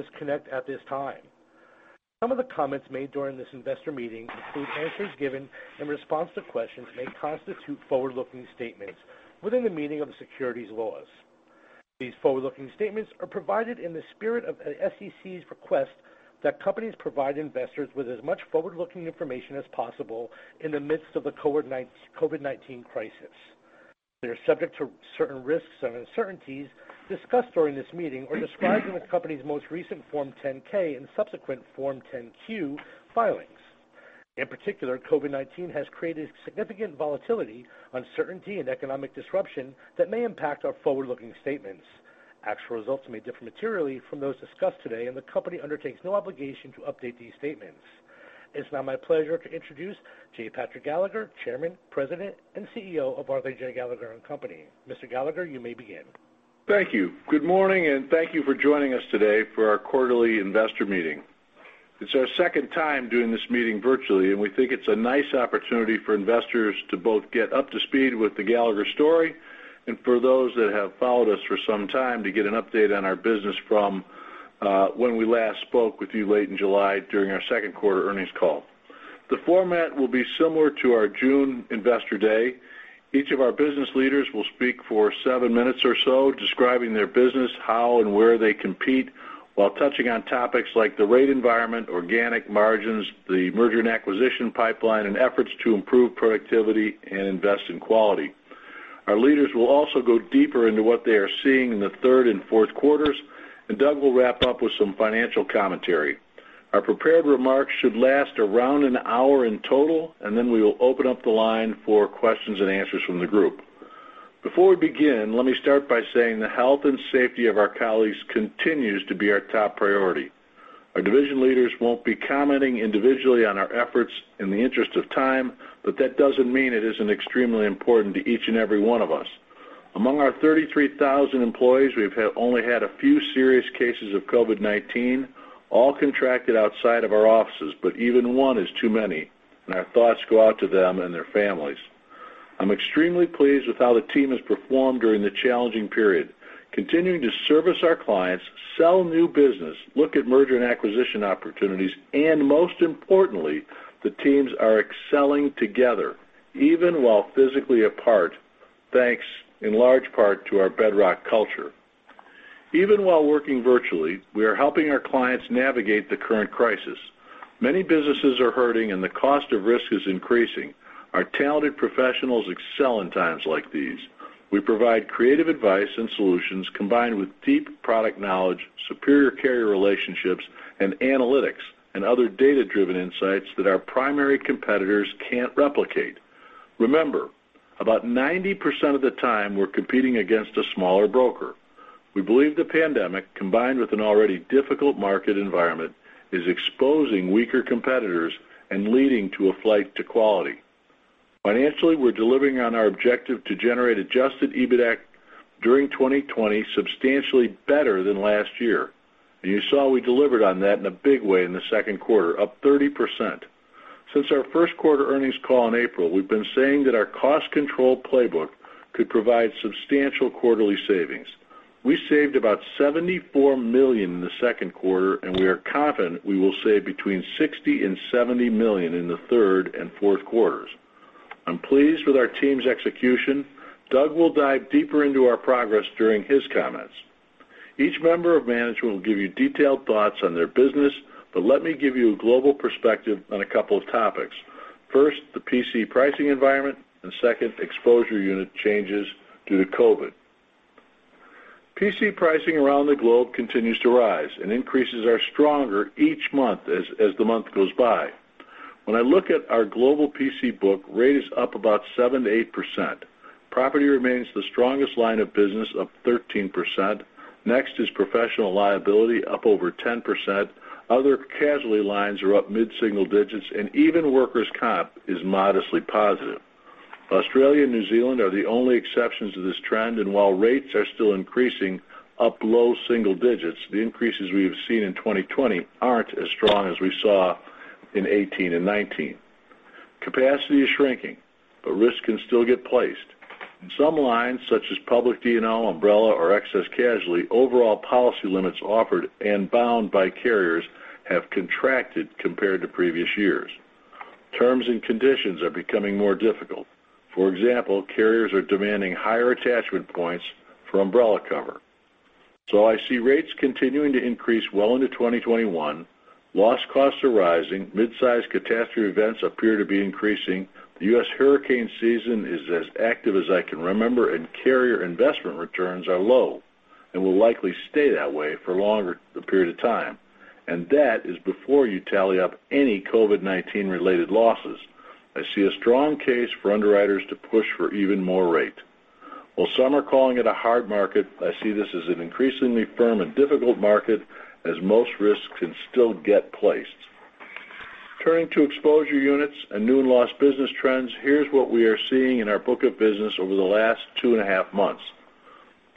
Disconnect at this time. Some of the comments made during this investor meeting include answers given in response to questions that may constitute forward-looking statements within the meaning of the securities laws. These forward-looking statements are provided in the spirit of the SEC's request that companies provide investors with as much forward-looking information as possible in the midst of the COVID-19 crisis. They are subject to certain risks and uncertainties discussed during this meeting or described in the company's most recent Form 10-K and subsequent Form 10-Q filings. In particular, COVID-19 has created significant volatility, uncertainty, and economic disruption that may impact our forward-looking statements. Actual results may differ materially from those discussed today, and the company undertakes no obligation to update these statements. It's now my pleasure to introduce J. Patrick Gallagher, Chairman, President, and CEO of Arthur J. Gallagher & Co. Mr. Gallagher, you may begin. Thank you. Good morning, and thank you for joining us today for our quarterly investor meeting. It's our second time doing this meeting virtually, and we think it's a nice opportunity for investors to both get up to speed with the Gallagher story and for those that have followed us for some time to get an update on our business from when we last spoke with you late in July during our second quarter earnings call. The format will be similar to our June Investor Day. Each of our business leaders will speak for seven minutes or so, describing their business, how and where they compete, while touching on topics like the rate environment, organic margins, the merger and acquisition pipeline, and efforts to improve productivity and invest in quality. Our leaders will also go deeper into what they are seeing in the third and fourth quarters, and Doug will wrap up with some financial commentary. Our prepared remarks should last around an hour in total, and then we will open up the line for questions and answers from the group. Before we begin, let me start by saying the health and safety of our colleagues continues to be our top priority. Our division leaders will not be commenting individually on our efforts in the interest of time, but that does not mean it is not extremely important to each and every one of us. Among our 33,000 employees, we have only had a few serious cases of COVID-19, all contracted outside of our offices, but even one is too many, and our thoughts go out to them and their families. I'm extremely pleased with how the team has performed during the challenging period, continuing to service our clients, sell new business, look at merger and acquisition opportunities, and most importantly, the teams are excelling together, even while physically apart, thanks in large part to our bedrock culture. Even while working virtually, we are helping our clients navigate the current crisis. Many businesses are hurting, and the cost of risk is increasing. Our talented professionals excel in times like these. We provide creative advice and solutions combined with deep product knowledge, superior carrier relationships, and analytics and other data-driven insights that our primary competitors can't replicate. Remember, about 90% of the time we're competing against a smaller broker. We believe the pandemic, combined with an already difficult market environment, is exposing weaker competitors and leading to a flight to quality. Financially, we're delivering on our objective to generate adjusted EBITDA during 2020 substantially better than last year. You saw we delivered on that in a big way in the second quarter, up 30%. Since our first quarter earnings call in April, we've been saying that our cost control playbook could provide substantial quarterly savings. We saved about $74 million in the second quarter, and we are confident we will save between $60 million and $70 million in the third and fourth quarters. I'm pleased with our team's execution. Doug will dive deeper into our progress during his comments. Each member of management will give you detailed thoughts on their business, but let me give you a global perspective on a couple of topics. First, the PC pricing environment, and second, exposure unit changes due to COVID. PC pricing around the globe continues to rise and increases are stronger each month as the month goes by. When I look at our global PC book, rate is up about 7-8%. Property remains the strongest line of business, up 13%. Next is professional liability, up over 10%. Other casualty lines are up mid-single digits, and even workers' comp is modestly positive. Australia and New Zealand are the only exceptions to this trend, and while rates are still increasing, up low single digits, the increases we've seen in 2020 aren't as strong as we saw in 2018 and 2019. Capacity is shrinking, but risk can still get placed. Some lines, such as public D&O, umbrella, or excess casualty, overall policy limits offered and bound by carriers have contracted compared to previous years. Terms and conditions are becoming more difficult. For example, carriers are demanding higher attachment points for umbrella cover. I see rates continuing to increase well into 2021. Loss costs are rising. Mid-size catastrophe events appear to be increasing. The U.S. hurricane season is as active as I can remember, and carrier investment returns are low and will likely stay that way for a longer period of time. That is before you tally up any COVID-19-related losses. I see a strong case for underwriters to push for even more rate. While some are calling it a hard market, I see this as an increasingly firm and difficult market as most risks can still get placed. Turning to exposure units and new and lost business trends, here's what we are seeing in our book of business over the last two and a half months.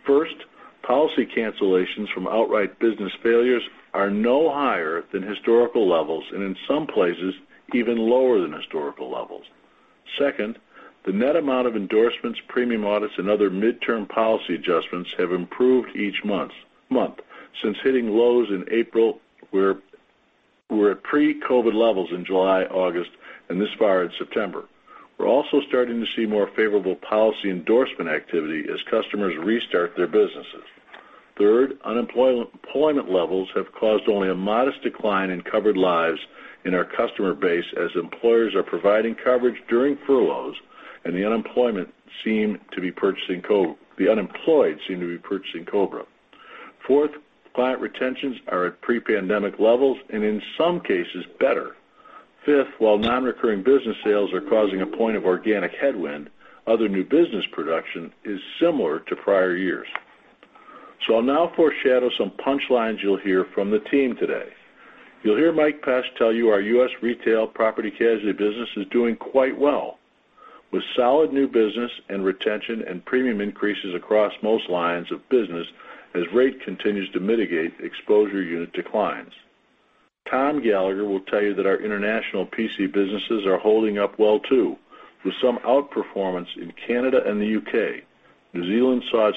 First, policy cancellations from outright business failures are no higher than historical levels and in some places even lower than historical levels. Second, the net amount of endorsements, premium audits, and other mid-term policy adjustments have improved each month since hitting lows in April. We're at pre-COVID levels in July, August, and this far in September. We're also starting to see more favorable policy endorsement activity as customers restart their businesses. Third, unemployment levels have caused only a modest decline in covered lives in our customer base as employers are providing coverage during furloughs, and the unemployed seem to be purchasing COBRA. Fourth, client retentions are at pre-pandemic levels and in some cases better. Fifth, while non-recurring business sales are causing a point of organic headwind, other new business production is similar to prior years. I'll now foreshadow some punchlines you'll hear from the team today. You'll hear Mike Pesch tell you our U.S. retail property casualty business is doing quite well with solid new business and retention and premium increases across most lines of business as rate continues to mitigate exposure unit declines. Tom Gallagher will tell you that our international PC businesses are holding up well too, with some outperformance in Canada and the U.K. New Zealand saw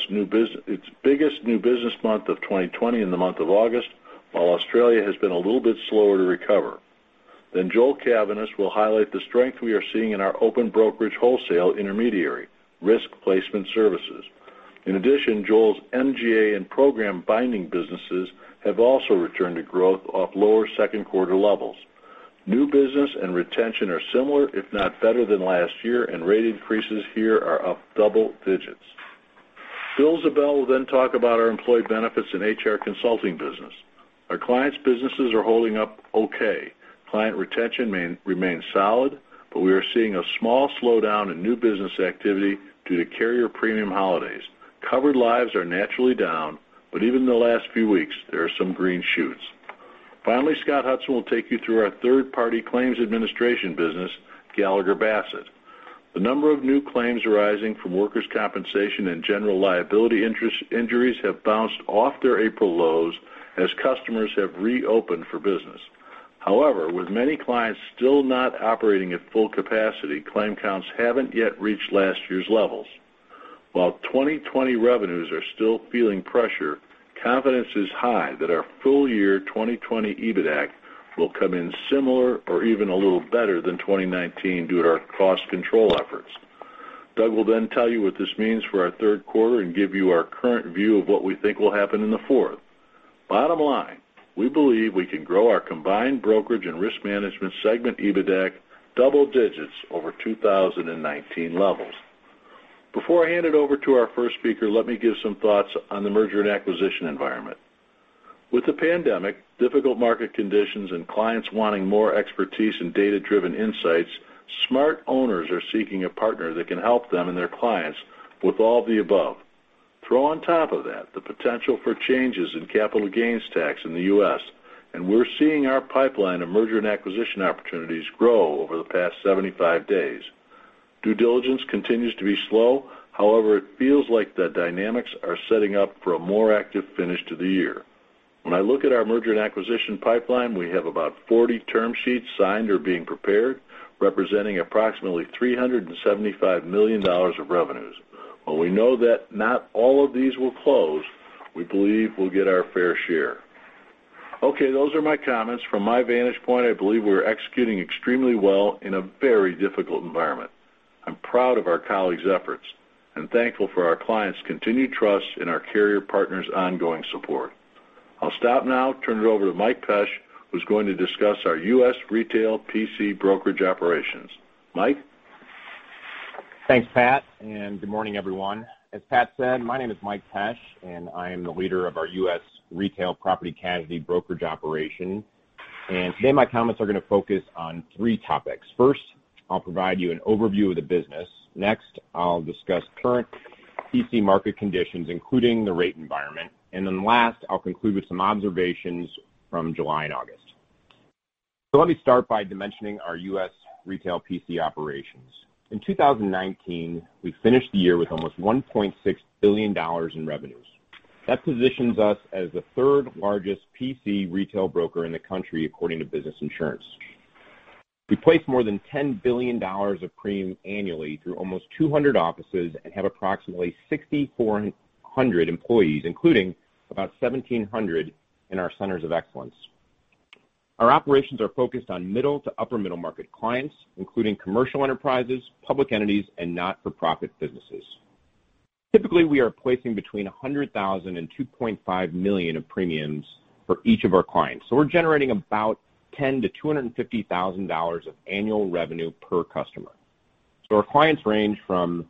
its biggest new business month of 2020 in the month of August, while Australia has been a little bit slower to recover. Joe Cavaness will highlight the strength we are seeing in our open brokerage wholesale intermediary Risk Placement Services. In addition, Joe's MGA and program binding businesses have also returned to growth off lower second quarter levels. New business and retention are similar, if not better than last year, and rate increases here are up double digits. Bill Ziebell will then talk about our employee benefits and HR consulting business. Our clients' businesses are holding up okay. Client retention remains solid, but we are seeing a small slowdown in new business activity due to carrier premium holidays. Covered lives are naturally down, but even in the last few weeks, there are some green shoots. Finally, Scott Hudson will take you through our third-party claims administration business, Gallagher Bassett. The number of new claims arising from workers' compensation and general liability injuries have bounced off their April lows as customers have reopened for business. However, with many clients still not operating at full capacity, claim counts have not yet reached last year's levels. While 2020 revenues are still feeling pressure, confidence is high that our full year 2020 EBITDA will come in similar or even a little better than 2019 due to our cost control efforts. Doug will then tell you what this means for our third quarter and give you our current view of what we think will happen in the fourth. Bottom line, we believe we can grow our combined brokerage and risk management segment EBITDA double digits over 2019 levels. Before I hand it over to our first speaker, let me give some thoughts on the merger and acquisition environment. With the pandemic, difficult market conditions, and clients wanting more expertise and data-driven insights, smart owners are seeking a partner that can help them and their clients with all the above. Throw on top of that the potential for changes in capital gains tax in the U.S., and we're seeing our pipeline of merger and acquisition opportunities grow over the past 75 days. Due diligence continues to be slow. However, it feels like the dynamics are setting up for a more active finish to the year. When I look at our merger and acquisition pipeline, we have about 40 term sheets signed or being prepared, representing approximately $375 million of revenues. While we know that not all of these will close, we believe we'll get our fair share. Okay, those are my comments. From my vantage point, I believe we're executing extremely well in a very difficult environment. I'm proud of our colleagues' efforts and thankful for our clients' continued trust and our carrier partners' ongoing support. I'll stop now, turn it over to Mike Pesch, who's going to discuss our US retail PC Brokerage operations. Mike. Thanks, Pat, and good morning, everyone. As Pat said, my name is Mike Pesch, and I am the leader of our U.S. retail property casualty brokerage operation. Today, my comments are going to focus on three topics. First, I'll provide you an overview of the business. Next, I'll discuss current PC market conditions, including the rate environment. Last, I'll conclude with some observations from July and August. Let me start by mentioning our U.S. retail PC operations. In 2019, we finished the year with almost $1.6 billion in revenues. That positions us as the third largest PC retail broker in the country, according to Business Insurance. We place more than $10 billion of premium annually through almost 200 offices and have approximately 6,400 employees, including about 1,700 in our centers of excellence. Our operations are focused on middle to upper-middle market clients, including commercial enterprises, public entities, and not-for-profit businesses. Typically, we are placing between 100,000 and 2.5 million of premiums for each of our clients. We are generating about $10,000-$250,000 of annual revenue per customer. Our clients range from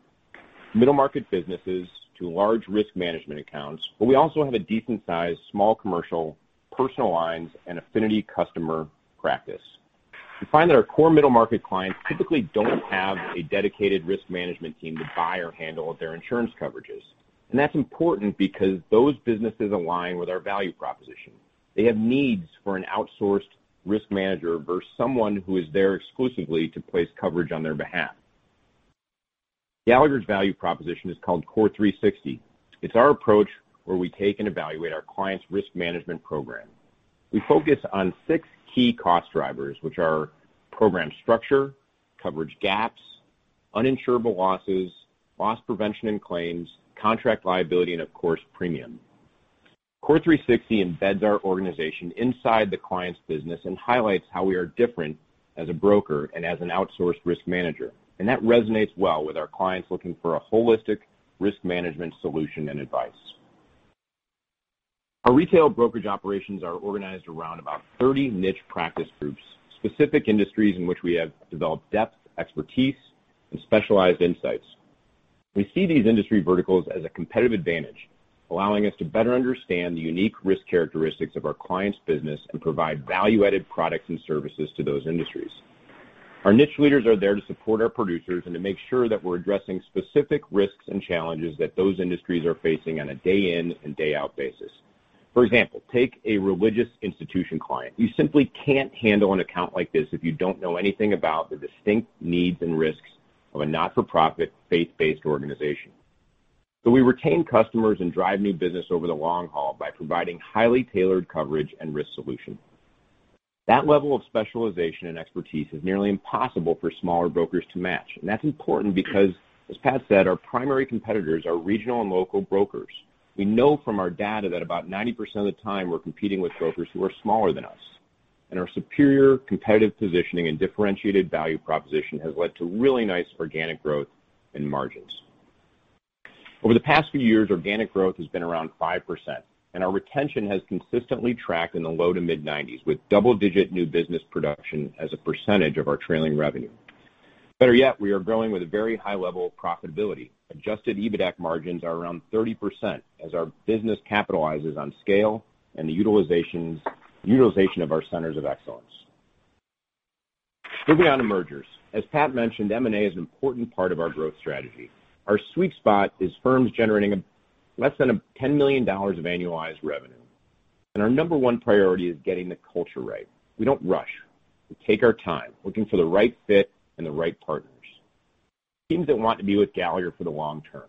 middle-market businesses to large risk management accounts, but we also have a decent-sized small commercial personal lines and affinity customer practice. We find that our core middle-market clients typically do not have a dedicated risk management team to buy or handle their insurance coverages. That is important because those businesses align with our value proposition. They have needs for an outsourced risk manager versus someone who is there exclusively to place coverage on their behalf. Gallagher's value proposition is called Core 360. It is our approach where we take and evaluate our clients' risk management program. We focus on six key cost drivers, which are program structure, coverage gaps, uninsurable losses, loss prevention and claims, contract liability, and of course, premium. Core 360 embeds our organization inside the client's business and highlights how we are different as a broker and as an outsourced risk manager. That resonates well with our clients looking for a holistic risk management solution and advice. Our retail brokerage operations are organized around about 30 niche practice groups, specific industries in which we have developed depth, expertise, and specialized insights. We see these industry verticals as a competitive advantage, allowing us to better understand the unique risk characteristics of our clients' business and provide value-added products and services to those industries. Our niche leaders are there to support our producers and to make sure that we're addressing specific risks and challenges that those industries are facing on a day-in and day-out basis. For example, take a religious institution client. You simply can't handle an account like this if you don't know anything about the distinct needs and risks of a not-for-profit faith-based organization. We retain customers and drive new business over the long haul by providing highly tailored coverage and risk solutions. That level of specialization and expertise is nearly impossible for smaller brokers to match. That is important because, as Pat said, our primary competitors are regional and local brokers. We know from our data that about 90% of the time we're competing with brokers who are smaller than us. Our superior competitive positioning and differentiated value proposition has led to really nice organic growth and margins. Over the past few years, organic growth has been around 5%, and our retention has consistently tracked in the low to mid-90% with double-digit new business production as a percentage of our trailing revenue. Better yet, we are growing with very high-level profitability. Adjusted EBITDA margins are around 30% as our business capitalizes on scale and the utilization of our centers of excellence. Moving on to mergers. As Pat mentioned, M&A is an important part of our growth strategy. Our sweet spot is firms generating less than $10 million of annualized revenue. Our number one priority is getting the culture right. We do not rush. We take our time looking for the right fit and the right partners. Teams that want to be with Gallagher for the long term.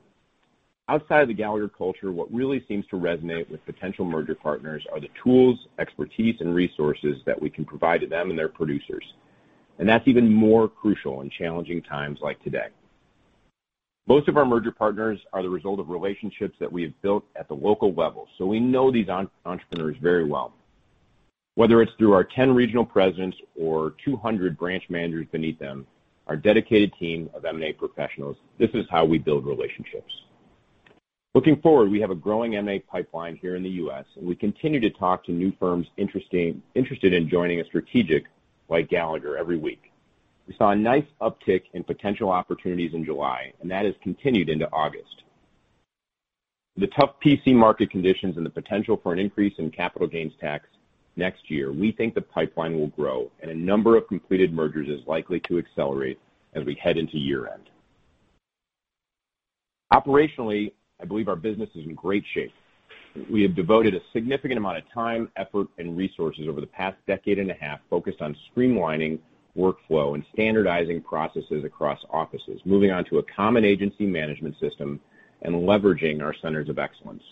Outside of the Gallagher culture, what really seems to resonate with potential merger partners are the tools, expertise, and resources that we can provide to them and their producers. That is even more crucial in challenging times like today. Most of our merger partners are the result of relationships that we have built at the local level, so we know these entrepreneurs very well. Whether it is through our 10 regional presidents or 200 branch managers beneath them, our dedicated team of M&A professionals, this is how we build relationships. Looking forward, we have a growing M&A pipeline here in the U.S., and we continue to talk to new firms interested in joining a strategic like Gallagher every week. We saw a nice uptick in potential opportunities in July, and that has continued into August. The tough PC market conditions and the potential for an increase in capital gains tax next year, we think the pipeline will grow, and a number of completed mergers is likely to accelerate as we head into year-end. Operationally, I believe our business is in great shape. We have devoted a significant amount of time, effort, and resources over the past decade and a half focused on streamlining workflow and standardizing processes across offices, moving on to a common agency management system and leveraging our centers of excellence.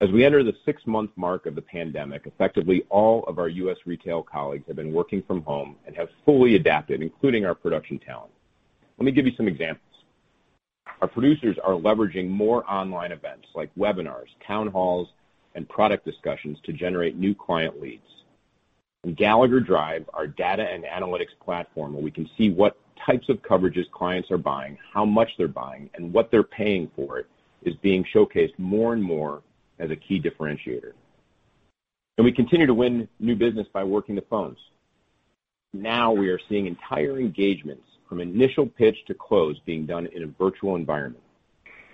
As we enter the six-month mark of the pandemic, effectively all of our U.S. retail colleagues have been working from home and have fully adapted, including our production talent. Let me give you some examples. Our producers are leveraging more online events like webinars, town halls, and product discussions to generate new client leads. Gallagher Drive, our data and analytics platform, where we can see what types of coverages clients are buying, how much they're buying, and what they're paying for, is being showcased more and more as a key differentiator. We continue to win new business by working the phones. Now we are seeing entire engagements from initial pitch to close being done in a virtual environment.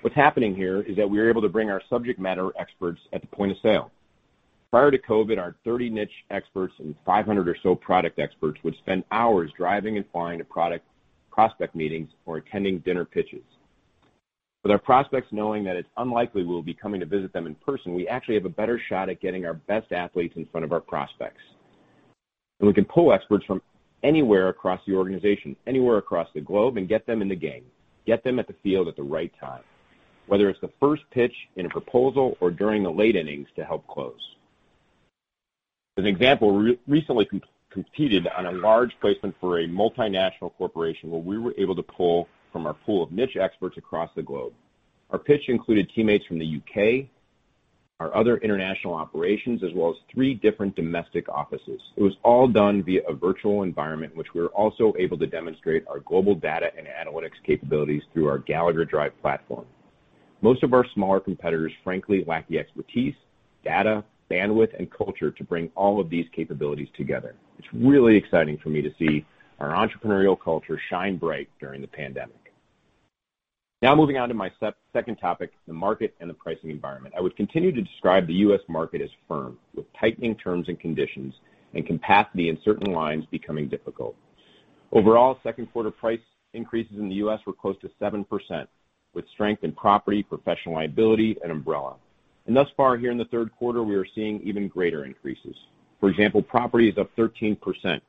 What's happening here is that we are able to bring our subject matter experts at the point of sale. Prior to COVID, our 30 niche experts and 500 or so product experts would spend hours driving and flying to product prospect meetings or attending dinner pitches. With our prospects knowing that it's unlikely we'll be coming to visit them in person, we actually have a better shot at getting our best athletes in front of our prospects. We can pull experts from anywhere across the organization, anywhere across the globe, and get them in the game, get them at the field at the right time, whether it's the first pitch in a proposal or during the late innings to help close. As an example, we recently competed on a large placement for a multinational corporation where we were able to pull from our pool of niche experts across the globe. Our pitch included teammates from the U.K., our other international operations, as well as three different domestic offices. It was all done via a virtual environment, which we were also able to demonstrate our global data and analytics capabilities through our Gallagher Drive platform. Most of our smaller competitors, frankly, lack the expertise, data, bandwidth, and culture to bring all of these capabilities together. It's really exciting for me to see our entrepreneurial culture shine bright during the pandemic. Now moving on to my second topic, the market and the pricing environment. I would continue to describe the U.S. market as firm, with tightening terms and conditions and capacity in certain lines becoming difficult. Overall, second-quarter price increases in the U.S. were close to 7%, with strength in property, professional liability, and umbrella. Thus far, here in the third quarter, we are seeing even greater increases. For example, property is up 13%,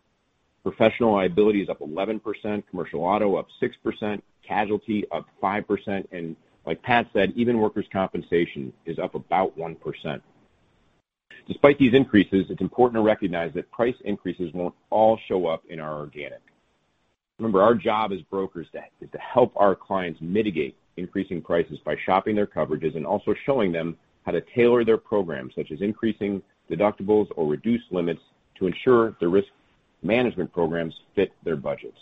professional liability is up 11%, commercial auto up 6%, casualty up 5%, and like Pat said, even workers' compensation is up about 1%. Despite these increases, it's important to recognize that price increases won't all show up in our organic. Remember, our job as brokers is to help our clients mitigate increasing prices by shopping their coverages and also showing them how to tailor their programs, such as increasing deductibles or reduced limits to ensure the risk management programs fit their budgets.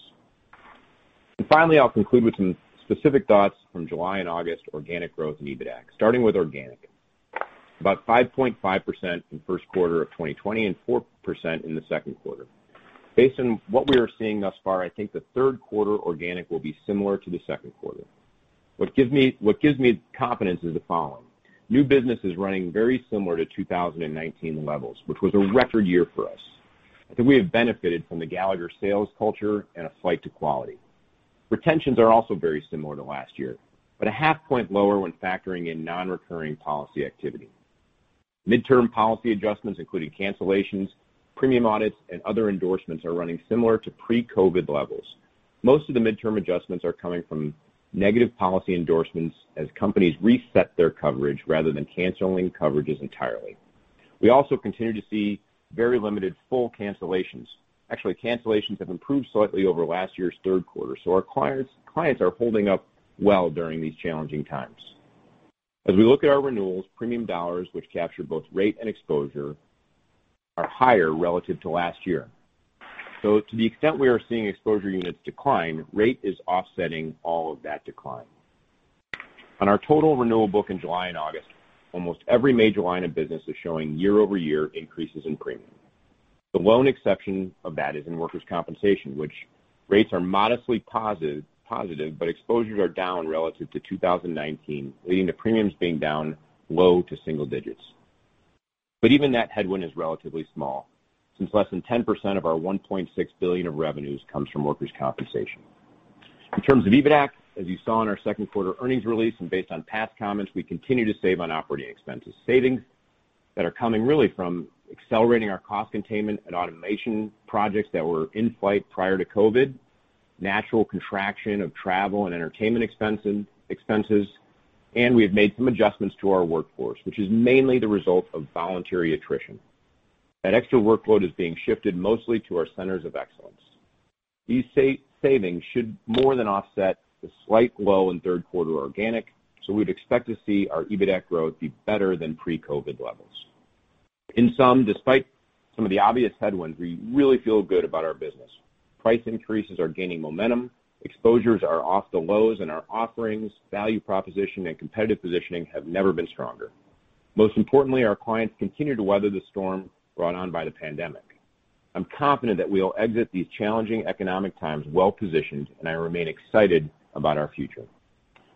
Finally, I'll conclude with some specific thoughts from July and August organic growth and EBITDA, starting with organic. About 5.5% in the first quarter of 2020 and 4% in the second quarter. Based on what we are seeing thus far, I think the third quarter organic will be similar to the second quarter. What gives me confidence is the following. New business is running very similar to 2019 levels, which was a record year for us. I think we have benefited from the Gallagher sales culture and a flight to quality. Retentions are also very similar to last year, but a half point lower when factoring in non-recurring policy activity. Midterm policy adjustments, including cancellations, premium audits, and other endorsements, are running similar to pre-COVID levels. Most of the midterm adjustments are coming from negative policy endorsements as companies reset their coverage rather than canceling coverages entirely. We also continue to see very limited full cancellations. Actually, cancellations have improved slightly over last year's third quarter, so our clients are holding up well during these challenging times. As we look at our renewals, premium dollars, which capture both rate and exposure, are higher relative to last year. To the extent we are seeing exposure units decline, rate is offsetting all of that decline. On our total renewal book in July and August, almost every major line of business is showing year-over-year increases in premium. The lone exception of that is in workers' compensation, which rates are modestly positive, but exposures are down relative to 2019, leading to premiums being down low to single digits. Even that headwind is relatively small, since less than 10% of our $1.6 billion of revenues comes from workers' compensation. In terms of EBITDA, as you saw in our second quarter earnings release and based on past comments, we continue to save on operating expenses. Savings that are coming really from accelerating our cost containment and automation projects that were in flight prior to COVID, natural contraction of travel and entertainment expenses, and we have made some adjustments to our workforce, which is mainly the result of voluntary attrition. That extra workload is being shifted mostly to our centers of excellence. These savings should more than offset the slight low in third quarter organic, so we would expect to see our EBITDA growth be better than pre-COVID levels. In sum, despite some of the obvious headwinds, we really feel good about our business. Price increases are gaining momentum, exposures are off the lows, and our offerings, value proposition, and competitive positioning have never been stronger. Most importantly, our clients continue to weather the storm brought on by the pandemic. I'm confident that we'll exit these challenging economic times well-positioned, and I remain excited about our future.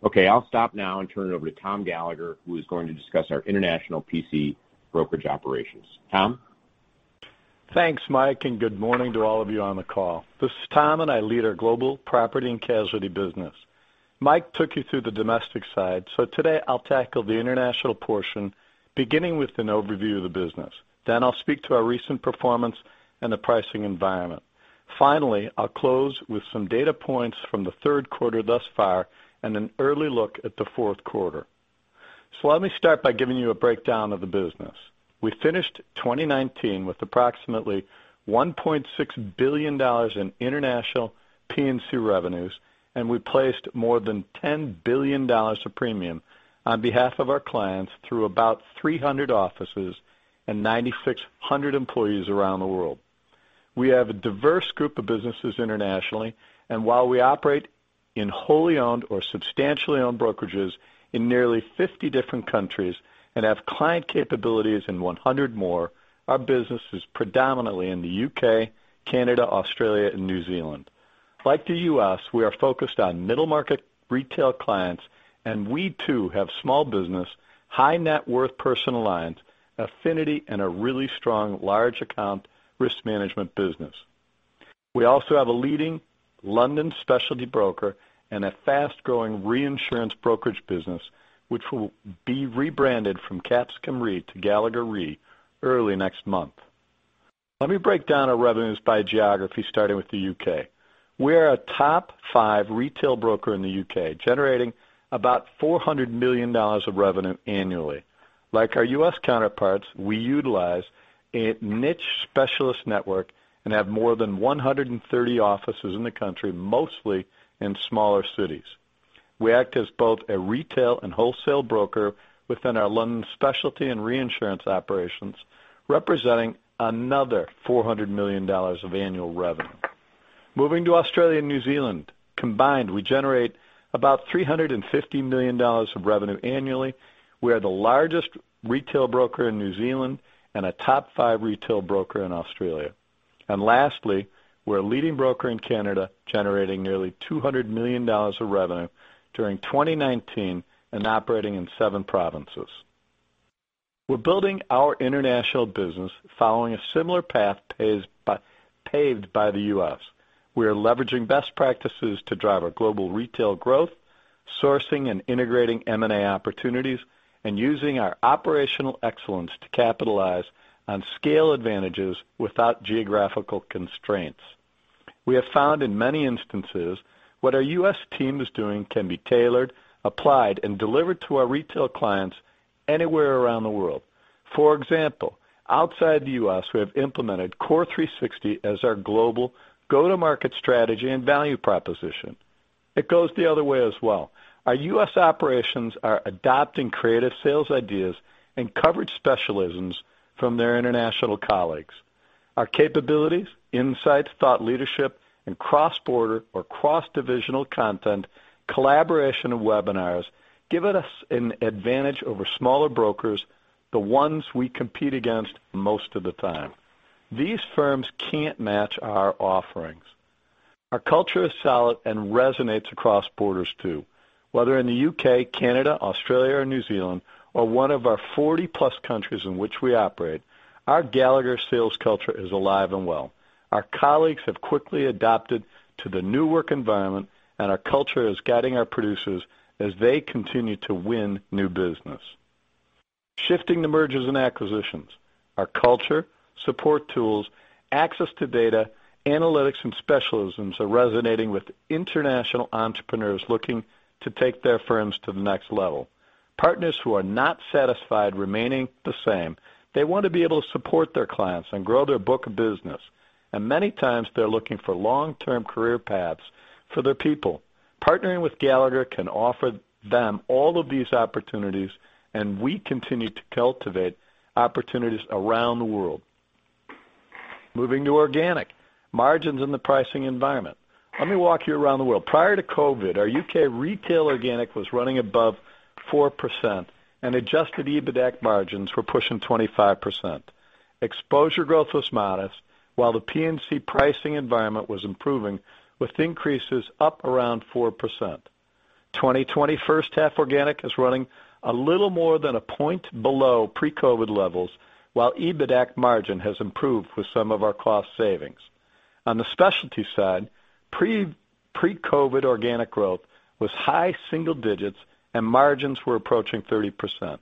Okay, I'll stop now and turn it over to Tom Gallagher, who is going to discuss our international PC brokerage operations. Tom? Thanks, Mike, and good morning to all of you on the call. This is Tom, and I lead our global property and casualty business. Mike took you through the domestic side, so today I'll tackle the international portion, beginning with an overview of the business. Then I'll speak to our recent performance and the pricing environment. Finally, I'll close with some data points from the third quarter thus far and an early look at the fourth quarter. Let me start by giving you a breakdown of the business. We finished 2019 with approximately $1.6 billion in international P&C revenues, and we placed more than $10 billion of premium on behalf of our clients through about 300 offices and 9,600 employees around the world. We have a diverse group of businesses internationally, and while we operate in wholly owned or substantially owned brokerages in nearly 50 different countries and have client capabilities in 100 more, our business is predominantly in the U.K., Canada, Australia, and New Zealand. Like the U.S., we are focused on middle-market retail clients, and we too have small business, high-net-worth personalized, affinity, and a really strong large-account risk management business. We also have a leading London specialty broker and a fast-growing reinsurance brokerage business, which will be rebranded from Capsicum Re to Gallagher Re early next month. Let me break down our revenues by geography, starting with the U.K. We are a top five retail broker in the U.K., generating about $400 million of revenue annually. Like our U.S. counterparts, we utilize a niche specialist network and have more than 130 offices in the country, mostly in smaller cities. We act as both a retail and wholesale broker within our London specialty and reinsurance operations, representing another $400 million of annual revenue. Moving to Australia and New Zealand, combined, we generate about $350 million of revenue annually. We are the largest retail broker in New Zealand and a top five retail broker in Australia. Lastly, we are a leading broker in Canada, generating nearly $200 million of revenue during 2019 and operating in seven provinces. We are building our international business following a similar path paved by the U.S.. We are leveraging best practices to drive our global retail growth, sourcing and integrating M&A opportunities, and using our operational excellence to capitalize on scale advantages without geographical constraints. We have found in many instances what our U.S. team is doing can be tailored, applied, and delivered to our retail clients anywhere around the world. For example, outside the U.S., we have implemented Core 360 as our global go-to-market strategy and value proposition. It goes the other way as well. Our U.S. operations are adopting creative sales ideas and coverage specialisms from their international colleagues. Our capabilities, insights, thought leadership, and cross-border or cross-divisional content, collaboration, and webinars give us an advantage over smaller brokers, the ones we compete against most of the time. These firms can't match our offerings. Our culture is solid and resonates across borders too. Whether in the U.K., Canada, Australia, or New Zealand, or one of our 40-plus countries in which we operate, our Gallagher sales culture is alive and well. Our colleagues have quickly adapted to the new work environment, and our culture is guiding our producers as they continue to win new business. Shifting to mergers and acquisitions. Our culture, support tools, access to data, analytics, and specialisms are resonating with international entrepreneurs looking to take their firms to the next level. Partners who are not satisfied remain the same. They want to be able to support their clients and grow their book of business. Many times, they're looking for long-term career paths for their people. Partnering with Gallagher can offer them all of these opportunities, and we continue to cultivate opportunities around the world. Moving to organic. Margins in the pricing environment. Let me walk you around the world. Prior to COVID, our U.K. retail organic was running above 4%, and adjusted EBITDA margins were pushfive ng 25%. Exposure growth was modest, while the P&C pricing environment was improving with increases up around 4%. 2020 first half organic is running a little more than a point below pre-COVID levels, while EBITDA margin has improved with some of our cost savings. On the specialty side, pre-COVID organic growth was high single digits, and margins were approaching 30%.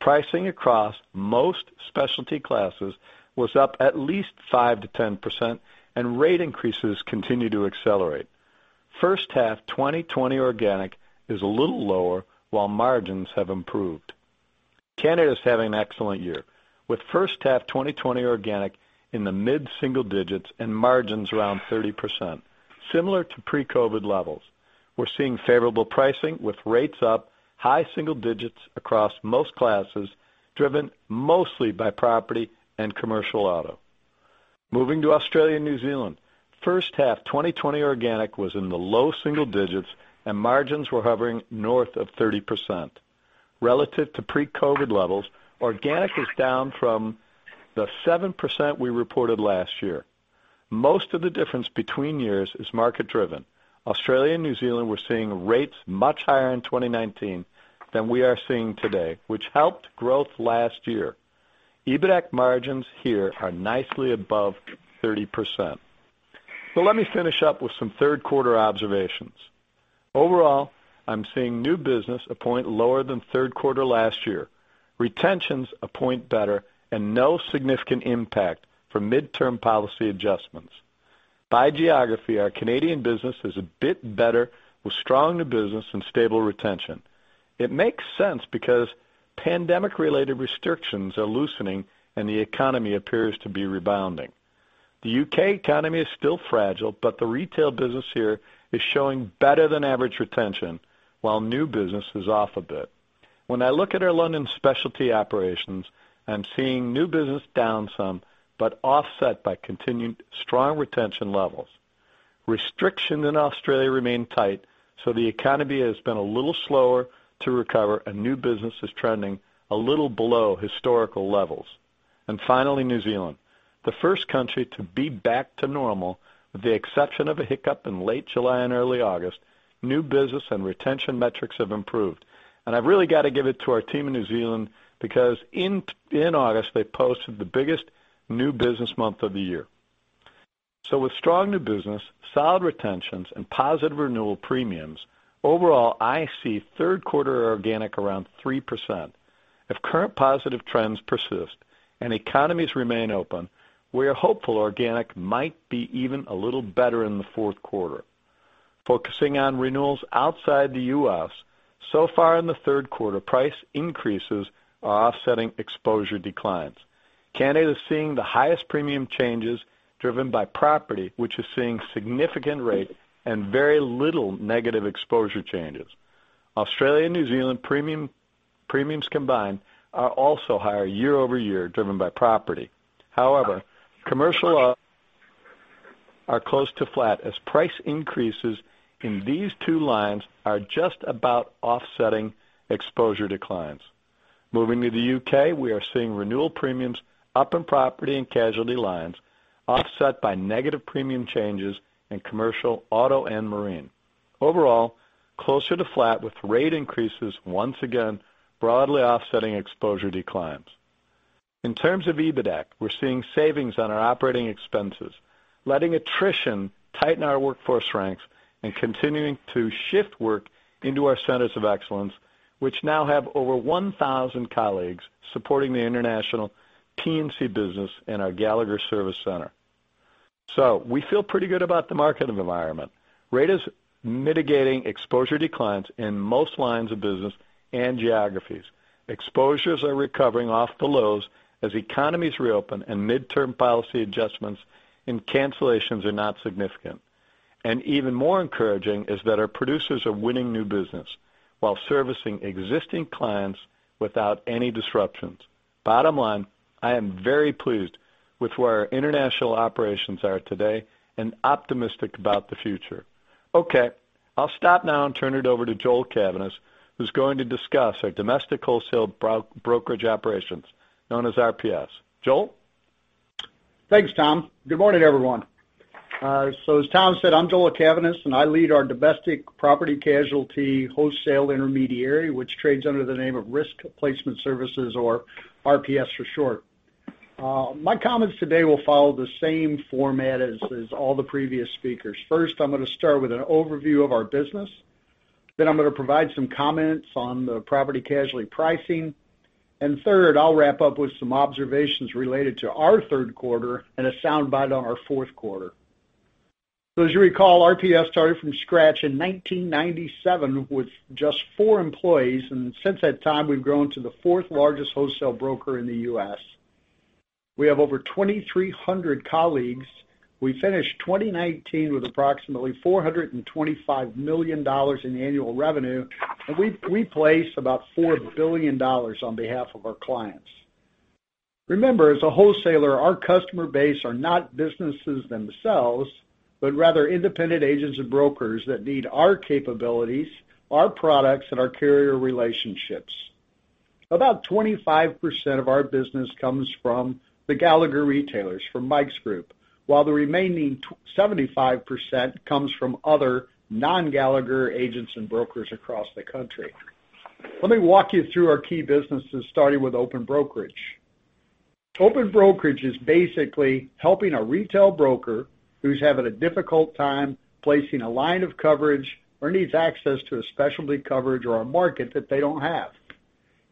Pricing across most specialty classes was up at least five-10%, and rate increases continue to accelerate. First half 2020 organic is a little lower, while margins have improved. Canada is having an excellent year with first half 2020 organic in the mid-single digits and margins around 30%, similar to pre-COVID levels. We're seeing favorable pricing with rates up, high single digits across most classes, driven mostly by property and commercial auto. Moving to Australia and New Zealand. First half 2020 organic was in the low single digits, and margins were hovering north of 30%. Relative to pre-COVID levels, organic is down from the 7% we reported last year. Most of the difference between years is market-driven. Australia and New Zealand were seeing rates much higher in 2019 than we are seeing today, which helped growth last year. EBITDA margins here are nicely above 30%. Let me finish up with some third-quarter observations. Overall, I'm seeing new business a point lower than third quarter last year. Retentions a point better and no significant impact for midterm policy adjustments. By geography, our Canadian business is a bit better, with strong new business and stable retention. It makes sense because pandemic-related restrictions are loosening, and the economy appears to be rebounding. The U.K. economy is still fragile, but the retail business here is showing better than average retention, while new business is off a bit. When I look at our London specialty operations, I'm seeing new business down some, but offset by continued strong retention levels. Restrictions in Australia remain tight, so the economy has been a little slower to recover, and new business is trending a little below historical levels. Finally, New Zealand. The first country to be back to normal, with the exception of a hiccup in late July and early August, new business and retention metrics have improved. I have really got to give it to our team in New Zealand because in August, they posted the biggest new business month of the year. With strong new business, solid retentions, and positive renewal premiums, overall, I see third quarter organic around 3%. If current positive trends persist and economies remain open, we are hopeful organic might be even a little better in the fourth quarter. Focusing on renewals outside the U.S., so far in the third quarter, price increases are offsetting exposure declines. Canada is seeing the highest premium changes driven by property, which is seeing significant rate and very little negative exposure changes. Australia and New Zealand premiums combined are also higher year-over-year, driven by property. However, commercial auto are close to flat as price increases in these two lines are just about offsetting exposure declines. Moving to the U.K., we are seeing renewal premiums up in property and casualty lines, offset by negative premium changes in commercial auto and marine. Overall, closer to flat with rate increases once again, broadly offsetting exposure declines. In terms of EBITDA, we're seeing savings on our operating expenses, letting attrition tighten our workforce ranks, and continuing to shift work into our centers of excellence, which now have over 1,000 colleagues supporting the international P&C business in our Gallagher Service Center. We feel pretty good about the market environment. Rate is mitigating exposure declines in most lines of business and geographies. Exposures are recovering off the lows as economies reopen and midterm policy adjustments and cancellations are not significant. Even more encouraging is that our producers are winning new business while servicing existing clients without any disruptions. Bottom line, I am very pleased with where our international operations are today and optimistic about the future. Okay, I'll stop now and turn it over to Joe Cavaness, who's going to discuss our domestic wholesale brokerage operations known as RPS. Joe? Thanks, Tom. Good morning, everyone. As Tom said, I'm Joel Cavaness, and I lead our domestic property casualty wholesale intermediary, which trades under the name of Risk Placement Services, or RPS for short. My comments today will follow the same format as all the previous speakers. First, I'm going to start with an overview of our business. Then I'm going to provide some comments on the property casualty pricing. Third, I'll wrap up with some observations related to our third quarter and a sound bite on our fourth quarter. As you recall, RPS started from scratch in 1997 with just four employees, and since that time, we've grown to the fourth largest wholesale broker in the U.S.. We have over 2,300 colleagues. We finished 2019 with approximately $425 million in annual revenue, and we place about $4 billion on behalf of our clients. Remember, as a wholesaler, our customer base are not businesses themselves, but rather independent agents and brokers that need our capabilities, our products, and our carrier relationships. About 25% of our business comes from the Gallagher retailers from Mike's Group, while the remaining 75% comes from other non-Gallagher agents and brokers across the country. Let me walk you through our key businesses, starting with open brokerage. Open brokerage is basically helping a retail broker who's having a difficult time placing a line of coverage or needs access to a specialty coverage or a market that they don't have.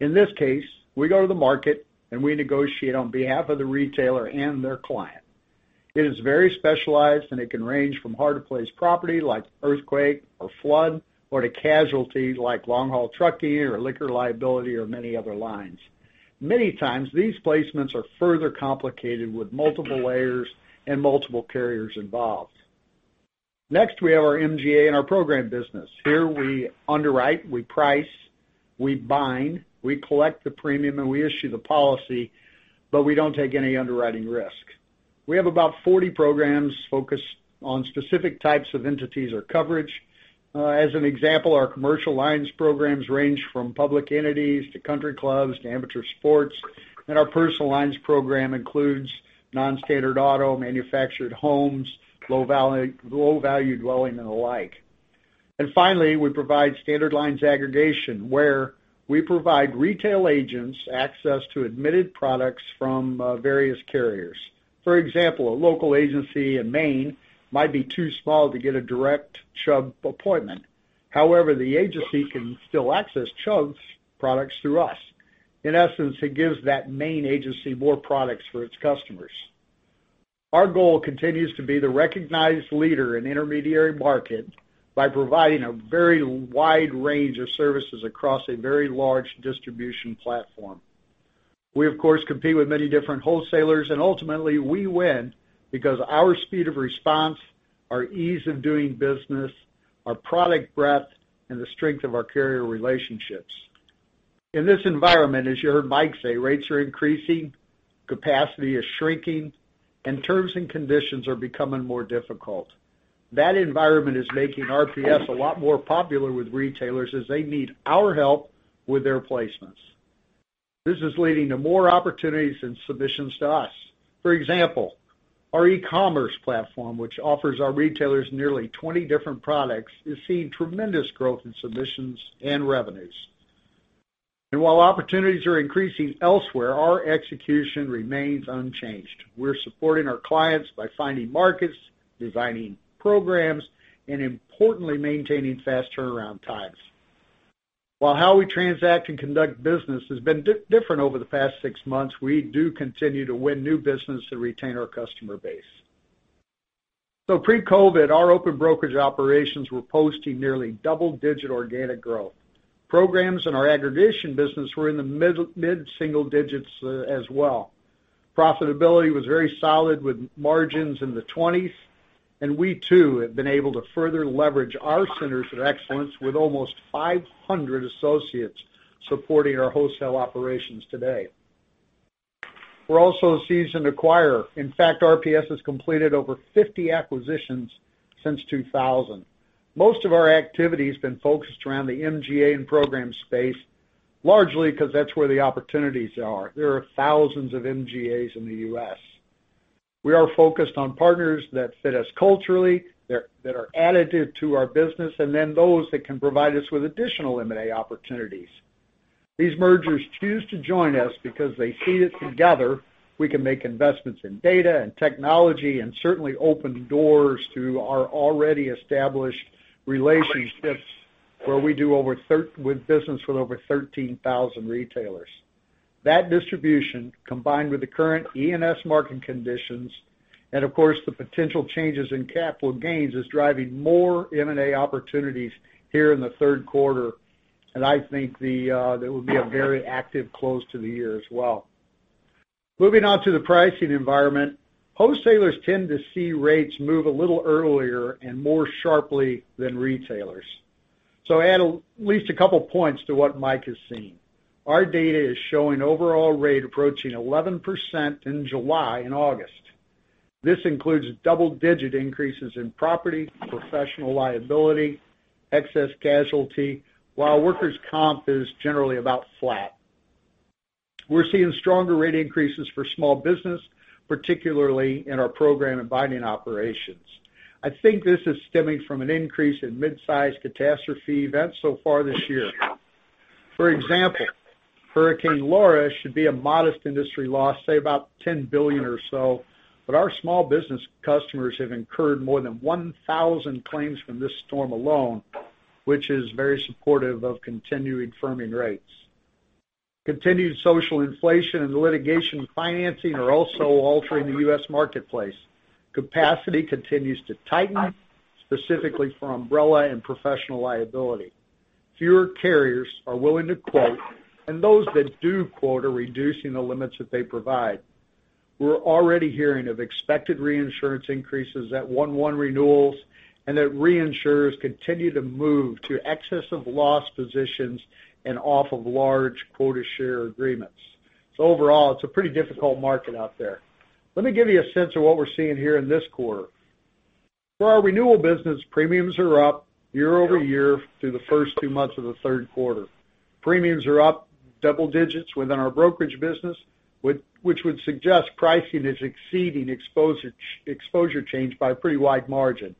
In this case, we go to the market and we negotiate on behalf of the retailer and their client. It is very specialized, and it can range from hard-to-place property like earthquake or flood or to casualty like long-haul trucking or liquor liability or many other lines. Many times, these placements are further complicated with multiple layers and multiple carriers involved. Next, we have our MGA and our program business. Here we underwrite, we price, we bind, we collect the premium, and we issue the policy, but we don't take any underwriting risk. We have about 40 programs focused on specific types of entities or coverage. As an example, our commercial lines programs range from public entities to country clubs to amateur sports. Our personal lines program includes non-standard auto, manufactured homes, low-value dwelling, and the like. Finally, we provide standard lines aggregation, where we provide retail agents access to admitted products from various carriers. For example, a local agency in Maine might be too small to get a direct Chubb appointment. However, the agency can still access Chubb's products through us. In essence, it gives that Maine agency more products for its customers. Our goal continues to be the recognized leader in intermediary market by providing a very wide range of services across a very large distribution platform. We, of course, compete with many different wholesalers, and ultimately, we win because of our speed of response, our ease of doing business, our product breadth, and the strength of our carrier relationships. In this environment, as you heard Mike say, rates are increasing, capacity is shrinking, and terms and conditions are becoming more difficult. That environment is making RPS a lot more popular with retailers as they need our help with their placements. This is leading to more opportunities and submissions to us. For example, our e-commerce platform, which offers our retailers nearly 20 different products, is seeing tremendous growth in submissions and revenues. While opportunities are increasing elsewhere, our execution remains unchanged. We're supporting our clients by finding markets, designing programs, and importantly, maintaining fast turnaround times. While how we transact and conduct business has been different over the past six months, we do continue to win new business and retain our customer base. Pre-COVID, our open brokerage operations were posting nearly double-digit organic growth. Programs in our aggregation business were in the mid-single digits as well. Profitability was very solid with margins in the 20s, and we too have been able to further leverage our centers of excellence with almost 500 associates supporting our wholesale operations today. We're also a seasoned acquirer. In fact, RPS has completed over 50 acquisitions since 2000. Most of our activity has been focused around the MGA and program space, largely because that's where the opportunities are. There are thousands of MGAs in the U.S. We are focused on partners that fit us culturally, that are additive to our business, and then those that can provide us with additional M&A opportunities. These mergers choose to join us because they see that together, we can make investments in data and technology and certainly open doors to our already established relationships where we do business with over 13,000 retailers. That distribution, combined with the current E&S market conditions, and of course, the potential changes in capital gains, is driving more M&A opportunities here in the third quarter, and I think that would be a very active close to the year as well. Moving on to the pricing environment, wholesalers tend to see rates move a little earlier and more sharply than retailers. Add at least a couple of points to what Mike has seen. Our data is showing overall rate approaching 11% in July and August. This includes double-digit increases in property, professional liability, excess casualty, while workers' comp is generally about flat. We're seeing stronger rate increases for small business, particularly in our program and binding operations. I think this is stemming from an increase in mid-size catastrophe events so far this year. For example, Hurricane Laura should be a modest industry loss, say about $10 billion or so, but our small business customers have incurred more than 1,000 claims from this storm alone, which is very supportive of continuing firming rates. Continued social inflation and litigation financing are also altering the U.S. marketplace. Capacity continues to tighten, specifically for umbrella and professional liability. Fewer carriers are willing to quote, and those that do quote are reducing the limits that they provide. We are already hearing of expected reinsurance increases at one-to-one renewals and that reinsurers continue to move to excessive loss positions and off of large quota share agreements. Overall, it is a pretty difficult market out there. Let me give you a sense of what we are seeing here in this quarter. For our renewal business, premiums are up year-over-year through the first two months of the third quarter. Premiums are up double digits within our brokerage business, which would suggest pricing is exceeding exposure change by a pretty wide margin.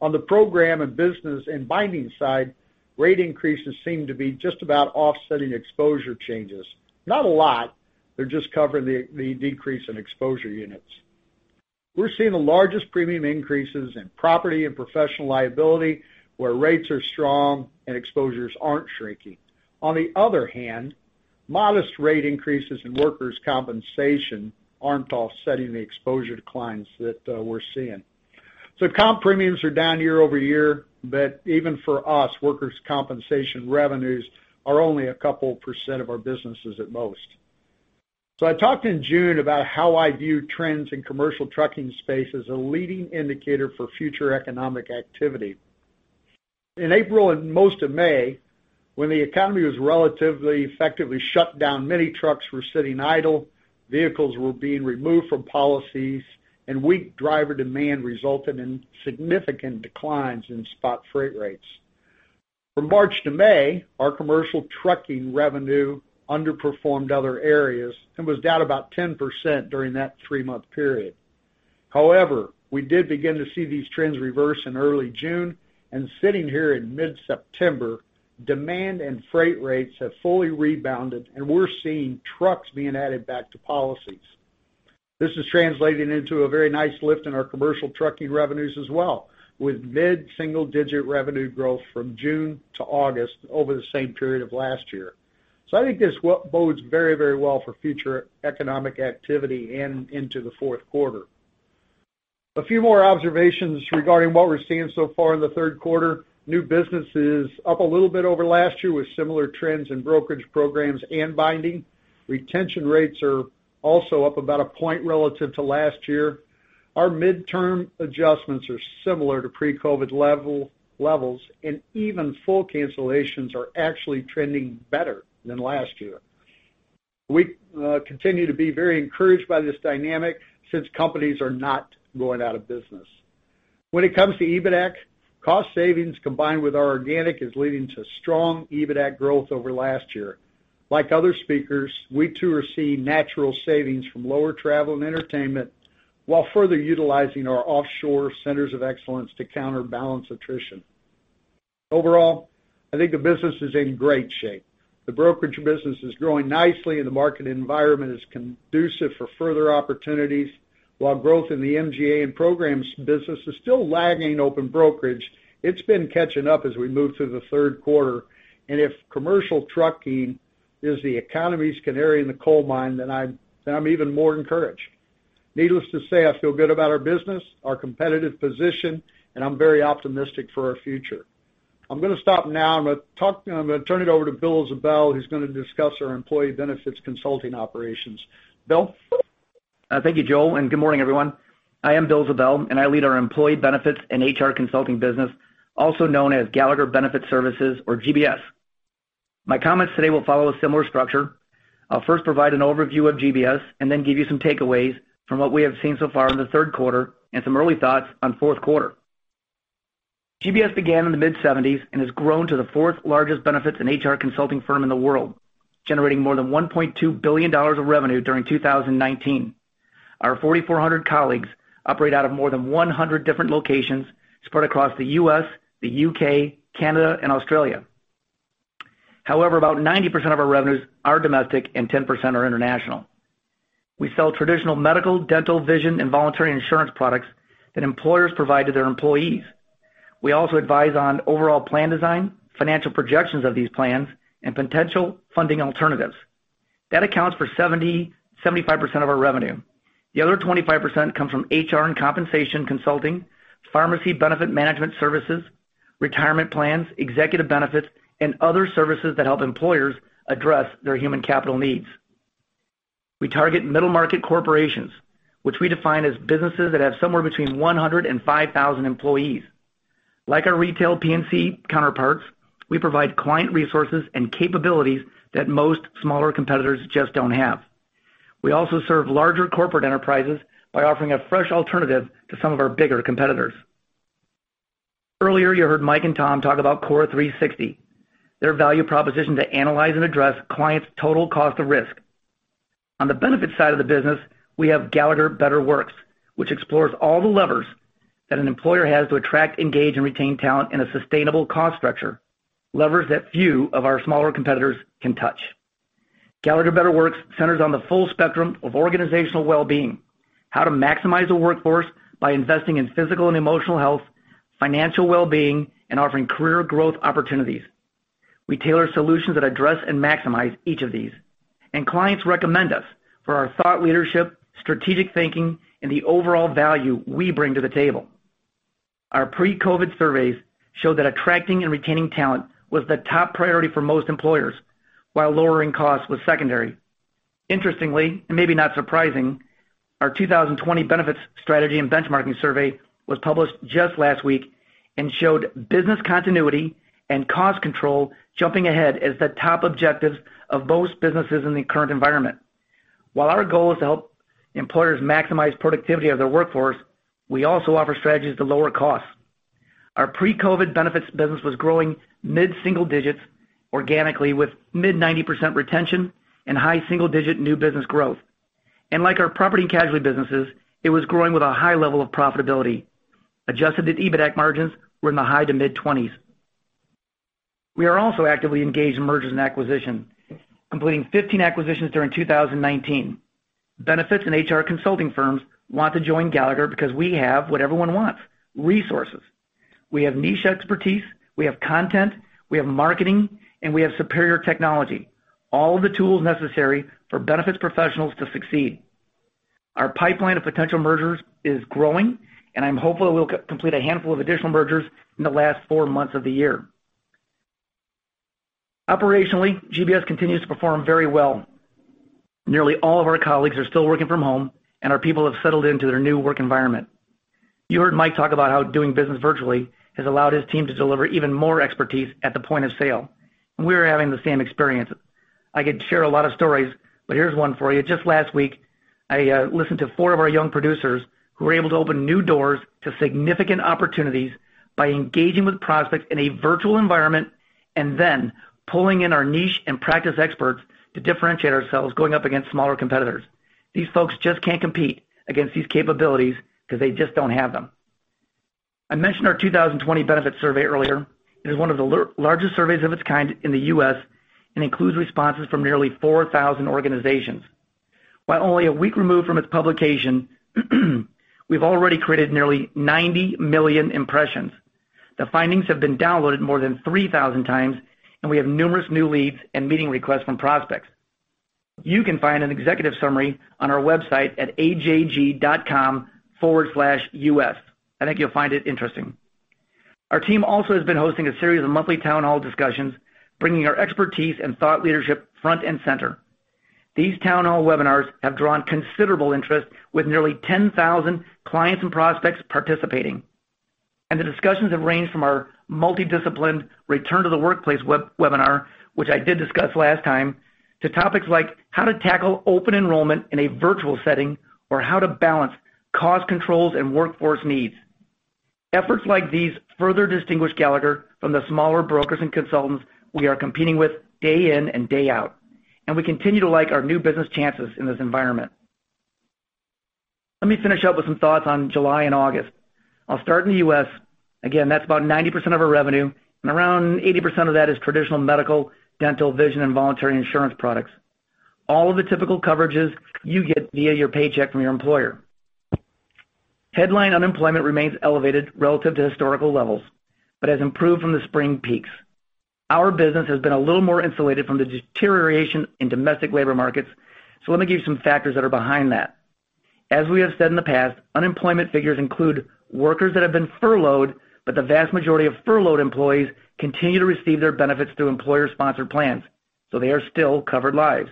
On the program and business and binding side, rate increases seem to be just about offsetting exposure changes. Not a lot. They're just covering the decrease in exposure units. We're seeing the largest premium increases in property and professional liability where rates are strong and exposures aren't shrinking. On the other hand, modest rate increases in workers' compensation aren't offsetting the exposure declines that we're seeing. Comp premiums are down year-over-year, but even for us, workers' compensation revenues are only a couple percent of our businesses at most. I talked in June about how I view trends in commercial trucking space as a leading indicator for future economic activity. In April and most of May, when the economy was relatively effectively shut down, many trucks were sitting idle, vehicles were being removed from policies, and weak driver demand resulted in significant declines in spot freight rates. From March to May, our commercial trucking revenue underperformed other areas and was down about 10% during that three-month period. However, we did begin to see these trends reverse in early June, and sitting here in mid-September, demand and freight rates have fully rebounded, and we're seeing trucks being added back to policies. This is translating into a very nice lift in our commercial trucking revenues as well, with mid-single-digit revenue growth from June to August over the same period of last year. I think this bodes very, very well for future economic activity and into the fourth quarter. A few more observations regarding what we're seeing so far in the third quarter. New business is up a little bit over last year with similar trends in brokerage programs and binding. Retention rates are also up about a point relative to last year. Our midterm adjustments are similar to pre-COVID levels, and even full cancellations are actually trending better than last year. We continue to be very encouraged by this dynamic since companies are not going out of business. When it comes to EBITDA, cost savings combined with our organic is leading to strong EBITDA growth over last year. Like other speakers, we too are seeing natural savings from lower travel and entertainment while further utilizing our offshore centers of excellence to counterbalance attrition. Overall, I think the business is in great shape. The brokerage business is growing nicely, and the market environment is conducive for further opportunities. While growth in the MGA and programs business is still lagging open brokerage, it's been catching up as we move through the third quarter. If commercial trucking is the economy's canary in the coal mine, then I'm even more encouraged. Needless to say, I feel good about our business, our competitive position, and I'm very optimistic for our future. I'm going to stop now, and I'm going to turn it over to Bill Ziebell, who's going to discuss our employee benefits consulting operations. Bill? Thank you, Joe, and good morning, everyone. I am Bill Ziebell, and I lead our employee benefits and HR consulting business, also known as Gallagher Benefits Services or GBS. My comments today will follow a similar structure. I'll first provide an overview of GBS and then give you some takeaways from what we have seen so far in the third quarter and some early thoughts on fourth quarter. GBS began in the mid-1970s and has grown to the fourth largest benefits and HR consulting firm in the world, generating more than $1.2 billion of revenue during 2019. Our 4,400 colleagues operate out of more than 100 different locations spread across the U.S., the U.K., Canada, and Australia. However, about 90% of our revenues are domestic and 10% are international. We sell traditional medical, dental, vision, and voluntary insurance products that employers provide to their employees. We also advise on overall plan design, financial projections of these plans, and potential funding alternatives. That accounts for 70%-75% of our revenue. The other 25% comes from HR and compensation consulting, pharmacy benefit management services, retirement plans, executive benefits, and other services that help employers address their human capital needs. We target middle-market corporations, which we define as businesses that have somewhere between 100 and 5,000 employees. Like our retail P&C counterparts, we provide client resources and capabilities that most smaller competitors just do not have. We also serve larger corporate enterprises by offering a fresh alternative to some of our bigger competitors. Earlier, you heard Mike and Tom talk about Core 360, their value proposition to analyze and address clients' total cost of risk. On the benefits side of the business, we have Gallagher Better Works, which explores all the levers that an employer has to attract, engage, and retain talent in a sustainable cost structure, levers that few of our smaller competitors can touch. Gallagher Better Works centers on the full spectrum of organizational well-being, how to maximize a workforce by investing in physical and emotional health, financial well-being, and offering career growth opportunities. We tailor solutions that address and maximize each of these, and clients recommend us for our thought leadership, strategic thinking, and the overall value we bring to the table. Our pre-COVID surveys showed that attracting and retaining talent was the top priority for most employers, while lowering costs was secondary. Interestingly, and maybe not surprising, our 2020 benefits strategy and benchmarking survey was published just last week and showed business continuity and cost control jumping ahead as the top objectives of most businesses in the current environment. While our goal is to help employers maximize productivity of their workforce, we also offer strategies to lower costs. Our pre-COVID benefits business was growing mid-single digits organically with mid-90% retention and high single-digit new business growth. Like our property and casualty businesses, it was growing with a high level of profitability. Adjusted EBITDA margins were in the high to mid-20%. We are also actively engaged in mergers and acquisitions, completing 15 acquisitions during 2019. Benefits and HR consulting firms want to join Gallagher because we have what everyone wants: resources. We have niche expertise, we have content, we have marketing, and we have superior technology, all of the tools necessary for benefits professionals to succeed. Our pipeline of potential mergers is growing, and I'm hopeful that we'll complete a handful of additional mergers in the last four months of the year. Operationally, GBS continues to perform very well. Nearly all of our colleagues are still working from home, and our people have settled into their new work environment. You heard Mike talk about how doing business virtually has allowed his team to deliver even more expertise at the point of sale, and we are having the same experience. I could share a lot of stories, but here's one for you. Just last week, I listened to four of our young producers who were able to open new doors to significant opportunities by engaging with prospects in a virtual environment and then pulling in our niche and practice experts to differentiate ourselves going up against smaller competitors. These folks just can't compete against these capabilities because they just don't have them. I mentioned our 2020 benefits survey earlier. It is one of the largest surveys of its kind in the U.S. and includes responses from nearly 4,000 organizations. While only a week removed from its publication, we've already created nearly 90 million impressions. The findings have been downloaded more than 3,000 times, and we have numerous new leads and meeting requests from prospects. You can find an executive summary on our website at ajg.com/us. I think you'll find it interesting. Our team also has been hosting a series of monthly town hall discussions, bringing our expertise and thought leadership front and center. These town hall webinars have drawn considerable interest with nearly 10,000 clients and prospects participating. The discussions have ranged from our multidisciplined return to the workplace webinar, which I did discuss last time, to topics like how to tackle open enrollment in a virtual setting or how to balance cost controls and workforce needs. Efforts like these further distinguish Gallagher from the smaller brokers and consultants we are competing with day in and day out, and we continue to like our new business chances in this environment. Let me finish up with some thoughts on July and August. I'll start in the U.S. Again, that's about 90% of our revenue, and around 80% of that is traditional medical, dental, vision, and voluntary insurance products, all of the typical coverages you get via your paycheck from your employer. Headline unemployment remains elevated relative to historical levels but has improved from the spring peaks. Our business has been a little more insulated from the deterioration in domestic labor markets, so let me give you some factors that are behind that. As we have said in the past, unemployment figures include workers that have been furloughed, but the vast majority of furloughed employees continue to receive their benefits through employer-sponsored plans, so they are still covered lives.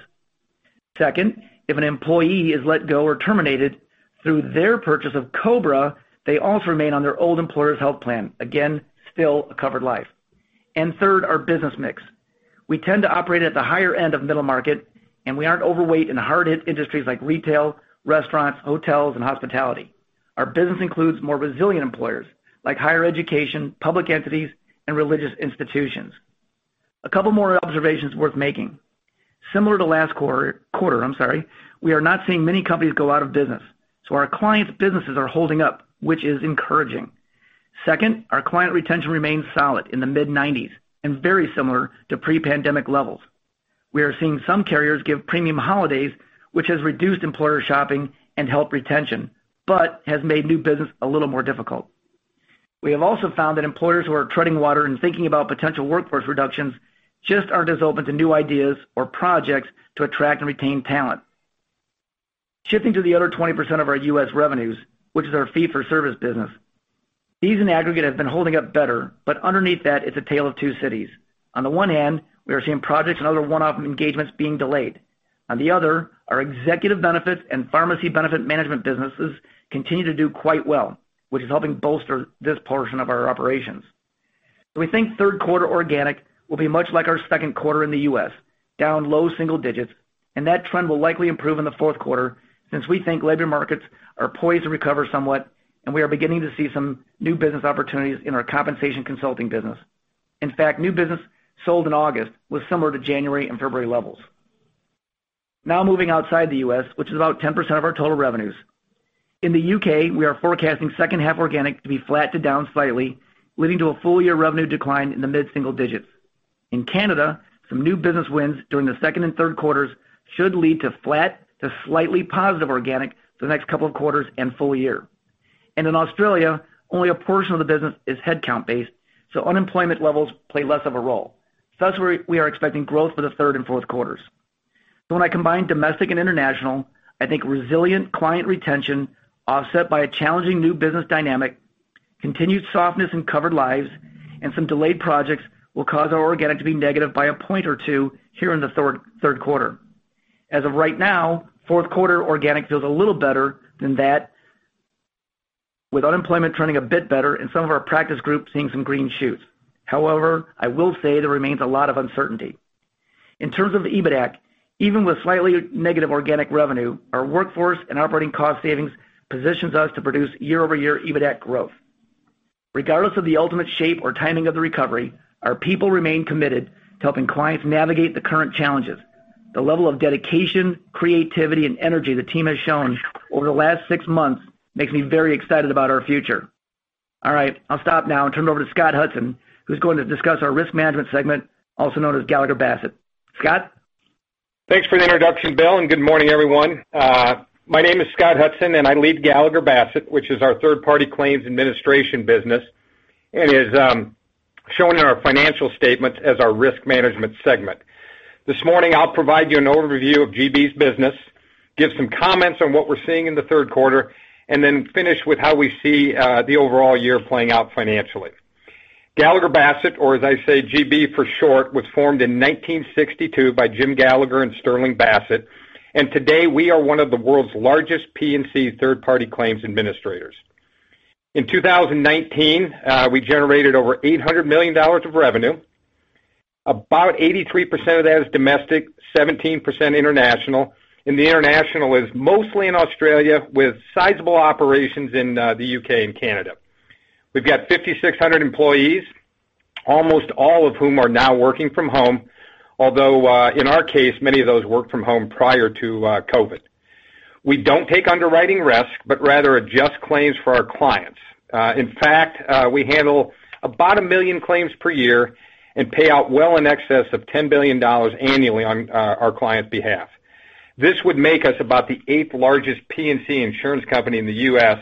Second, if an employee is let go or terminated through their purchase of COBRA, they also remain on their old employer's health plan, again, still a covered life. Third, our business mix. We tend to operate at the higher end of middle market, and we aren't overweight in hard-hit industries like retail, restaurants, hotels, and hospitality. Our business includes more resilient employers like higher education, public entities, and religious institutions. A couple more observations worth making. Similar to last quarter, I'm sorry, we are not seeing many companies go out of business, so our clients' businesses are holding up, which is encouraging. Second, our client retention remains solid in the mid-90% and very similar to pre-pandemic levels. We are seeing some carriers give premium holidays, which has reduced employer shopping and helped retention but has made new business a little more difficult. We have also found that employers who are treading water and thinking about potential workforce reductions just aren't as open to new ideas or projects to attract and retain talent. Shifting to the other 20% of our U.S. revenues, which is our fee-for-service business, these in aggregate have been holding up better, but underneath that, it's a tale of two cities. On the one hand, we are seeing projects and other one-off engagements being delayed. On the other, our executive benefits and pharmacy benefit management businesses continue to do quite well, which is helping bolster this portion of our operations. We think third quarter organic will be much like our second quarter in the U.S., down low single digits, and that trend will likely improve in the fourth quarter since we think labor markets are poised to recover somewhat, and we are beginning to see some new business opportunities in our compensation consulting business. In fact, new business sold in August was similar to January and February levels. Now moving outside the U.S., which is about 10% of our total revenues. In the U.K., we are forecasting second half organic to be flat to down slightly, leading to a full year revenue decline in the mid-single digits. In Canada, some new business wins during the second and third quarters should lead to flat to slightly positive organic for the next couple of quarters and full year. In Australia, only a portion of the business is headcount-based, so unemployment levels play less of a role. Thus, we are expecting growth for the third and fourth quarters. When I combine domestic and international, I think resilient client retention offset by a challenging new business dynamic, continued softness in covered lives, and some delayed projects will cause our organic to be negative by a point or two here in the third quarter. As of right now, fourth quarter organic feels a little better than that, with unemployment trending a bit better and some of our practice groups seeing some green shoots. However, I will say there remains a lot of uncertainty. In terms of EBITDA, even with slightly negative organic revenue, our workforce and operating cost savings positions us to produce year-over-year EBITDA growth. Regardless of the ultimate shape or timing of the recovery, our people remain committed to helping clients navigate the current challenges. The level of dedication, creativity, and energy the team has shown over the last six months makes me very excited about our future. All right, I'll stop now and turn it over to Scott Hudson, who's going to discuss our risk management segment, also known as Gallagher Bassett. Scott? Thanks for the introduction, Bill, and good morning, everyone. My name is Scott Hudson, and I lead Gallagher Bassett, which is our third-party claims administration business, and is shown in our financial statements as our risk management segment. This morning, I'll provide you an overview of GB's business, give some comments on what we're seeing in the third quarter, and then finish with how we see the overall year playing out financially. Gallagher Bassett, or as I say, GB for short, was formed in 1962 by Jim Gallagher and Sterling Bassett, and today we are one of the world's largest P&C third-party claims administrators. In 2019, we generated over $800 million of revenue. About 83% of that is domestic, 17% international, and the international is mostly in Australia with sizable operations in the U.K. and Canada. We've got 5,600 employees, almost all of whom are now working from home, although in our case, many of those worked from home prior to COVID. We don't take underwriting risk, but rather adjust claims for our clients. In fact, we handle about a million claims per year and pay out well in excess of $10 billion annually on our clients' behalf. This would make us about the eighth largest P&C insurance company in the U.S.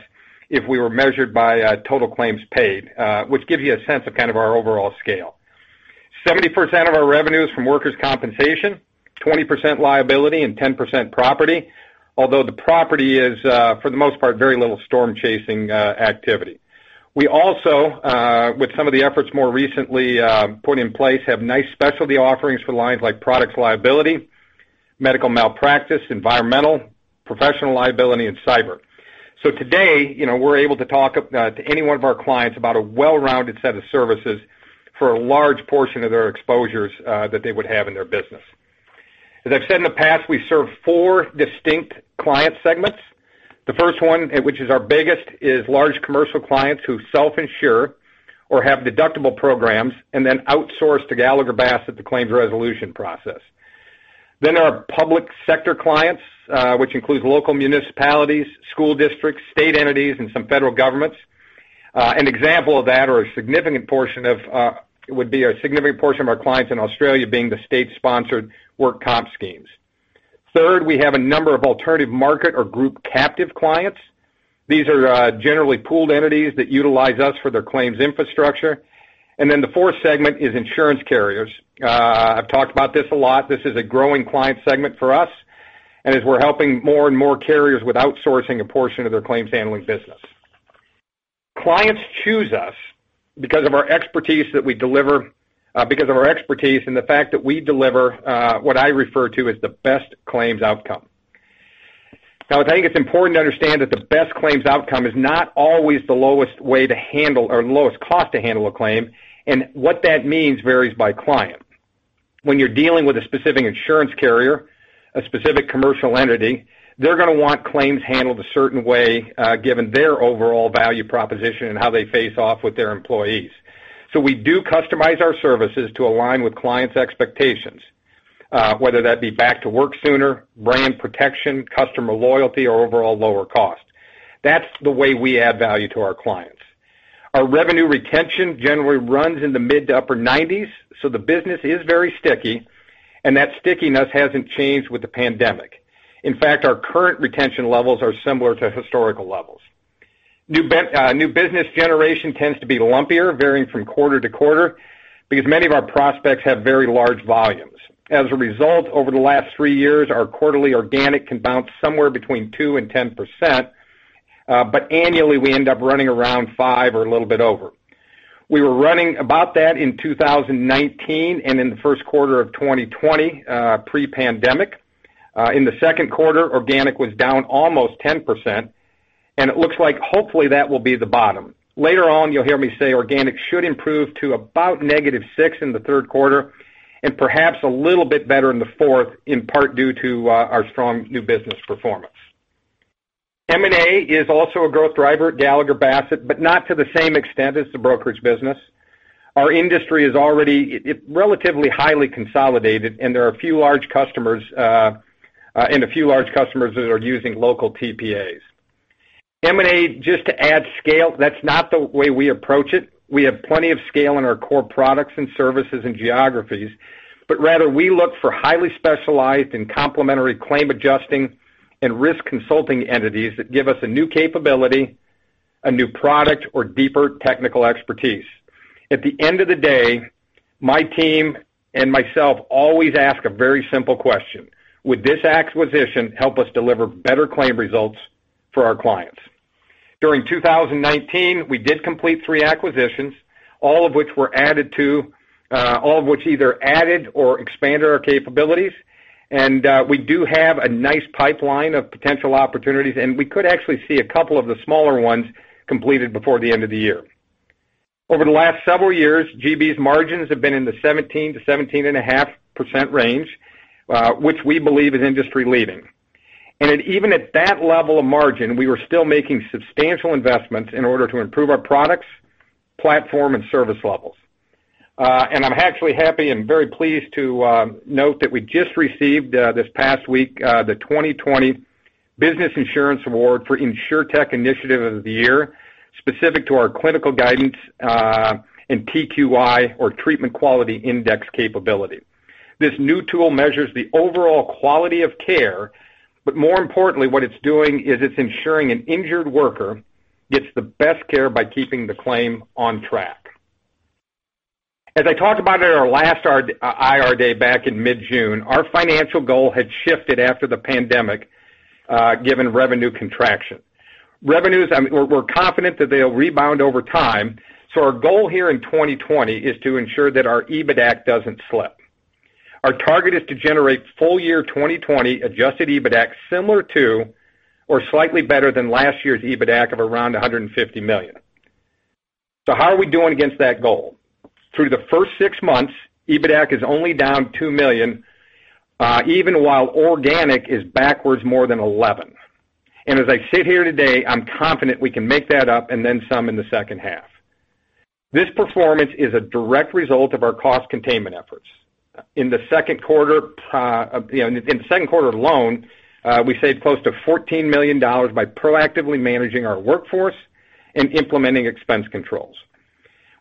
if we were measured by total claims paid, which gives you a sense of kind of our overall scale. 70% of our revenue is from workers' compensation, 20% liability, and 10% property, although the property is, for the most part, very little storm-chasing activity. We also, with some of the efforts more recently put in place, have nice specialty offerings for lines like product liability, medical malpractice, environmental, professional liability, and cyber. Today, we're able to talk to any one of our clients about a well-rounded set of services for a large portion of their exposures that they would have in their business. As I've said in the past, we serve four distinct client segments. The first one, which is our biggest, is large commercial clients who self-insure or have deductible programs and then outsource to Gallagher Bassett the claims resolution process. There are public sector clients, which includes local municipalities, school districts, state entities, and some federal governments. An example of that would be a significant portion of our clients in Australia being the state-sponsored work comp schemes. Third, we have a number of alternative market or group captive clients. These are generally pooled entities that utilize us for their claims infrastructure. The fourth segment is insurance carriers. I've talked about this a lot. This is a growing client segment for us, and as we're helping more and more carriers with outsourcing a portion of their claims handling business, clients choose us because of our expertise that we deliver, because of our expertise and the fact that we deliver what I refer to as the best claims outcome. I think it's important to understand that the best claims outcome is not always the lowest way to handle or the lowest cost to handle a claim, and what that means varies by client. When you're dealing with a specific insurance carrier, a specific commercial entity, they're going to want claims handled a certain way given their overall value proposition and how they face off with their employees. We do customize our services to align with clients' expectations, whether that be back to work sooner, brand protection, customer loyalty, or overall lower cost. That's the way we add value to our clients. Our revenue retention generally runs in the mid to upper 90s, so the business is very sticky, and that stickiness hasn't changed with the pandemic. In fact, our current retention levels are similar to historical levels. New business generation tends to be lumpier, varying from quarter to quarter because many of our prospects have very large volumes. As a result, over the last three years, our quarterly organic can bounce somewhere between 2% and 10%, but annually, we end up running around 5% or a little bit over. We were running about that in 2019 and in the first quarter of 2020 pre-pandemic. In the second quarter, organic was down almost 10%, and it looks like hopefully that will be the bottom. Later on, you'll hear me say organic should improve to about negative 6 in the third quarter and perhaps a little bit better in the fourth, in part due to our strong new business performance. M&A is also a growth driver at Gallagher Bassett, but not to the same extent as the brokerage business. Our industry is already relatively highly consolidated, and there are a few large customers and a few large customers that are using local TPAs. M&A, just to add scale, that's not the way we approach it. We have plenty of scale in our core products and services and geographies, but rather we look for highly specialized and complementary claim adjusting and risk consulting entities that give us a new capability, a new product, or deeper technical expertise. At the end of the day, my team and myself always ask a very simple question: would this acquisition help us deliver better claim results for our clients? During 2019, we did complete three acquisitions, all of which were added to, all of which either added or expanded our capabilities, and we do have a nice pipeline of potential opportunities, and we could actually see a couple of the smaller ones completed before the end of the year. Over the last several years, GB's margins have been in the 17-17.5% range, which we believe is industry-leading. Even at that level of margin, we were still making substantial investments in order to improve our products, platform, and service levels. I'm actually happy and very pleased to note that we just received this past week the 2020 Business Insurance Award for InsurTech Initiative of the Year, specific to our clinical guidance and TQI, or Treatment Quality Index, capability. This new tool measures the overall quality of care, but more importantly, what it's doing is it's ensuring an injured worker gets the best care by keeping the claim on track. As I talked about in our last IR day back in mid-June, our financial goal had shifted after the pandemic given revenue contraction. We're confident that they'll rebound over time, so our goal here in 2020 is to ensure that our EBITDA doesn't slip. Our target is to generate full year 2020 adjusted EBITDA similar to or slightly better than last year's EBITDA of around $150 million. How are we doing against that goal? Through the first six months, EBITDA is only down $2 million, even while organic is backwards more than 11. As I sit here today, I'm confident we can make that up and then some in the second half. This performance is a direct result of our cost containment efforts. In the second quarter alone, we saved close to $14 million by proactively managing our workforce and implementing expense controls.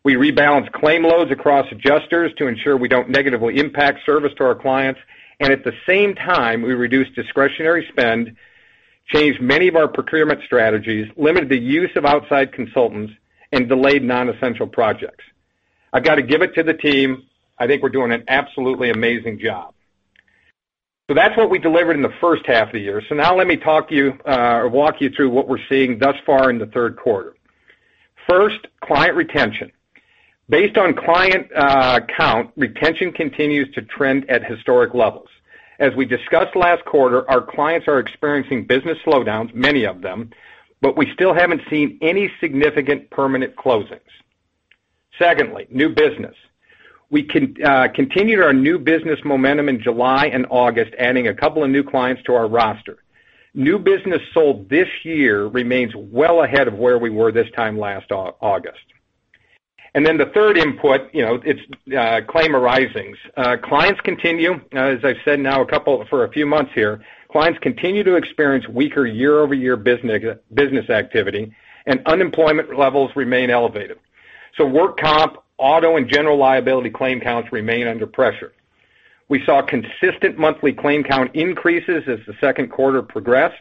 We rebalanced claim loads across adjusters to ensure we don't negatively impact service to our clients, and at the same time, we reduced discretionary spend, changed many of our procurement strategies, limited the use of outside consultants, and delayed non-essential projects. I've got to give it to the team. I think we're doing an absolutely amazing job. That is what we delivered in the first half of the year. Let me talk to you or walk you through what we're seeing thus far in the third quarter. First, client retention. Based on client count, retention continues to trend at historic levels. As we discussed last quarter, our clients are experiencing business slowdowns, many of them, but we still haven't seen any significant permanent closings. Secondly, new business. We continued our new business momentum in July and August, adding a couple of new clients to our roster. New business sold this year remains well ahead of where we were this time last August. The third input is claim arisings. Clients continue, as I've said now for a few months here, clients continue to experience weaker year-over-year business activity, and unemployment levels remain elevated. Work comp, auto, and general liability claim counts remain under pressure. We saw consistent monthly claim count increases as the second quarter progressed,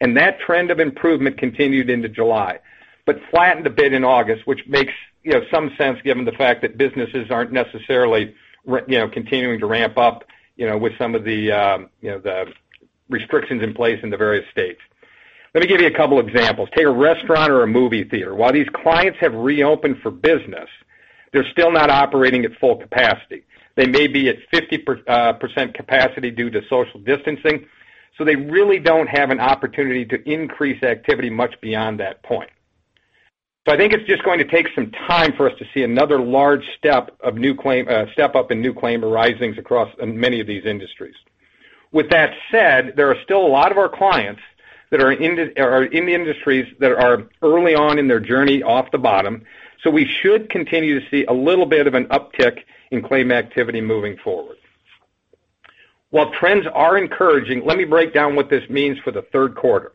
and that trend of improvement continued into July, but flattened a bit in August, which makes some sense given the fact that businesses aren't necessarily continuing to ramp up with some of the restrictions in place in the various states. Let me give you a couple of examples. Take a restaurant or a movie theater. While these clients have reopened for business, they're still not operating at full capacity. They may be at 50% capacity due to social distancing, so they really don't have an opportunity to increase activity much beyond that point. I think it's just going to take some time for us to see another large step up in new claim arisings across many of these industries. With that said, there are still a lot of our clients that are in the industries that are early on in their journey off the bottom, so we should continue to see a little bit of an uptick in claim activity moving forward. While trends are encouraging, let me break down what this means for the third quarter.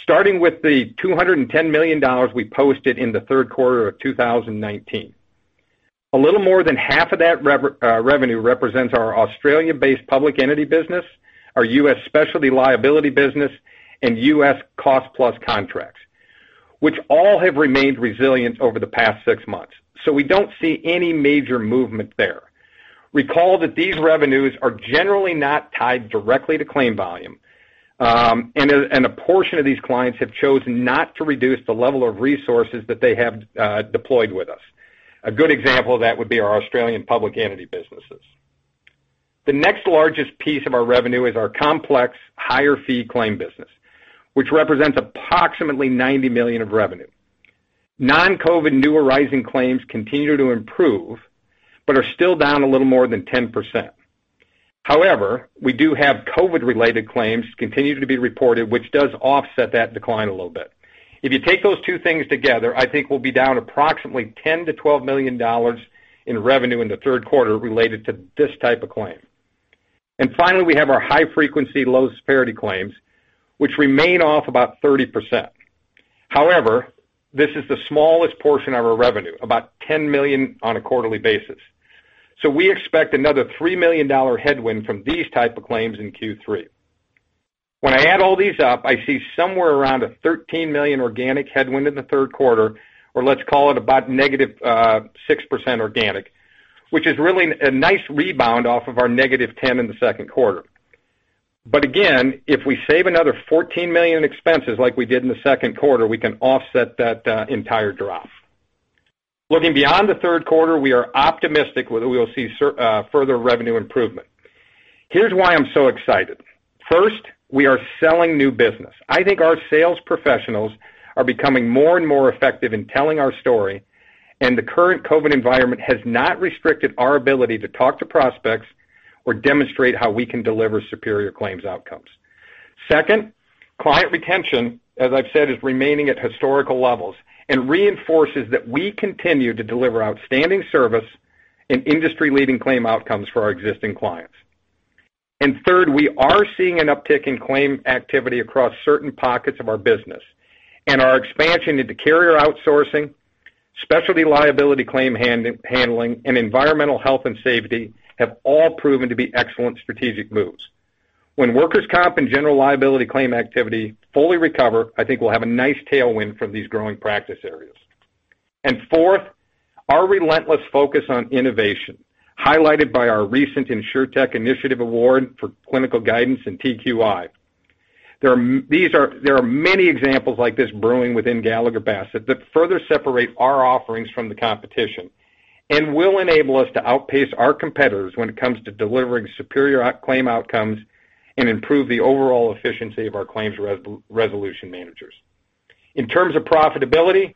Starting with the $210 million we posted in the third quarter of 2019, a little more than half of that revenue represents our Australia-based public entity business, our US specialty liability business, and U.S. cost plus contracts, which all have remained resilient over the past six months. We do not see any major movement there. Recall that these revenues are generally not tied directly to claim volume, and a portion of these clients have chosen not to reduce the level of resources that they have deployed with us. A good example of that would be our Australian public entity businesses. The next largest piece of our revenue is our complex higher fee claim business, which represents approximately $90 million of revenue. Non-COVID new arising claims continue to improve but are still down a little more than 10%. However, we do have COVID-related claims continue to be reported, which does offset that decline a little bit. If you take those two things together, I think we will be down approximately $10-12 million in revenue in the third quarter related to this type of claim. Finally, we have our high-frequency low disparity claims, which remain off about 30%. However, this is the smallest portion of our revenue, about $10 million on a quarterly basis. We expect another $3 million headwind from these type of claims in Q3. When I add all these up, I see somewhere around a $13 million organic headwind in the third quarter, or let's call it about negative 6% organic, which is really a nice rebound off of our negative 10% in the second quarter. If we save another $14 million in expenses like we did in the second quarter, we can offset that entire drop. Looking beyond the third quarter, we are optimistic that we will see further revenue improvement. Here's why I'm so excited. First, we are selling new business. I think our sales professionals are becoming more and more effective in telling our story, and the current COVID environment has not restricted our ability to talk to prospects or demonstrate how we can deliver superior claims outcomes. Second, client retention, as I've said, is remaining at historical levels and reinforces that we continue to deliver outstanding service and industry-leading claim outcomes for our existing clients. Third, we are seeing an uptick in claim activity across certain pockets of our business, and our expansion into carrier outsourcing, specialty liability claim handling, and environmental health and safety have all proven to be excellent strategic moves. When workers' comp and general liability claim activity fully recover, I think we'll have a nice tailwind from these growing practice areas. Fourth, our relentless focus on innovation, highlighted by our recent InsurTech Initiative Award for clinical guidance and TQI. There are many examples like this brewing within Gallagher Bassett that further separate our offerings from the competition and will enable us to outpace our competitors when it comes to delivering superior claim outcomes and improve the overall efficiency of our claims resolution managers. In terms of profitability,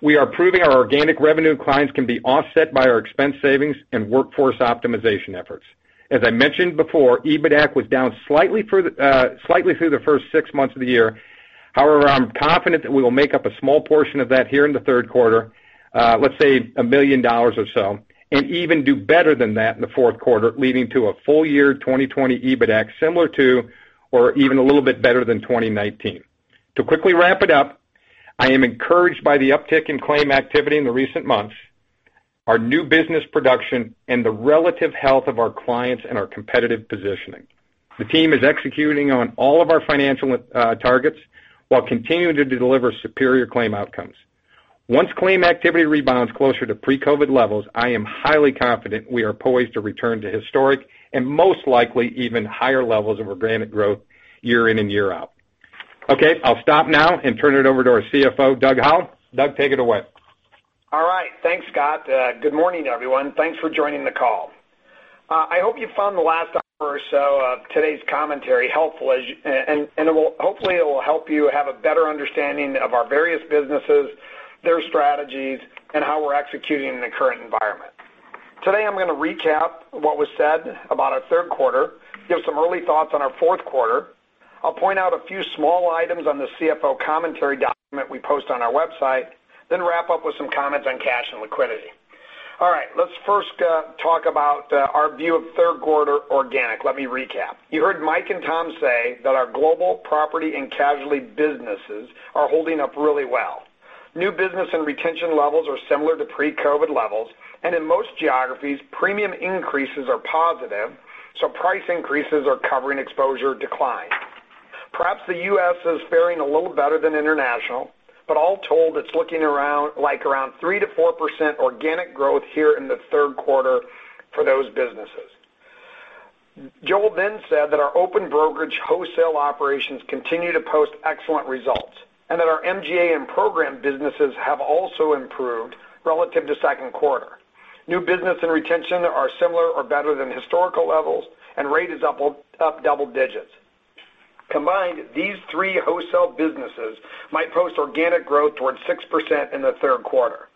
we are proving our organic revenue clients can be offset by our expense savings and workforce optimization efforts. As I mentioned before, EBITDA was down slightly through the first six months of the year. However, I'm confident that we will make up a small portion of that here in the third quarter, let's say $1 million or so, and even do better than that in the fourth quarter, leading to a full year 2020 EBITDA similar to or even a little bit better than 2019. To quickly wrap it up, I am encouraged by the uptick in claim activity in the recent months, our new business production, and the relative health of our clients and our competitive positioning. The team is executing on all of our financial targets while continuing to deliver superior claim outcomes. Once claim activity rebounds closer to pre-COVID levels, I am highly confident we are poised to return to historic and most likely even higher levels of organic growth year in and year out. Okay, I'll stop now and turn it over to our CFO, Doug Howell. Doug, take it away. All right. Thanks, Scott. Good morning, everyone. Thanks for joining the call. I hope you found the last hour or so of today's commentary helpful, and hopefully, it will help you have a better understanding of our various businesses, their strategies, and how we're executing in the current environment. Today, I'm going to recap what was said about our third quarter, give some early thoughts on our fourth quarter. I'll point out a few small items on the CFO commentary document we post on our website, then wrap up with some comments on cash and liquidity. All right. Let's first talk about our view of third quarter organic. Let me recap. You heard Mike and Tom say that our global property and casualty businesses are holding up really well. New business and retention levels are similar to pre-COVID levels, and in most geographies, premium increases are positive, so price increases are covering exposure decline. Perhaps the US is faring a little better than international, but all told, it's looking like around 3-4% organic growth here in the third quarter for those businesses. Joe then said that our open brokerage wholesale operations continue to post excellent results and that our MGA and program businesses have also improved relative to second quarter. New business and retention are similar or better than historical levels, and rate is up double digits. Combined, these three wholesale businesses might post organic growth towards 6% in the third quarter.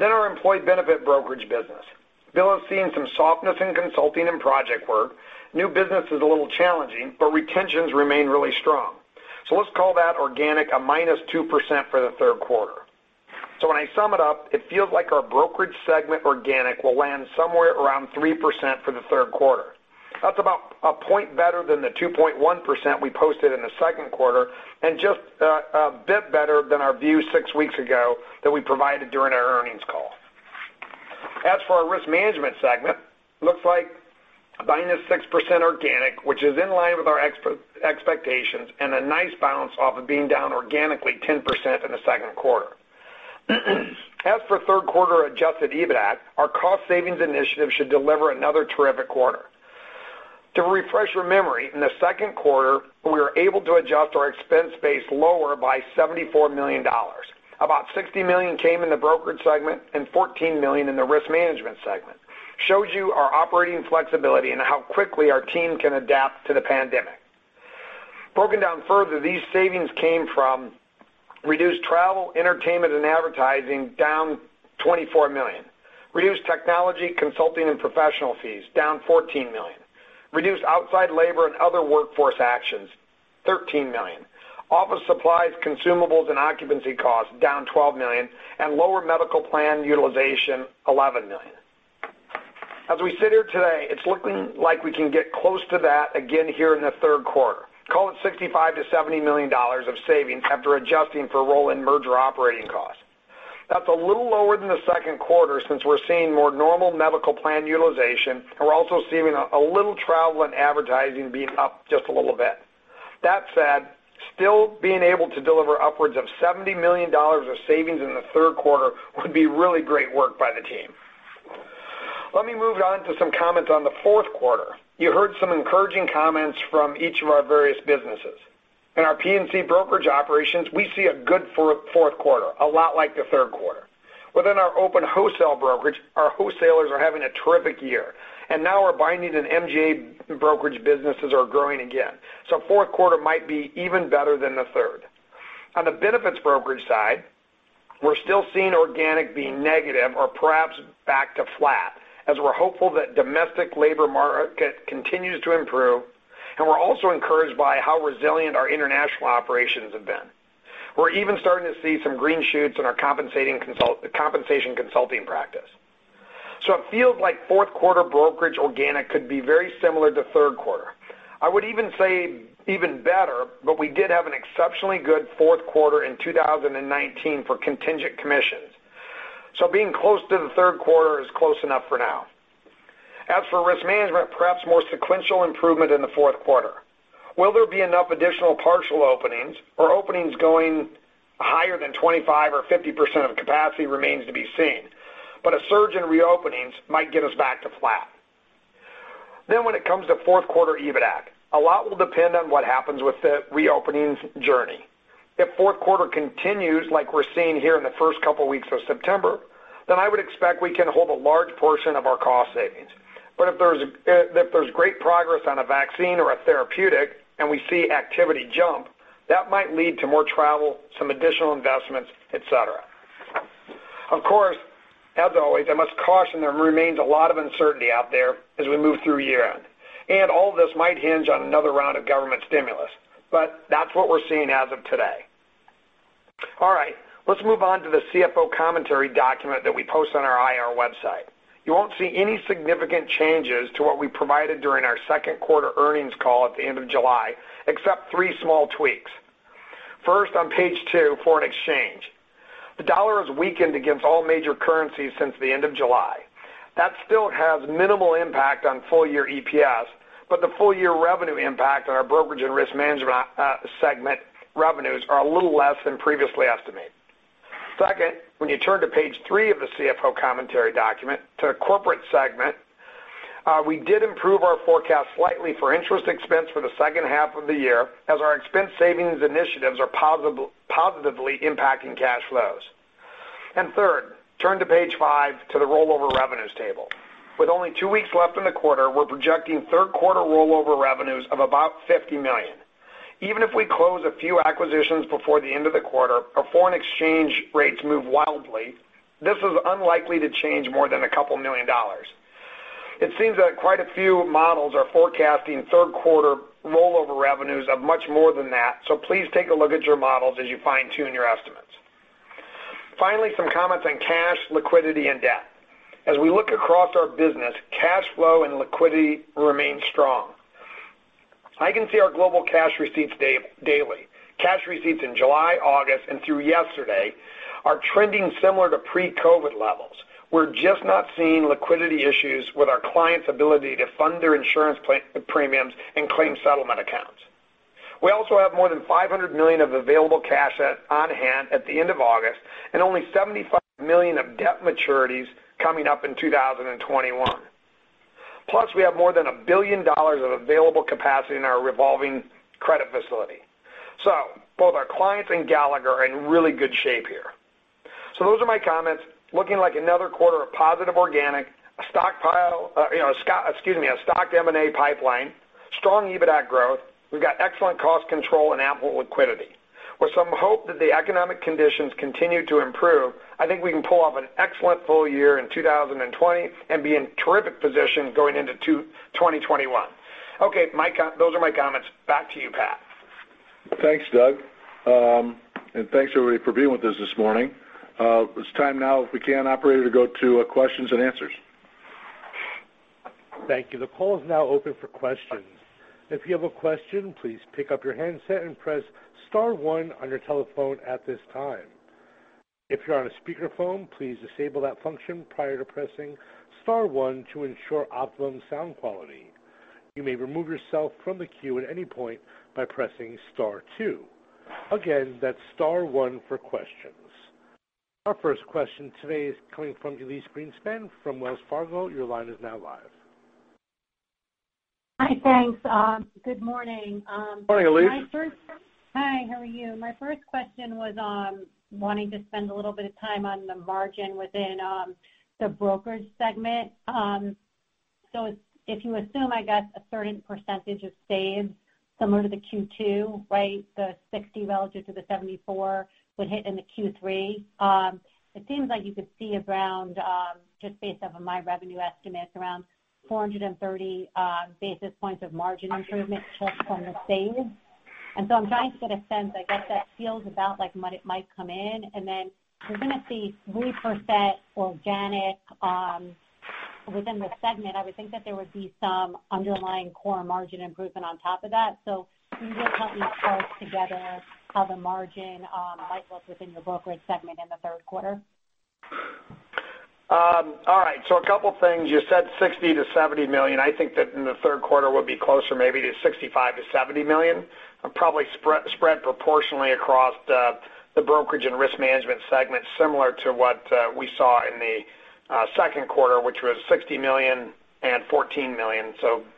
Our employee benefit brokerage business, Bill is seeing some softness in consulting and project work. New business is a little challenging, but retentions remain really strong. Let's call that organic a minus 2% for the third quarter. When I sum it up, it feels like our brokerage segment organic will land somewhere around 3% for the third quarter. That's about a point better than the 2.1% we posted in the second quarter and just a bit better than our view six weeks ago that we provided during our earnings call. As for our risk management segment, looks like minus 6% organic, which is in line with our expectations and a nice balance off of being down organically 10% in the second quarter. As for third quarter adjusted EBITDA, our cost savings initiative should deliver another terrific quarter. To refresh your memory, in the second quarter, we were able to adjust our expense base lower by $74 million. About $60 million came in the brokerage segment and $14 million in the risk management segment. Shows you our operating flexibility and how quickly our team can adapt to the pandemic. Broken down further, these savings came from reduced travel, entertainment, and advertising down $24 million. Reduced technology, consulting, and professional fees down $14 million. Reduced outside labor and other workforce actions $13 million. Office supplies, consumables, and occupancy costs down $12 million and lower medical plan utilization $11 million. As we sit here today, it's looking like we can get close to that again here in the third quarter. Call it $65-$70 million of savings after adjusting for rolling merger operating costs. That's a little lower than the second quarter since we're seeing more normal medical plan utilization, and we're also seeing a little travel and advertising being up just a little bit. That said, still being able to deliver upwards of $70 million of savings in the third quarter would be really great work by the team. Let me move on to some comments on the fourth quarter. You heard some encouraging comments from each of our various businesses. In our P&C brokerage operations, we see a good fourth quarter, a lot like the third quarter. Within our open wholesale brokerage, our wholesalers are having a terrific year, and now we're finding that MGA brokerage businesses are growing again. Fourth quarter might be even better than the third. On the benefits brokerage side, we're still seeing organic being negative or perhaps back to flat as we're hopeful that domestic labor market continues to improve, and we're also encouraged by how resilient our international operations have been. We're even starting to see some green shoots in our compensation consulting practice. It feels like fourth quarter brokerage organic could be very similar to third quarter. I would even say even better, but we did have an exceptionally good fourth quarter in 2019 for contingent commissions. Being close to the third quarter is close enough for now. As for risk management, perhaps more sequential improvement in the fourth quarter. Will there be enough additional partial openings or openings going higher than 25% or 50% of capacity remains to be seen, but a surge in reopenings might get us back to flat. When it comes to fourth quarter EBITDA, a lot will depend on what happens with the reopening journey. If fourth quarter continues like we're seeing here in the first couple of weeks of September, I would expect we can hold a large portion of our cost savings. If there's great progress on a vaccine or a therapeutic and we see activity jump, that might lead to more travel, some additional investments, etc. Of course, as always, I must caution there remains a lot of uncertainty out there as we move through year-end. All of this might hinge on another round of government stimulus, but that's what we're seeing as of today. All right. Let's move on to the CFO commentary document that we post on our IR website. You won't see any significant changes to what we provided during our second quarter earnings call at the end of July, except three small tweaks. First, on page two, foreign exchange. The dollar has weakened against all major currencies since the end of July. That still has minimal impact on full-year EPS, but the full-year revenue impact on our brokerage and risk management segment revenues are a little less than previously estimated. Second, when you turn to page three of the CFO commentary document, to the corporate segment, we did improve our forecast slightly for interest expense for the second half of the year as our expense savings initiatives are positively impacting cash flows. Third, turn to page five to the rollover revenues table. With only two weeks left in the quarter, we're projecting third quarter rollover revenues of about $50 million. Even if we close a few acquisitions before the end of the quarter or foreign exchange rates move wildly, this is unlikely to change more than a couple of million dollars. It seems that quite a few models are forecasting third quarter rollover revenues of much more than that, so please take a look at your models as you fine-tune your estimates. Finally, some comments on cash, liquidity, and debt. As we look across our business, cash flow and liquidity remain strong. I can see our global cash receipts daily. Cash receipts in July, August, and through yesterday are trending similar to pre-COVID levels. We're just not seeing liquidity issues with our clients' ability to fund their insurance premiums and claim settlement accounts. We also have more than $500 million of available cash on hand at the end of August and only $75 million of debt maturities coming up in 2021. Plus, we have more than $1 billion of available capacity in our revolving credit facility. Both our clients and Gallagher are in really good shape here. Those are my comments. Looking like another quarter of positive organic, a stockpile—excuse me—a stocked M&A pipeline, strong EBITDA growth. We've got excellent cost control and ample liquidity. With some hope that the economic conditions continue to improve, I think we can pull off an excellent full year in 2020 and be in terrific position going into 2021. Okay, Mike, those are my comments. Back to you, Pat. Thanks, Doug. Thanks, everybody, for being with us this morning. It's time now, if we can, operator, to go to questions and answers. Thank you. The call is now open for questions. If you have a question, please pick up your handset and press star one on your telephone at this time. If you're on a speakerphone, please disable that function prior to pressing star one to ensure optimum sound quality. You may remove yourself from the queue at any point by pressing star two. Again, that's star one for questions. Our first question today is coming from Elyse Greenspan from Wells Fargo. Your line is now live. Hi, thanks. Good morning. Good morning, Elyse. Hi, how are you? My first question was wanting to spend a little bit of time on the margin within the brokerage segment. If you assume, I guess, a certain percentage of saves similar to the Q2, right, the 60 relative to the 74 would hit in the Q3. It seems like you could see around, just based off of my revenue estimates, around 430 basis points of margin improvement just from the saves. I am trying to get a sense, I guess, that feels about like money might come in. We are going to see 3% organic within the segment. I would think that there would be some underlying core margin improvement on top of that. Can you just help me piece together how the margin might look within your brokerage segment in the third quarter? All right. A couple of things. You said $60 million to $70 million. I think that in the third quarter would be closer maybe to $65 million-$70 million. Probably spread proportionally across the brokerage and risk management segment similar to what we saw in the second quarter, which was $60 million and $14 million.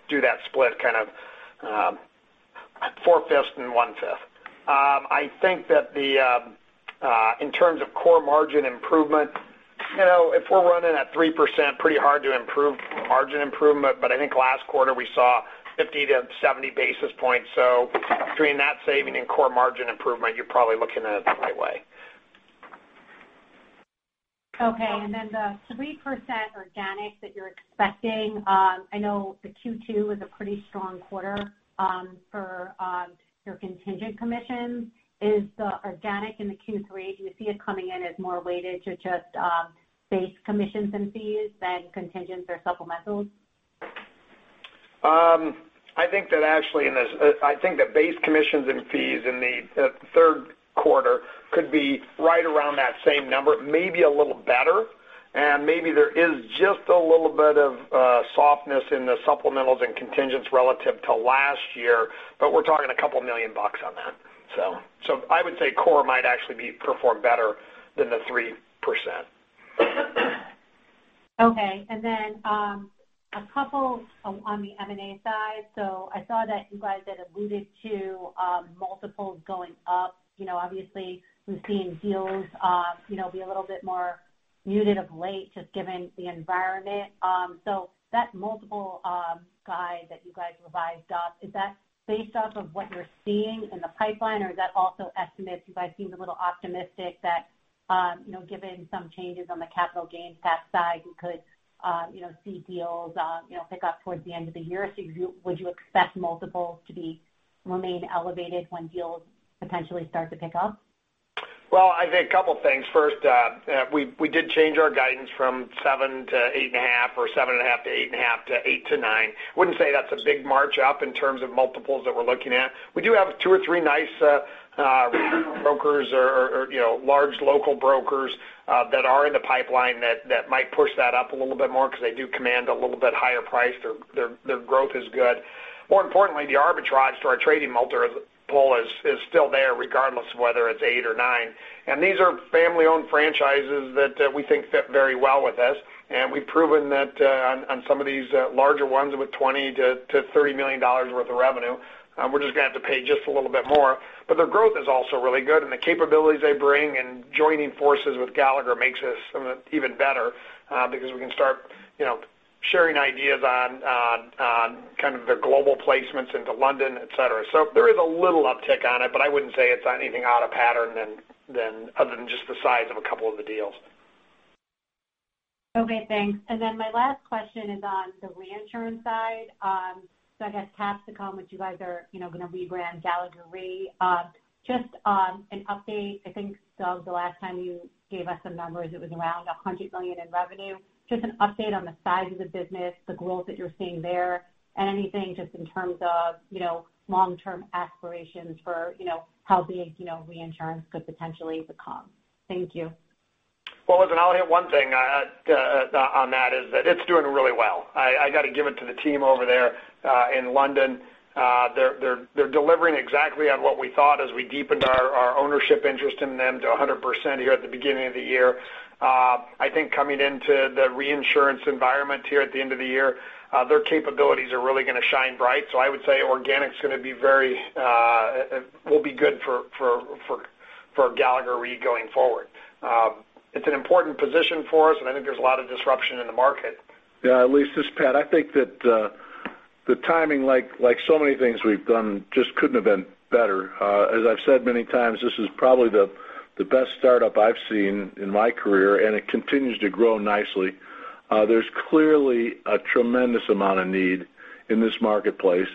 Do that split kind of four-fifths and one-fifth. I think that in terms of core margin improvement, if we're running at 3%, pretty hard to improve margin improvement, but I think last quarter we saw 50-70 basis points. Between that saving and core margin improvement, you're probably looking at it the right way. Okay. The 3% organic that you're expecting, I know the Q2 was a pretty strong quarter for your contingent commissions. Is the organic in the Q3, do you see it coming in as more weighted to just base commissions and fees than contingents or supplementals? I think that actually in this I think that base commissions and fees in the third quarter could be right around that same number, maybe a little better. And maybe there is just a little bit of softness in the supplementals and contingents relative to last year, but we're talking a couple of million bucks on that. So I would say core might actually perform better than the 3%. Okay. And then a couple on the M&A side. I saw that you guys had alluded to multiples going up. Obviously, we've seen deals be a little bit more muted of late just given the environment. That multiple guide that you guys revised up, is that based off of what you're seeing in the pipeline, or is that also estimates? You guys seem a little optimistic that given some changes on the capital gains tax side, we could see deals pick up towards the end of the year. Would you expect multiples to remain elevated when deals potentially start to pick up? I think a couple of things. First, we did change our guidance from 7-8.5 or 7.5-8.5 to 8-9. I wouldn't say that's a big march up in terms of multiples that we're looking at. We do have two or three nice brokers or large local brokers that are in the pipeline that might push that up a little bit more because they do command a little bit higher price. Their growth is good. More importantly, the arbitrage to our trading multiple is still there regardless of whether it's 8 or 9. These are family-owned franchises that we think fit very well with us. We've proven that on some of these larger ones with $20 million-$30 million worth of revenue, we're just going to have to pay just a little bit more. Their growth is also really good, and the capabilities they bring and joining forces with Gallagher makes us even better because we can start sharing ideas on kind of their global placements into London, etc. There is a little uptick on it, but I would not say it is anything out of pattern other than just the size of a couple of the deals. Okay, thanks. My last question is on the reinsurance side. I guess Capsicum, which you guys are going to rebrand Gallagher Re, just an update. I think Doug, the last time you gave us the numbers, it was around $100 million in revenue. Just an update on the size of the business, the growth that you are seeing there, and anything just in terms of long-term aspirations for how big reinsurance could potentially become. Thank you. I will hit one thing on that, it is doing really well. I got to give it to the team over there in London. They're delivering exactly on what we thought as we deepened our ownership interest in them to 100% here at the beginning of the year. I think coming into the reinsurance environment here at the end of the year, their capabilities are really going to shine bright. I would say organic's going to be very, will be good for Gallagher Re going forward. It's an important position for us, and I think there's a lot of disruption in the market. Yeah, Elyse, this is Pat. I think that the timing, like so many things we've done, just couldn't have been better. As I've said many times, this is probably the best startup I've seen in my career, and it continues to grow nicely. There's clearly a tremendous amount of need in this marketplace,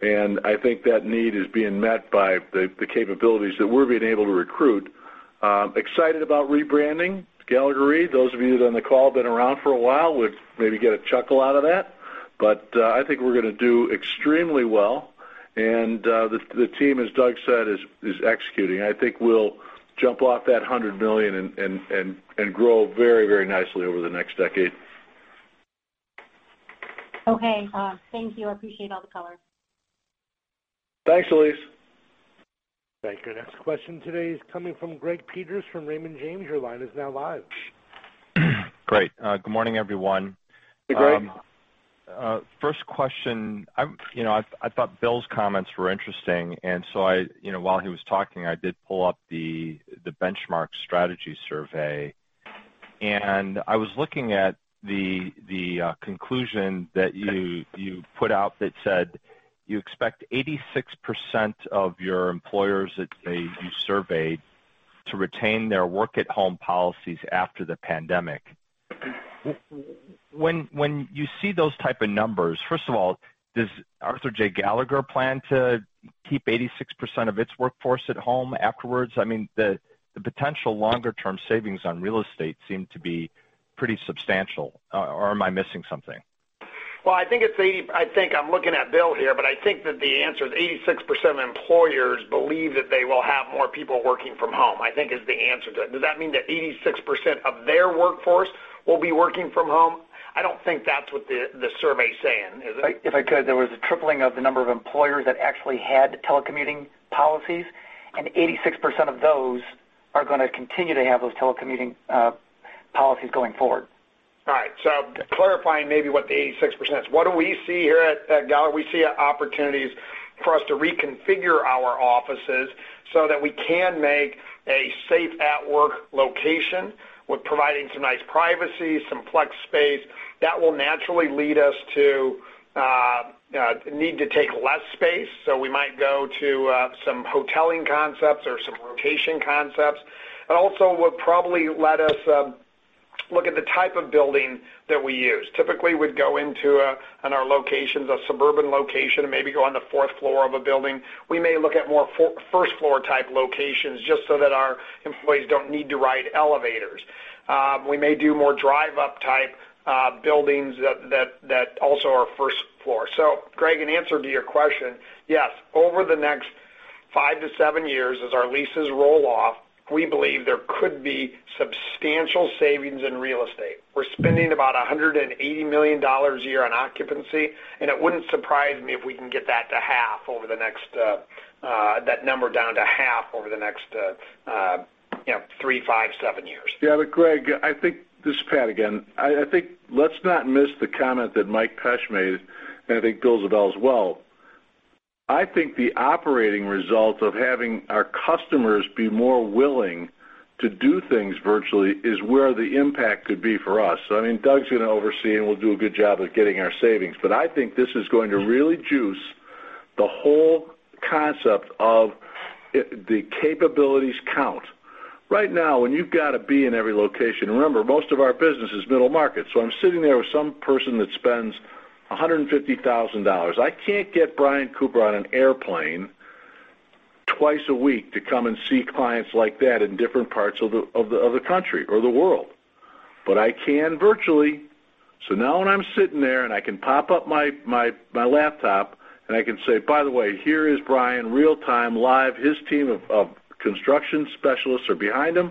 and I think that need is being met by the capabilities that we're being able to recruit. Excited about rebranding, Gallagher Re. Those of you that are on the call have been around for a while would maybe get a chuckle out of that. I think we're going to do extremely well, and the team, as Doug said, is executing. I think we'll jump off that $100 million and grow very, very nicely over the next decade. Okay. Thank you. I appreciate all the color. Thanks, Elyse. Thank you. Next question today is coming from Greg Peters from Raymond James. Your line is now live. Great. Good morning, everyone. Hey, Greg. First question. I thought Bill's comments were interesting, and while he was talking, I did pull up the benchmark strategy survey. I was looking at the conclusion that you put out that said you expect 86% of your employers that you surveyed to retain their work-at-home policies after the pandemic. When you see those types of numbers, first of all, does Arthur J. Gallagher plan to keep 86% of its workforce at home afterwards? I mean, the potential longer-term savings on real estate seem to be pretty substantial. Or am I missing something? I think it's 80 I think I'm looking at Bill here, but I think that the answer is 86% of employers believe that they will have more people working from home, I think, is the answer to it. Does that mean that 86% of their workforce will be working from home? I don't think that's what the survey's saying. If I could, there was a tripling of the number of employers that actually had telecommuting policies, and 86% of those are going to continue to have those telecommuting policies going forward. All right. Clarifying maybe what the 86% is. What do we see here at Gallagher? We see opportunities for us to reconfigure our offices so that we can make a safe-at-work location with providing some nice privacy, some flex space. That will naturally lead us to need to take less space, so we might go to some hoteling concepts or some rotation concepts. It also would probably let us look at the type of building that we use. Typically, we'd go into our locations, a suburban location, maybe go on the fourth floor of a building. We may look at more first-floor type locations just so that our employees don't need to ride elevators. We may do more drive-up type buildings that also are first floor. Greg, in answer to your question, yes, over the next five to seven years, as our leases roll off, we believe there could be substantial savings in real estate. We're spending about $180 million a year on occupancy, and it wouldn't surprise me if we can get that number down to half over the next three, five, seven years. Yeah, but Greg, I think this is Pat again. I think let's not miss the comment that Mike Pesch made, and I think Bill's about as well. I think the operating result of having our customers be more willing to do things virtually is where the impact could be for us. I mean, Doug's going to oversee, and we'll do a good job of getting our savings. I think this is going to really juice the whole concept of the capabilities count. Right now, when you've got to be in every location, remember, most of our business is middle market. So I'm sitting there with some person that spends $150,000. I can't get Brian Cooper on an airplane twice a week to come and see clients like that in different parts of the country or the world. I can virtually. Now when I'm sitting there and I can pop up my laptop and I can say, "By the way, here is Brian real-time live." His team of construction specialists are behind him.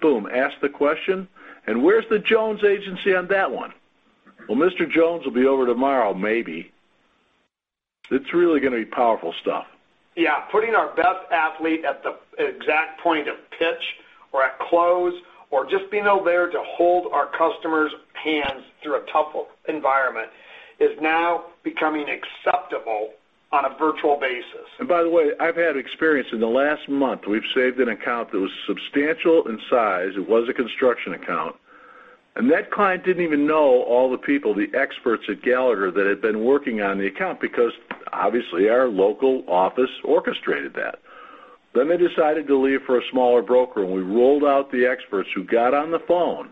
Boom, ask the question. Where's the Jones Agency on that one? Mr. Jones will be over tomorrow, maybe. It's really going to be powerful stuff. Yeah. Putting our best athlete at the exact point of pitch or at close or just being over there to hold our customers' hands through a tough environment is now becoming acceptable on a virtual basis. By the way, I've had experience in the last month. We've saved an account that was substantial in size. It was a construction account. That client didn't even know all the people, the experts at Gallagher that had been working on the account because, obviously, our local office orchestrated that. They decided to leave for a smaller broker, and we rolled out the experts who got on the phone.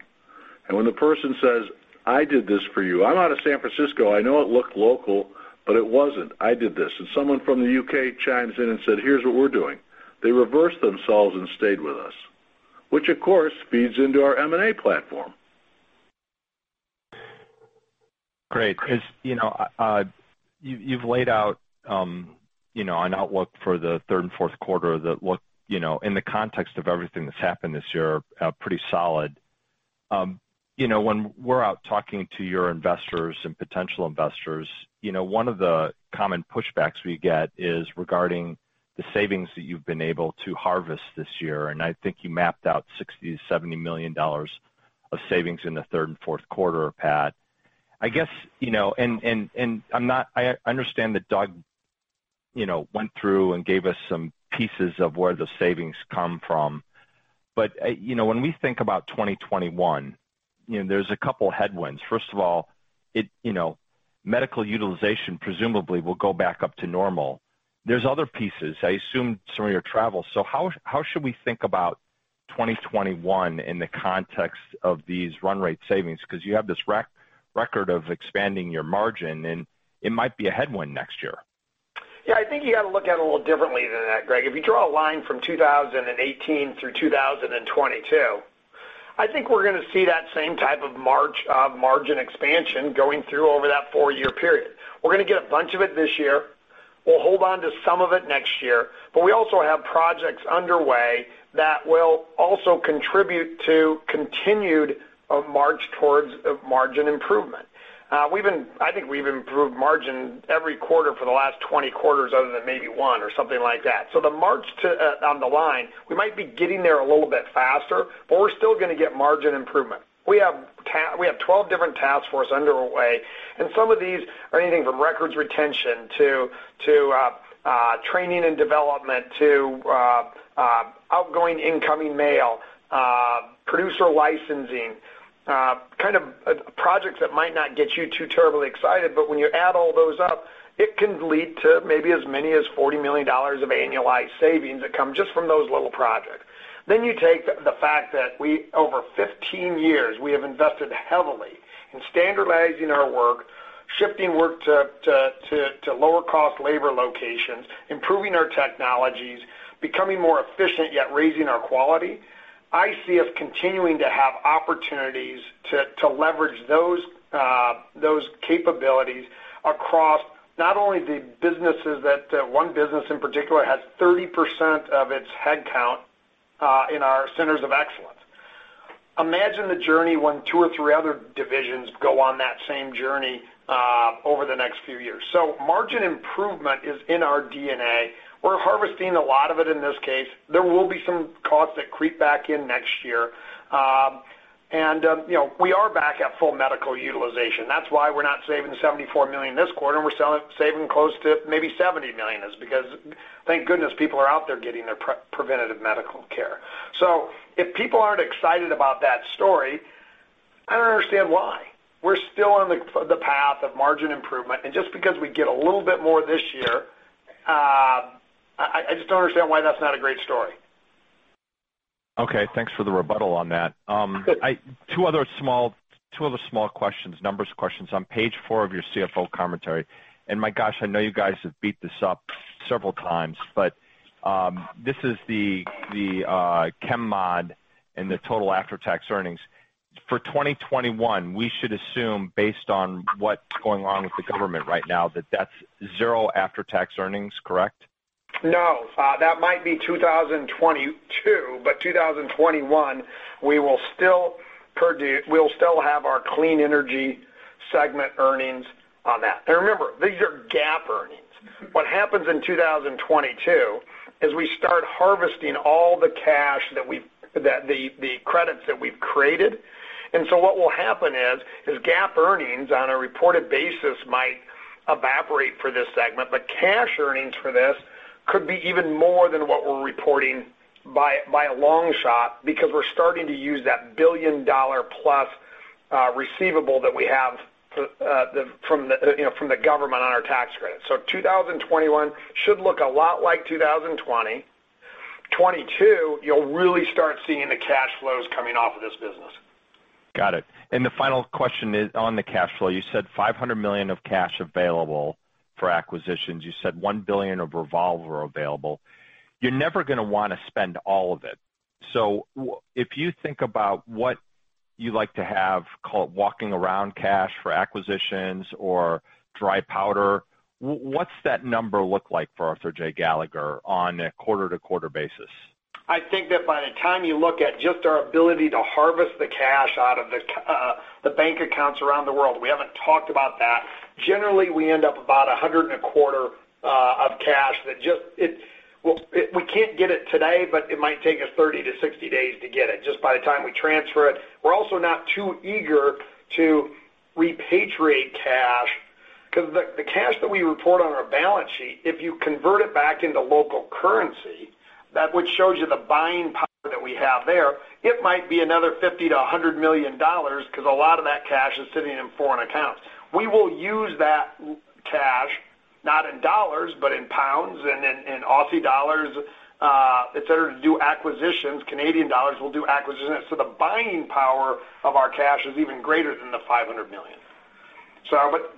When the person says, "I did this for you. I'm out of San Francisco. I know it looked local, but it wasn't. I did this." Someone from the U.K. chimes in and said, "Here's what we're doing." They reversed themselves and stayed with us, which, of course, feeds into our M&A platform. Great. You've laid out an outlook for the third and fourth quarter that look, in the context of everything that's happened this year, pretty solid. When we're out talking to your investors and potential investors, one of the common pushbacks we get is regarding the savings that you've been able to harvest this year. I think you mapped out $60 million-$70 million of savings in the third and fourth quarter, Pat. I guess, and I understand that Doug went through and gave us some pieces of where the savings come from. When we think about 2021, there's a couple of headwinds. First of all, medical utilization presumably will go back up to normal. There's other pieces. I assume some of your travel. How should we think about 2021 in the context of these run rate savings? Because you have this record of expanding your margin, and it might be a headwind next year. Yeah. I think you got to look at it a little differently than that, Greg. If you draw a line from 2018 through 2022, I think we're going to see that same type of margin expansion going through over that four-year period. We're going to get a bunch of it this year. We'll hold on to some of it next year. We also have projects underway that will also contribute to continued march towards margin improvement. I think we've improved margin every quarter for the last 20 quarters other than maybe one or something like that. The march on the line, we might be getting there a little bit faster, but we're still going to get margin improvement. We have 12 different task forces underway, and some of these are anything from records retention to training and development to outgoing incoming mail, producer licensing, kind of projects that might not get you too terribly excited. When you add all those up, it can lead to maybe as many as $40 million of annualized savings that come just from those little projects. You take the fact that over 15 years, we have invested heavily in standardizing our work, shifting work to lower-cost labor locations, improving our technologies, becoming more efficient, yet raising our quality. I see us continuing to have opportunities to leverage those capabilities across not only the businesses that one business in particular has 30% of its headcount in our centers of excellence. Imagine the journey when two or three other divisions go on that same journey over the next few years. Margin improvement is in our DNA. We're harvesting a lot of it in this case. There will be some costs that creep back in next year. We are back at full medical utilization. That's why we're not saving $74 million this quarter, and we're saving close to maybe $70 million because, thank goodness, people are out there getting their preventative medical care. If people aren't excited about that story, I don't understand why. We're still on the path of margin improvement. Just because we get a little bit more this year, I just don't understand why that's not a great story. Okay. Thanks for the rebuttal on that. Two other small questions, numbers questions on page four of your CFO commentary. My gosh, I know you guys have beat this up several times, but this is the Chem-Mod and the total after-tax earnings. For 2021, we should assume, based on what's going on with the government right now, that that's zero after-tax earnings, correct? No. That might be 2022, but 2021, we will still have our clean energy segment earnings on that. Remember, these are GAAP earnings. What happens in 2022 is we start harvesting all the cash that we've, the credits that we've created. What will happen is GAAP earnings on a reported basis might evaporate for this segment, but cash earnings for this could be even more than what we're reporting by a long shot because we're starting to use that billion-dollar-plus receivable that we have from the government on our tax credit. 2021 should look a lot like 2020. 2022, you'll really start seeing the cash flows coming off of this business. Got it. The final question on the cash flow. You said $500 million of cash available for acquisitions. You said $1 billion of revolver available. You're never going to want to spend all of it. If you think about what you'd like to have, call it walking-around cash for acquisitions or dry powder, what's that number look like for Arthur J. Gallagher on a quarter-to-quarter basis? I think that by the time you look at just our ability to harvest the cash out of the bank accounts around the world, we haven't talked about that. Generally, we end up about $100 million and a quarter of cash that just we can't get it today, but it might take us 30-60 days to get it just by the time we transfer it. We're also not too eager to repatriate cash because the cash that we report on our balance sheet, if you convert it back into local currency, that which shows you the buying power that we have there, it might be another $50 million-$100 million because a lot of that cash is sitting in foreign accounts. We will use that cash, not in dollars, but in pounds and in AUD, etc., to do acquisitions. CAD will do acquisitions. So the buying power of our cash is even greater than the $500 million.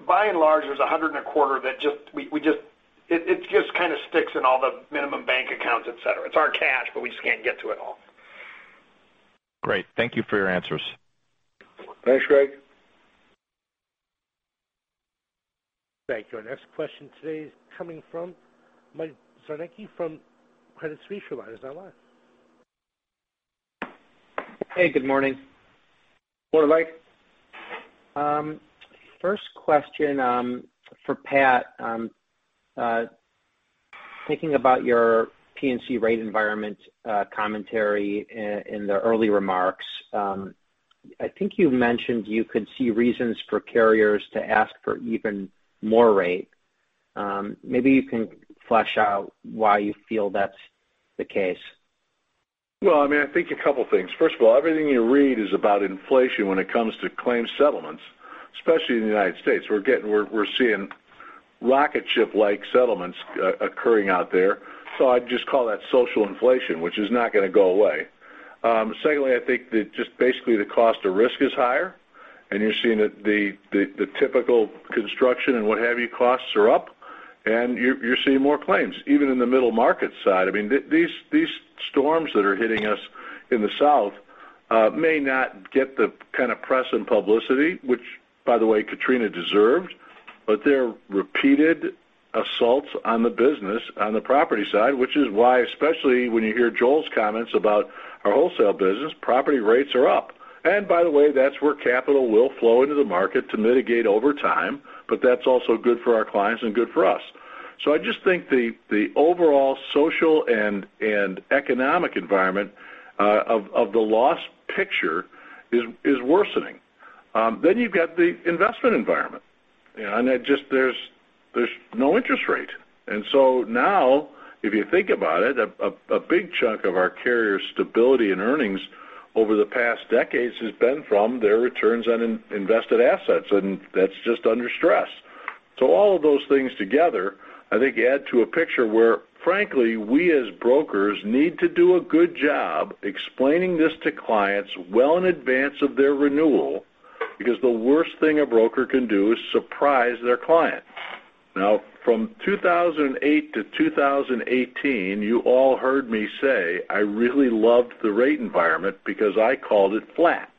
By and large, there's $100 million and a quarter that just kind of sticks in all the minimum bank accounts, etc. It's our cash, but we just can't get to it all. Great. Thank you for your answers. Thanks, Greg. Thank you. Our next question today is coming from Mike Zernick from Credit Suisse Reliance. How are you? Hey. Good morning. Morning, Mike. First question for Pat, thinking about your P&C rate environment commentary in the early remarks, I think you mentioned you could see reasons for carriers to ask for even more rate. Maybe you can flesh out why you feel that's the case. I mean, I think a couple of things. First of all, everything you read is about inflation when it comes to claim settlements, especially in the United States. We're seeing rocket-ship-like settlements occurring out there. I'd just call that social inflation, which is not going to go away. Secondly, I think that just basically the cost of risk is higher, and you're seeing that the typical construction and what have you costs are up, and you're seeing more claims, even in the middle market side. I mean, these storms that are hitting us in the south may not get the kind of press and publicity, which, by the way, Katrina deserved, but they're repeated assaults on the business, on the property side, which is why, especially when you hear Joe's comments about our wholesale business, property rates are up. By the way, that's where capital will flow into the market to mitigate over time, but that's also good for our clients and good for us. I just think the overall social and economic environment of the loss picture is worsening. You have the investment environment, and there's no interest rate. Now, if you think about it, a big chunk of our carrier stability and earnings over the past decades has been from their returns on invested assets, and that's just under stress. All of those things together, I think, add to a picture where, frankly, we as brokers need to do a good job explaining this to clients well in advance of their renewal because the worst thing a broker can do is surprise their client. Now, from 2008 to 2018, you all heard me say I really loved the rate environment because I called it flat.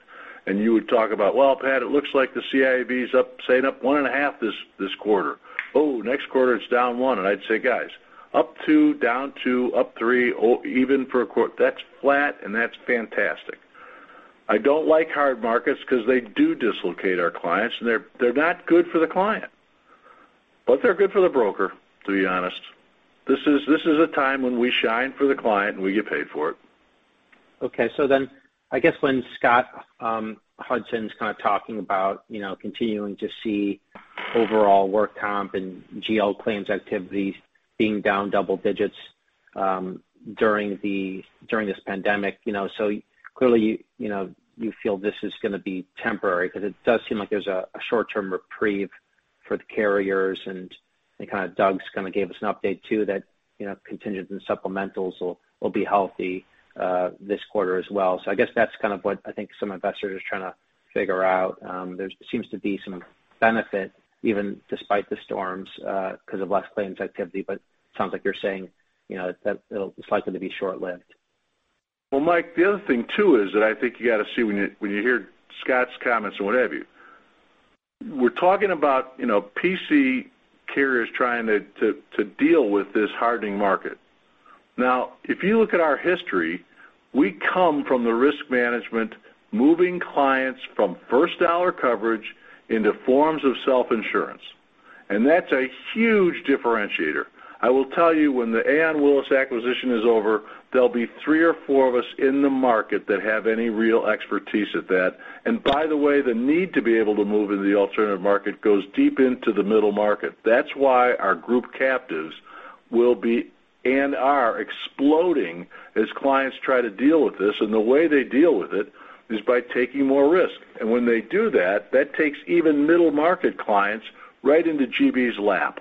You would talk about, "Well, Pat, it looks like the CIB is saying up one and a half this quarter. Oh, next quarter, it's down one." I'd say, "Guys, up two, down two, up three, even for a quarter. That's flat, and that's fantastic." I don't like hard markets because they do dislocate our clients, and they're not good for the client, but they're good for the broker, to be honest. This is a time when we shine for the client, and we get paid for it. Okay. I guess when Scott Hudson's kind of talking about continuing to see overall work comp and GL claims activities being down double digits during this pandemic, clearly, you feel this is going to be temporary because it does seem like there's a short-term reprieve for the carriers. Doug's kind of gave us an update too that contingent and supplementals will be healthy this quarter as well. I guess that's kind of what I think some investors are trying to figure out. There seems to be some benefit, even despite the storms, because of less claims activity. It sounds like you're saying that it's likely to be short-lived. Mike, the other thing too is that I think you got to see when you hear Scott's comments and what have you. We're talking about PC carriers trying to deal with this hardening market. Now, if you look at our history, we come from the risk management, moving clients from first dollar coverage into forms of self-insurance. That's a huge differentiator. I will tell you, when the Aon Willis acquisition is over, there'll be three or four of us in the market that have any real expertise at that. By the way, the need to be able to move into the alternative market goes deep into the middle market. That's why our group captives will be and are exploding as clients try to deal with this. The way they deal with it is by taking more risk. When they do that, that takes even middle market clients right into GB's lap.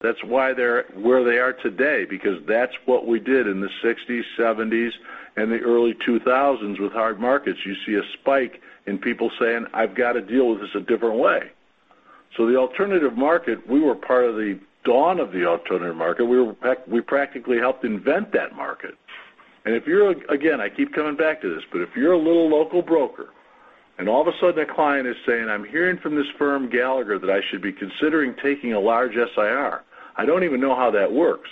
That's why they're where they are today because that's what we did in the 1960s, 1970s, and the early 2000s with hard markets. You see a spike in people saying, "I've got to deal with this a different way." The alternative market, we were part of the dawn of the alternative market. We practically helped invent that market. I keep coming back to this, but if you're a little local broker and all of a sudden a client is saying, "I'm hearing from this firm, Gallagher, that I should be considering taking a large SIR," I don't even know how that works.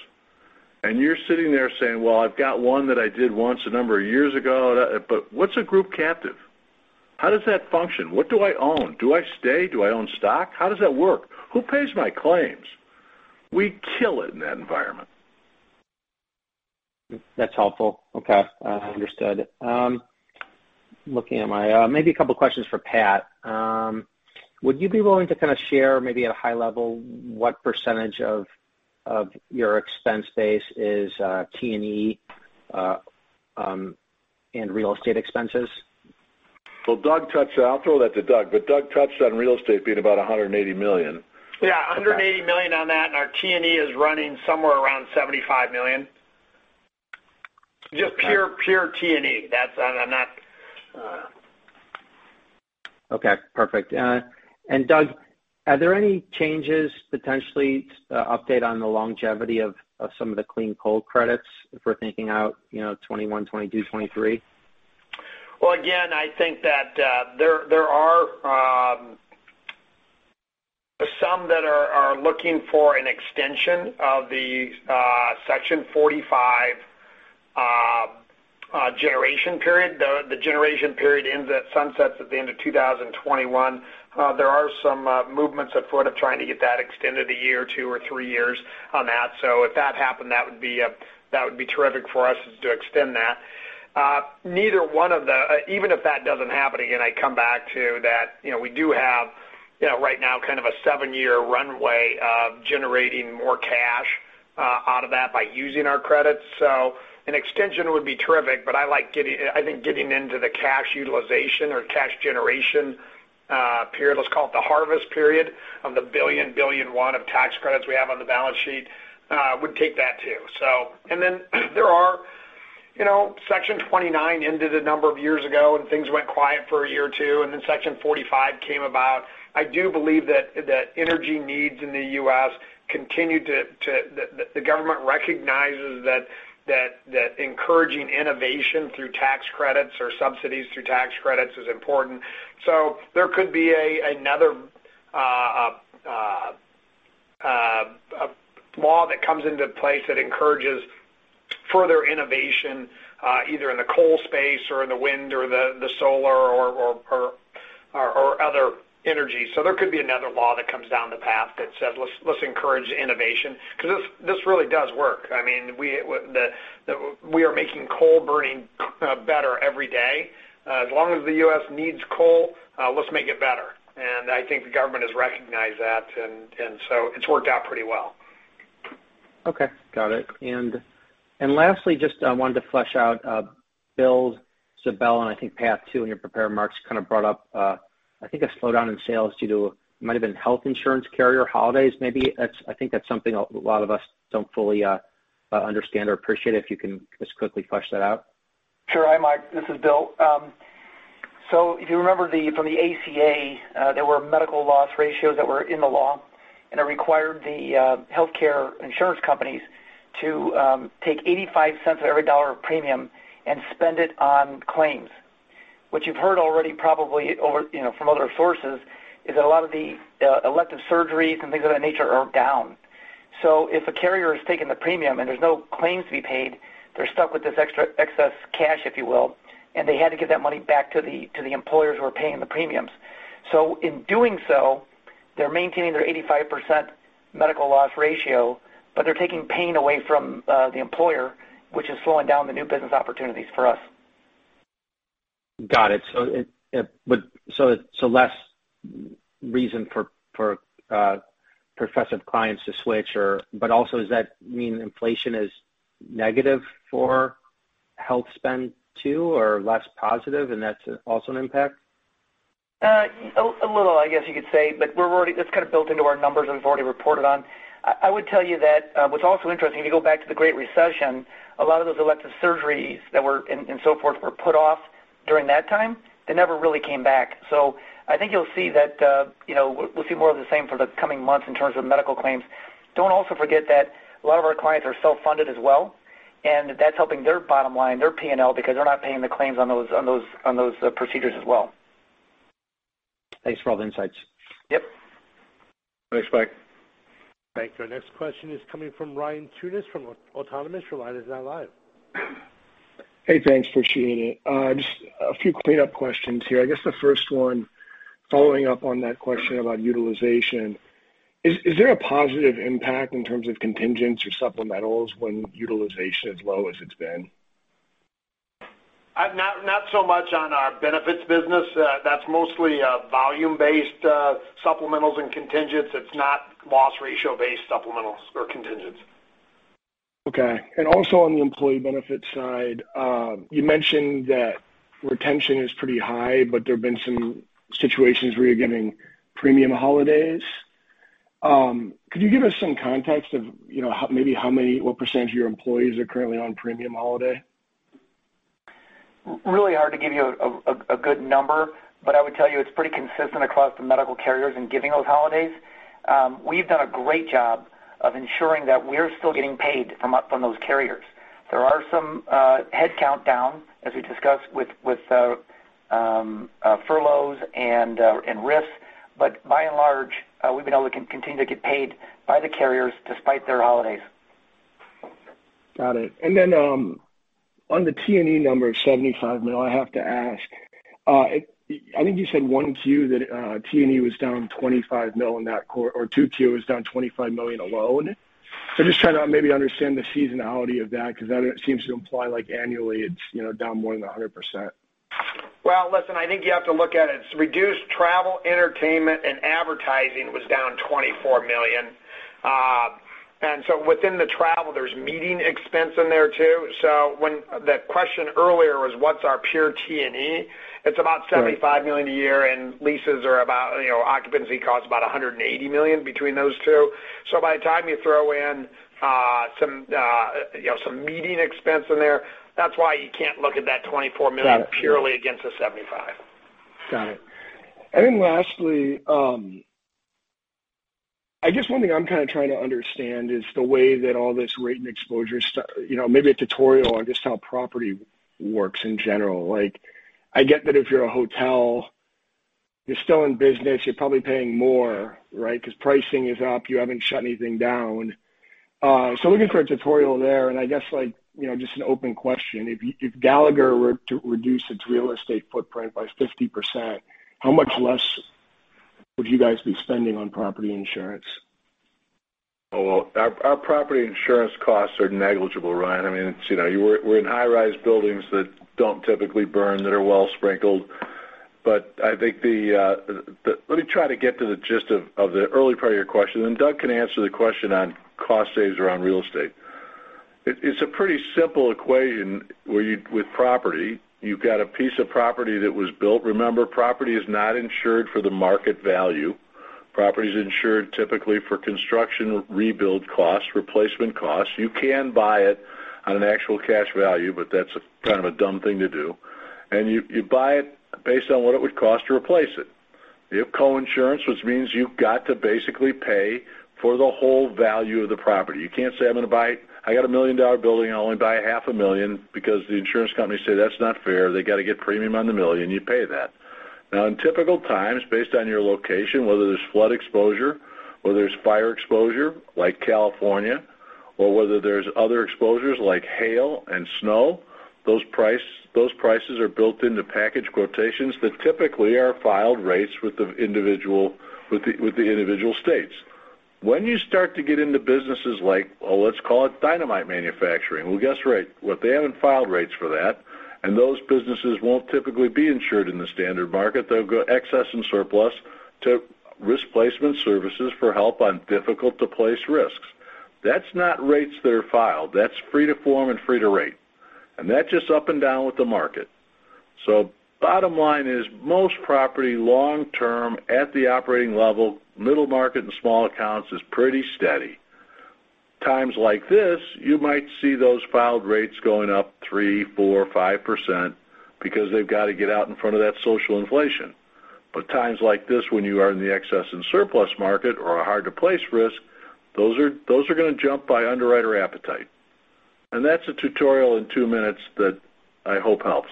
You're sitting there saying, "I've got one that I did once a number of years ago." What's a group captive? How does that function? What do I own? Do I stay? Do I own stock? How does that work? Who pays my claims? We kill it in that environment. That's helpful. Okay. Understood. Looking at my maybe a couple of questions for Pat. Would you be willing to kind of share maybe at a high level what percentage of your expense base is T&E and real estate expenses? Doug touched I'll throw that to Doug, but Doug touched on real estate being about $180 million. Yeah. $180 million on that, and our T&E is running somewhere around $75 million. Just pure T&E. Okay. Perfect. Doug, are there any changes potentially to update on the longevity of some of the clean coal credits if we're thinking out 2021, 2022, 2023? Again, I think that there are some that are looking for an extension of the Section 45 generation period. The generation period ends, it sunsets at the end of 2021. There are some movements afoot of trying to get that extended a year, two or three years on that. If that happened, that would be terrific for us to extend that. Even if that does not happen, again, I come back to that we do have right now kind of a seven-year runway of generating more cash out of that by using our credits. An extension would be terrific, but I think getting into the cash utilization or cash generation period, let's call it the harvest period of the billion, billion one of tax credits we have on the balance sheet, would take that too. Section 29 ended a number of years ago, and things went quiet for a year or two, and then Section 45 came about. I do believe that energy needs in the U.S. continue to the government recognizes that encouraging innovation through tax credits or subsidies through tax credits is important. There could be another law that comes into place that encourages further innovation either in the coal space or in the wind or the solar or other energy. There could be another law that comes down the path that says, "Let's encourage innovation," because this really does work. I mean, we are making coal burning better every day. As long as the U.S. needs coal, let's make it better. I think the government has recognized that, and it has worked out pretty well. Okay. Got it. Lastly, just wanted to flesh out Bill Ziebell, and I think Pat too in your prepared remarks kind of brought up, I think, a slowdown in sales due to it might have been health insurance carrier holidays. Maybe I think that's something a lot of us don't fully understand or appreciate. If you can just quickly flesh that out. Sure. Hi, Mike. This is Bill. If you remember from the ACA, there were medical loss ratios that were in the law, and it required the healthcare insurance companies to take 85 cents of every dollar of premium and spend it on claims. What you've heard already probably from other sources is that a lot of the elective surgeries and things of that nature are down. If a carrier has taken the premium and there's no claims to be paid, they're stuck with this excess cash, if you will, and they had to give that money back to the employers who are paying the premiums. In doing so, they're maintaining their 85% medical loss ratio, but they're taking pain away from the employer, which is slowing down the new business opportunities for us. Got it. Less reason for professive clients to switch, but also does that mean inflation is negative for health spend too or less positive, and that's also an impact? A little, I guess you could say, but that's kind of built into our numbers that we've already reported on. I would tell you that what's also interesting, if you go back to the Great Recession, a lot of those elective surgeries and so forth were put off during that time. They never really came back. I think you'll see that we'll see more of the same for the coming months in terms of medical claims. Don't also forget that a lot of our clients are self-funded as well, and that's helping their bottom line, their P&L, because they're not paying the claims on those procedures as well. Thanks for all the insights. Yep. Thanks, Mike. Thank you. Our next question is coming from Ryan Tunis from Autonomous Research Now Live. Hey, thanks. Appreciate it. Just a few cleanup questions here. I guess the first one, following up on that question about utilization, is there a positive impact in terms of contingents or supplementals when utilization is low as it's been? Not so much on our benefits business. That's mostly volume-based supplementals and contingents. It's not loss ratio-based supplementals or contingents. Okay. Also on the employee benefits side, you mentioned that retention is pretty high, but there have been some situations where you're getting premium holidays. Could you give us some context of maybe what % of your employees are currently on premium holiday? Really hard to give you a good number, but I would tell you it's pretty consistent across the medical carriers in giving those holidays. We've done a great job of ensuring that we're still getting paid from those carriers. There are some headcount down, as we discussed with furloughs and risks, but by and large, we've been able to continue to get paid by the carriers despite their holidays. Got it. Then on the T&E number of $75 million, I have to ask, I think you said one Q that T&E was down $25 million or two Q was down $25 million alone. Just trying to maybe understand the seasonality of that because that seems to imply annually it's down more than 100%. I think you have to look at it. It's reduced travel, entertainment, and advertising was down $24 million. Within the travel, there's meeting expense in there too. The question earlier was, what's our pure T&E? It's about $75 million a year, and leases are about occupancy costs about $180 million between those two. By the time you throw in some meeting expense in there, that's why you can't look at that $24 million purely against the $75 million. Got it. Lastly, I guess one thing I'm kind of trying to understand is the way that all this rate and exposure, maybe a tutorial on just how property works in general. I get that if you're a hotel, you're still in business, you're probably paying more, right, because pricing is up, you haven't shut anything down. Looking for a tutorial there, and I guess just an open question, if Gallagher were to reduce its real estate footprint by 50%, how much less would you guys be spending on property insurance? Oh, our property insurance costs are negligible, Ryan. I mean, we're in high-rise buildings that don't typically burn, that are well sprinkled. I think let me try to get to the gist of the early part of your question, and Doug can answer the question on cost saves around real estate. It's a pretty simple equation with property. You've got a piece of property that was built. Remember, property is not insured for the market value. Property is insured typically for construction, rebuild costs, replacement costs. You can buy it on an actual cash value, but that's kind of a dumb thing to do. You buy it based on what it would cost to replace it. You have co-insurance, which means you've got to basically pay for the whole value of the property. You can't say, "I'm going to buy it. I got a $1 million building. I only buy $500,000 because the insurance company said that's not fair. They got to get premium on the $1 million." You pay that. Now, in typical times, based on your location, whether there's flood exposure, whether there's fire exposure like California, or whether there's other exposures like hail and snow, those prices are built into package quotations that typically are filed rates with the individual states. When you start to get into businesses like, well, let's call it dynamite manufacturing, guess what? They haven't filed rates for that. Those businesses won't typically be insured in the standard market. They'll go excess and surplus to Risk Placement Services for help on difficult-to-place risks. That's not rates that are filed. That's free to form and free to rate. That's just up and down with the market. Bottom line is most property long-term at the operating level, middle market, and small accounts is pretty steady. Times like this, you might see those filed rates going up 3%, 4%, 5% because they've got to get out in front of that social inflation. Times like this, when you are in the excess and surplus market or a hard-to-place risk, those are going to jump by underwriter appetite. That's a tutorial in two minutes that I hope helps.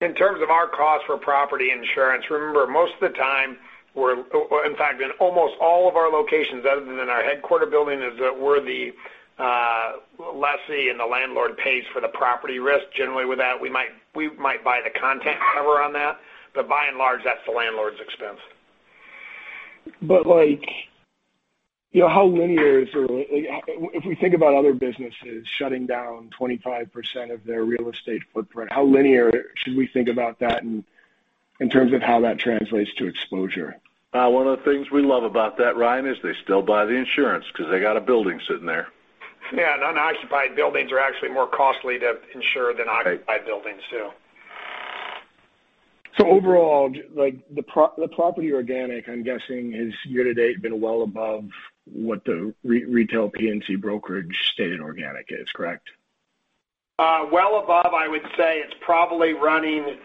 In terms of our cost for property insurance, remember, most of the time, in fact, in almost all of our locations other than our headquarter building, it's where the lessee and the landlord pays for the property risk. Generally, with that, we might buy the content cover on that. By and large, that's the landlord's expense. How linear is there? If we think about other businesses shutting down 25% of their real estate footprint, how linear should we think about that in terms of how that translates to exposure? One of the things we love about that, Ryan, is they still buy the insurance because they got a building sitting there. Non-occupied buildings are actually more costly to insure than occupied buildings do. Overall, the property organic, I'm guessing, has year to date been well above what the retail P&C brokerage stated organic is, correct? Above, I would say it's probably running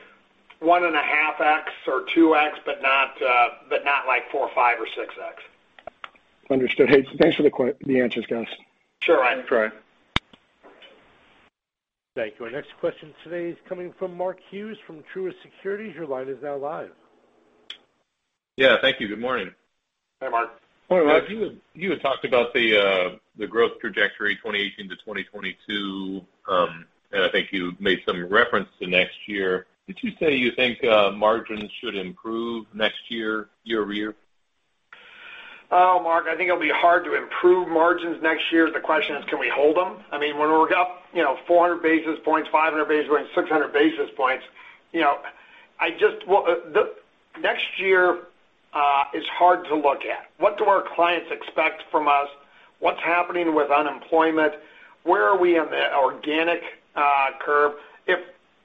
one and a half X or two X, but not like four, five, or six X. Understood.Hey, thanks for the answers, guys. Sure, Ryan. All right. Thank you. Our next question today is coming from Mark Hughes from Truist Securities. Your line is now live. Yeah. Thank you. Good morning. Hey, Mark. Morning, Mark. You had talked about the growth trajectory 2018 to 2022, and I think you made some reference to next year. Did you say you think margins should improve next year, year-over-year? Oh, Mark, I think it'll be hard to improve margins next year. The question is, can we hold them? I mean, when we're up 400 basis points, 500 basis points, 600 basis points, next year is hard to look at. What do our clients expect from us? What's happening with unemployment? Where are we on the organic curve? If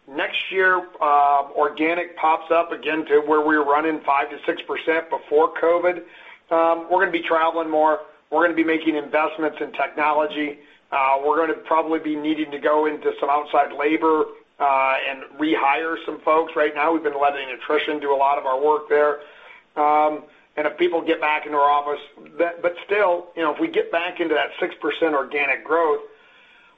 next year organic pops up again to where we were running 5-6% before COVID, we're going to be traveling more. We're going to be making investments in technology. We're going to probably be needing to go into some outside labor and rehire some folks. Right now, we've been letting attrition do a lot of our work there. If people get back into our office but still, if we get back into that 6% organic growth,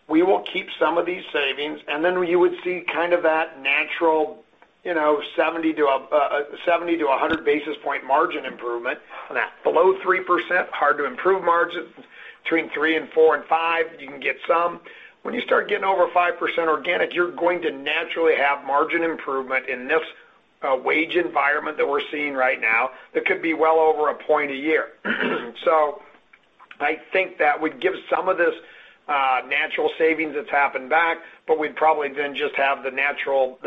we will keep some of these savings. You would see kind of that natural 70-100 basis point margin improvement. Below 3%, hard to improve margin. Between three and four and 5, you can get some. When you start getting over 5% organic, you're going to naturally have margin improvement in this wage environment that we're seeing right now that could be well over a point a year. I think that would give some of this natural savings that's happened back, but we'd probably then just have the natural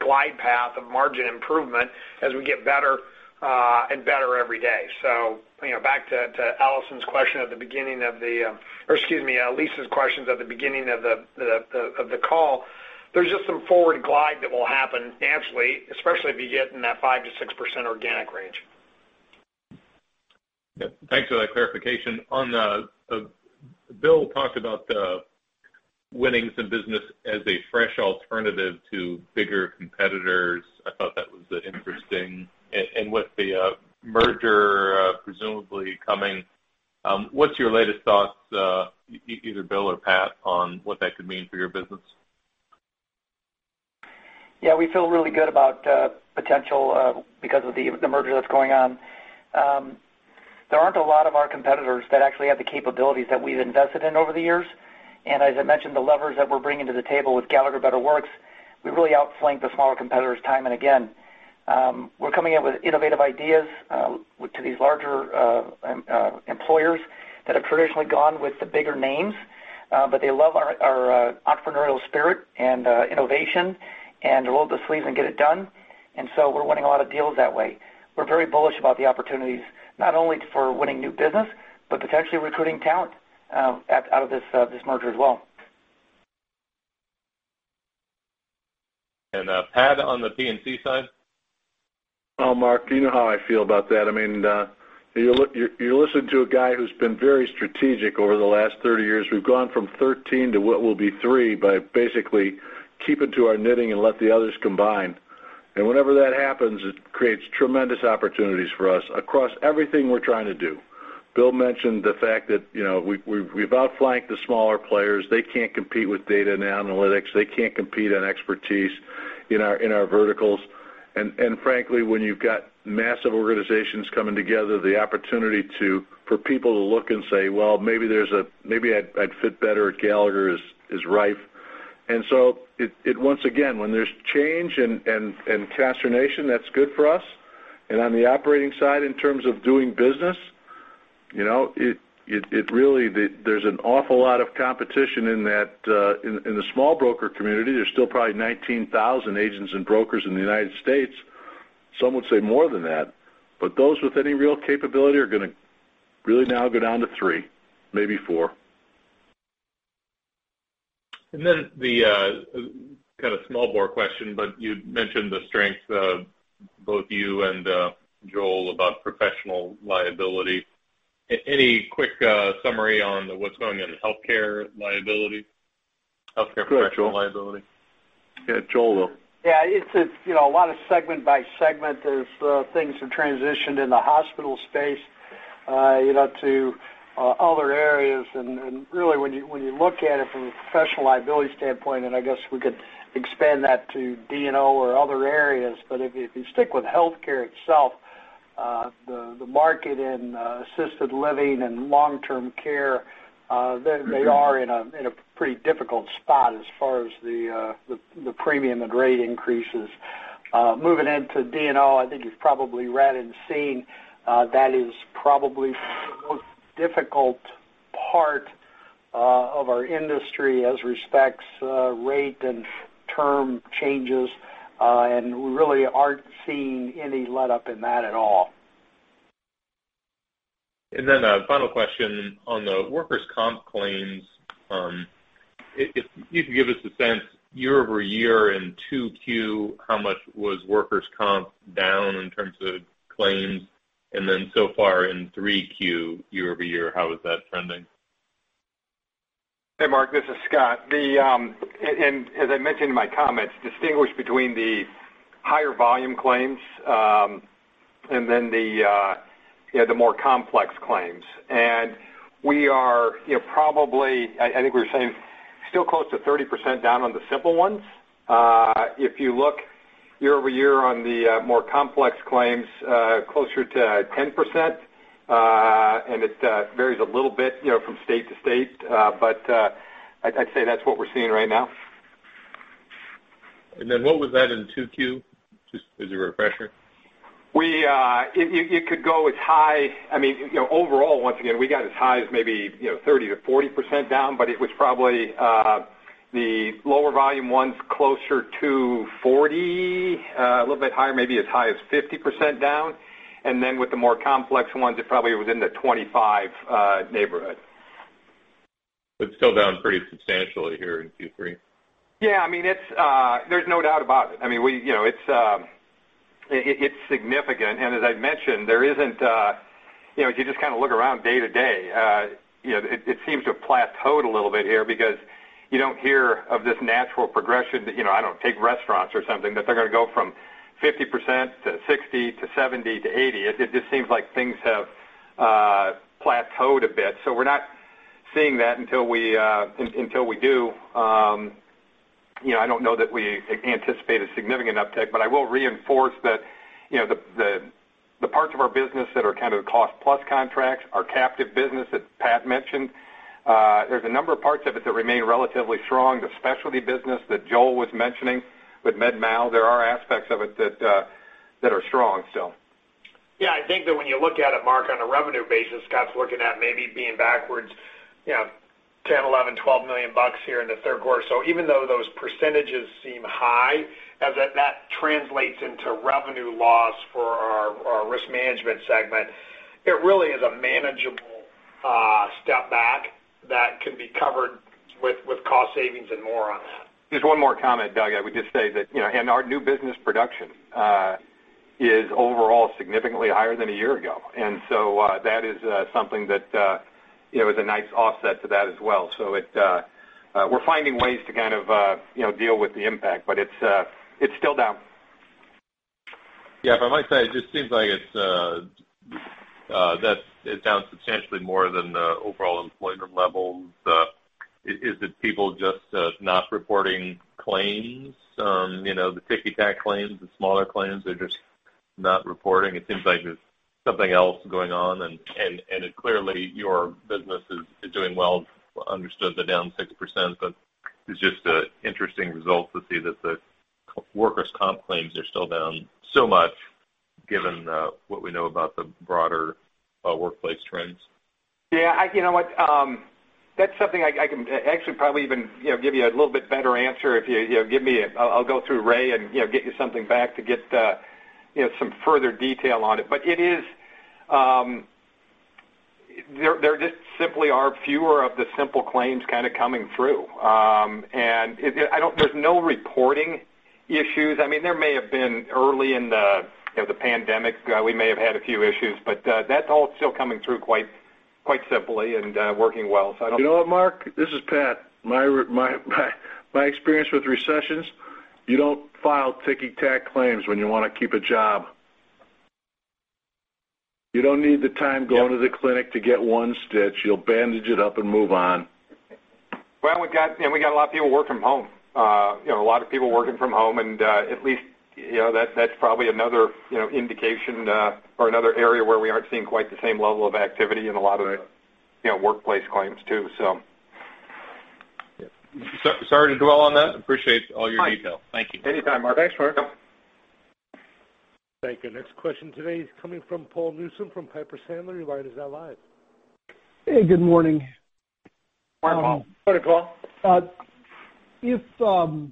glide path of margin improvement as we get better and better every day. Back to Allison's question at the beginning of the or excuse me, Lisa's questions at the beginning of the call, there's just some forward glide that will happen naturally, especially if you get in that 5-6% organic range. Thanks for that clarification. Bill talked about winning some business as a fresh alternative to bigger competitors. I thought that was interesting. With the merger presumably coming, what's your latest thoughts, either Bill or Pat, on what that could mean for your business? Yeah. We feel really good about potential because of the merger that's going on. There aren't a lot of our competitors that actually have the capabilities that we've invested in over the years. As I mentioned, the levers that we're bringing to the table with Gallagher Better Works, we really outflank the smaller competitors time and again. We're coming up with innovative ideas to these larger employers that have traditionally gone with the bigger names, but they love our entrepreneurial spirit and innovation and roll up the sleeves and get it done. We're winning a lot of deals that way. We're very bullish about the opportunities, not only for winning new business, but potentially recruiting talent out of this merger as well. Pat, on the P&C side? Oh, Mark, you know how I feel about that. I mean, you're listening to a guy who's been very strategic over the last 30 years. We've gone from 13 to what will be 3 by basically keeping to our knitting and let the others combine. Whenever that happens, it creates tremendous opportunities for us across everything we're trying to do. Bill mentioned the fact that we've outflanked the smaller players. They can't compete with data and analytics. They can't compete on expertise in our verticals. Frankly, when you've got massive organizations coming together, the opportunity for people to look and say, "Maybe I'd fit better at Gallagher is rife." Once again, when there's change and consternation, that's good for us. On the operating side, in terms of doing business, really, there's an awful lot of competition in the small broker community. There's still probably 19,000 agents and brokers in the U.S. Some would say more than that. Those with any real capability are going to really now go down to three, maybe four. The kind of small bore question, but you'd mentioned the strength, both you and Joe, about professional liability. Any quick summary on what's going on in healthcare liability, healthcare professional liability? Yeah. Joe, though. Yeah. It's a lot of segment by segment as things have transitioned in the hospital space to other areas. Really, when you look at it from a professional liability standpoint, and I guess we could expand that to D&O or other areas, but if you stick with healthcare itself, the market in assisted living and long-term care, they are in a pretty difficult spot as far as the premium and rate increases. Moving into D&O, I think you've probably read and seen that is probably the most difficult part of our industry as respects rate and term changes. We really aren't seeing any let-up in that at all. A final question on the workers' comp claims. If you could give us a sense, year-over-year in 2Q, how much was workers' comp down in terms of claims? So far in 3Q, year-over-year, how is that trending? Hey, Mark. This is Scott. As I mentioned in my comments, distinguish between the higher volume claims and then the more complex claims. We are probably, I think we were saying, still close to 30% down on the simple ones. If you look year-over-year on the more complex claims, closer to 10%. It varies a little bit from state to state, but I'd say that's what we're seeing right now. What was that in 2Q? Just as a refresher. It could go as high. I mean, overall, once again, we got as high as maybe 30-40% down, but it was probably the lower volume ones closer to 40%, a little bit higher, maybe as high as 50% down. With the more complex ones, it probably was in the 25% neighborhood. Still down pretty substantially here in Q3. Yeah. I mean, there's no doubt about it. I mean, it's significant. As I mentioned, there isn't, if you just kind of look around day to day, it seems to have plateaued a little bit here because you don't hear of this natural progression. I don't know, take restaurants or something, that they're going to go from 50% to 60% to 70% to 80%. It just seems like things have plateaued a bit. We are not seeing that until we do. I don't know that we anticipate a significant uptick, but I will reinforce that the parts of our business that are kind of cost-plus contracts, our captive business that Pat mentioned, there's a number of parts of it that remain relatively strong, the specialty business that Joe was mentioning with MedMal. There are aspects of it that are strong still. Yeah. I think that when you look at it, Mark, on a revenue basis, Scott's looking at maybe being backwards $10 million, $11 million, $12 million here in the third quarter. Even though those percentages seem high, as that translates into revenue loss for our risk management segment, it really is a manageable step back that can be covered with cost savings and more on that. Just one more comment, Doug. I would just say that our new business production is overall significantly higher than a year ago. That is something that is a nice offset to that as well. We're finding ways to kind of deal with the impact, but it's still down. Yeah. If I might say, it just seems like it's down substantially more than the overall employment levels. Is it people just not reporting claims? The ticky-tack claims, the smaller claims, they're just not reporting. It seems like there's something else going on. Clearly, your business is doing well. Understood the down 6%, but it's just an interesting result to see that the workers' comp claims are still down so much given what we know about the broader workplace trends. Yeah. You know what? That's something I can actually probably even give you a little bit better answer if you give me a—I’ll go through Ray and get you something back to get some further detail on it. It is there just simply are fewer of the simple claims kind of coming through. There's no reporting issues. I mean, there may have been early in the pandemic, we may have had a few issues, but that's all still coming through quite simply and working well. I don't know. You know what, Mark? This is Pat. My experience with recessions, you don't file ticky-tack claims when you want to keep a job. You don't need the time going to the clinic to get one stitch. You'll bandage it up and move on. We got a lot of people working from home. A lot of people working from home. At least that's probably another indication or another area where we aren't seeing quite the same level of activity in a lot of workplace claims too. Sorry to dwell on that. Appreciate all your details. Thank you. Anytime, Mark. Thanks, Mark. Thank you. Next question today is coming from Paul Newsom from Piper Sandler. He's now live. Hey, good morning. Morning, Paul. Morning, Paul.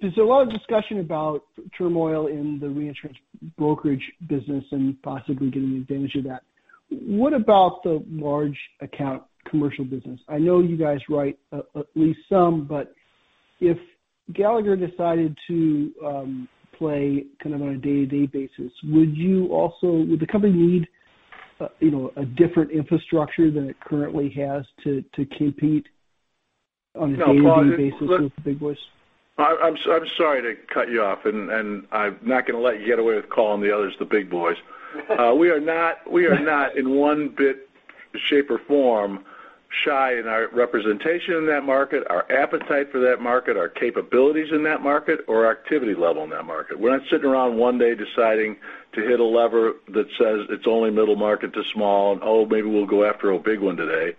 There's a lot of discussion about turmoil in the reinsurance brokerage business and possibly getting advantage of that. What about the large account commercial business? I know you guys write at least some, but if Gallagher decided to play kind of on a day-to-day basis, would the company need a different infrastructure than it currently has to compete on a day-to-day basis with the big boys? I'm sorry to cut you off, and I'm not going to let you get away with calling the others the big boys. We are not in one bit shape or form shy in our representation in that market, our appetite for that market, our capabilities in that market, or our activity level in that market. We're not sitting around one day deciding to hit a lever that says it's only middle market to small, and oh, maybe we'll go after a big one today.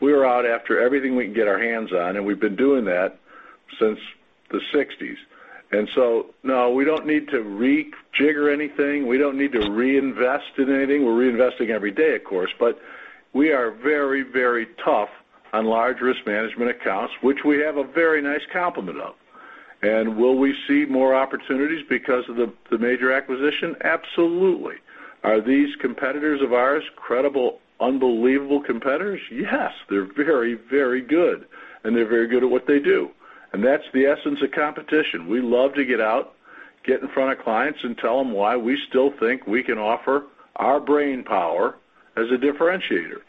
We are out after everything we can get our hands on, and we've been doing that since the 1960s. No, we don't need to rejigger anything. We don't need to reinvest in anything. We're reinvesting every day, of course. We are very, very tough on large risk management accounts, which we have a very nice complement of. Will we see more opportunities because of the major acquisition? Absolutely. Are these competitors of ours credible, unbelievable competitors? Yes. They're very, very good. They're very good at what they do. That's the essence of competition. We love to get out, get in front of clients, and tell them why we still think we can offer our brainpower as a differentiator.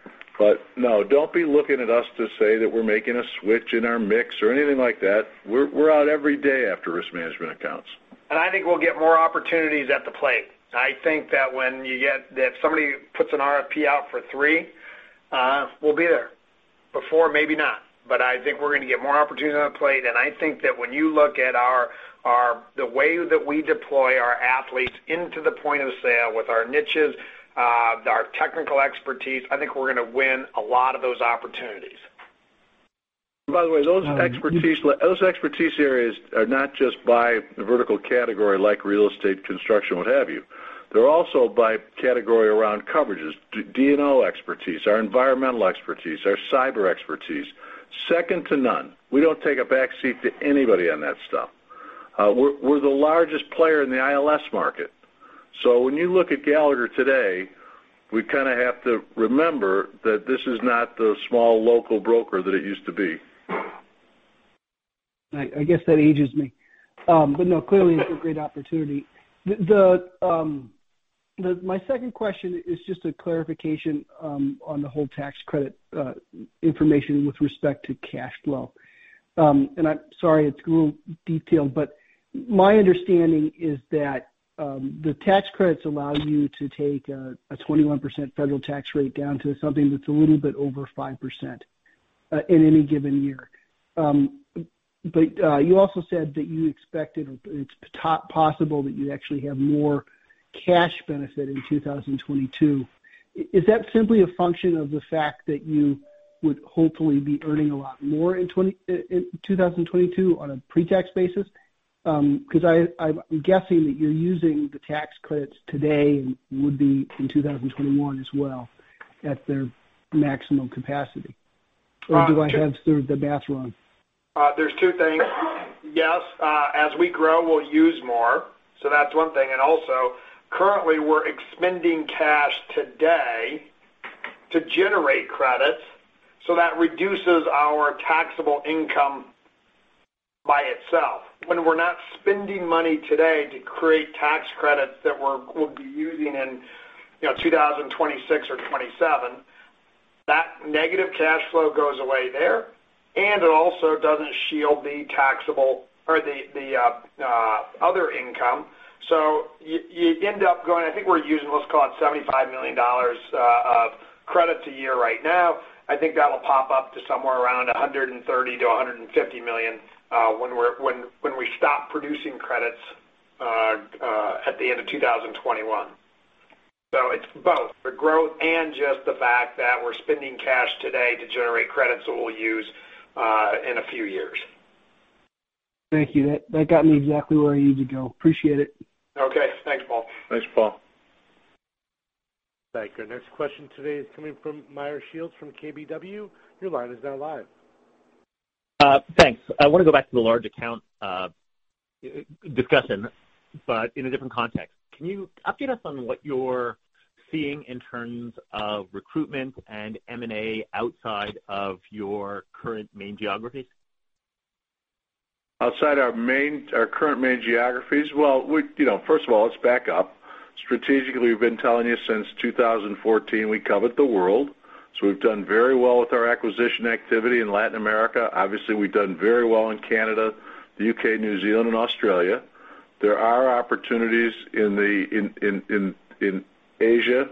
No, don't be looking at us to say that we're making a switch in our mix or anything like that. We're out every day after risk management accounts. I think we'll get more opportunities at the plate. I think that if somebody puts an RFP out for three, we'll be there. Before, maybe not. I think we're going to get more opportunities on the plate. I think that when you look at the way that we deploy our athletes into the point of sale with our niches, our technical expertise, I think we're going to win a lot of those opportunities. By the way, those expertise areas are not just by the vertical category like real estate, construction, what have you. They're also by category around coverages, D&O expertise, our environmental expertise, our cyber expertise. Second to none. We don't take a backseat to anybody on that stuff. We're the largest player in the ILS market. When you look at Gallagher today, we kind of have to remember that this is not the small local broker that it used to be. I guess that ages me. No, clearly, it's a great opportunity. My second question is just a clarification on the whole tax credit information with respect to cash flow. I'm sorry it's a little detailed, but my understanding is that the tax credits allow you to take a 21% federal tax rate down to something that's a little bit over 5% in any given year. You also said that you expected it's possible that you'd actually have more cash benefit in 2022. Is that simply a function of the fact that you would hopefully be earning a lot more in 2022 on a pre-tax basis? Because I'm guessing that you're using the tax credits today and would be in 2021 as well at their maximum capacity. Or do I have served the bath wrong? There's two things. Yes. As we grow, we'll use more. So that's one thing. Also, currently, we're expending cash today to generate credits so that reduces our taxable income by itself. When we're not spending money today to create tax credits that we'll be using in 2026 or 2027, that negative cash flow goes away there. It also doesn't shield the taxable or the other income. You end up going I think we're using, let's call it $75 million of credits a year right now. I think that will pop up to somewhere around $130 million-$150 million when we stop producing credits at the end of 2021. It's both the growth and just the fact that we're spending cash today to generate credits that we'll use in a few years. Thank you. That got me exactly where I need to go. Appreciate it. Okay. Thanks, Paul. Thanks, Paul. Thank you. Next question today is coming from Meyer Shields from KBW. Your line is now live. Thanks. I want to go back to the large account discussion, but in a different context. Can you update us on what you're seeing in terms of recruitment and M&A outside of your current main geographies? Outside our current main geographies? First of all, let's back up. Strategically, we've been telling you since 2014, we covered the world. We've done very well with our acquisition activity in Latin America. Obviously, we've done very well in Canada, the U.K., New Zealand, and Australia. There are opportunities in Asia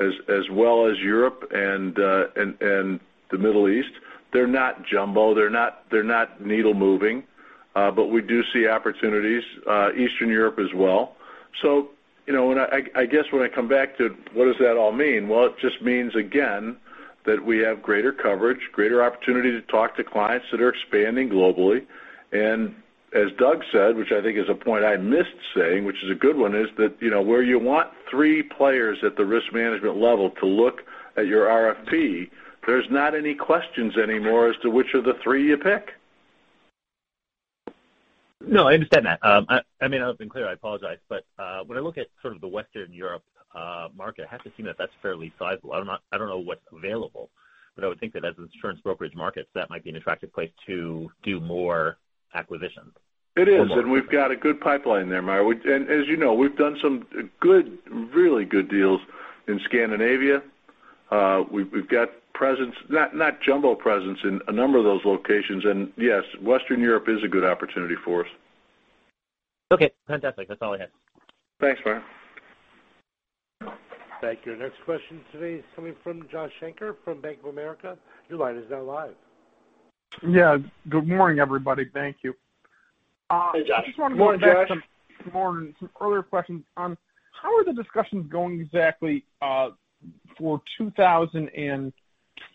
as well as Europe and the Middle East. They're not jumbo. They're not needle-moving. But we do see opportunities. Eastern Europe as well. I guess when I come back to what does that all mean? It just means, again, that we have greater coverage, greater opportunity to talk to clients that are expanding globally. As Doug said, which I think is a point I missed saying, which is a good one, is that where you want three players at the risk management level to look at your RFP, there's not any questions anymore as to which of the three you pick. No, I understand that. I mean, I hope I've been clear. I apologize. When I look at sort of the Western Europe market, I have to assume that that's fairly sizable. I don't know what's available. I would think that as insurance brokerage markets, that might be an attractive place to do more acquisitions. It is. And we've got a good pipeline there, Meyer. And as you know, we've done some good, really good deals in Scandinavia. We've got presence, not jumbo presence, in a number of those locations. Yes, Western Europe is a good opportunity for us. Okay. Fantastic. That's all I had. Thanks, Meyer. Thank you. Next question today is coming from Josh Schenker from Bank of America. Your line is now live. Yeah. Good morning, everybody. Thank you. Hey, Josh. Good morning, Josh. Morning. Some earlier questions on how are the discussions going exactly for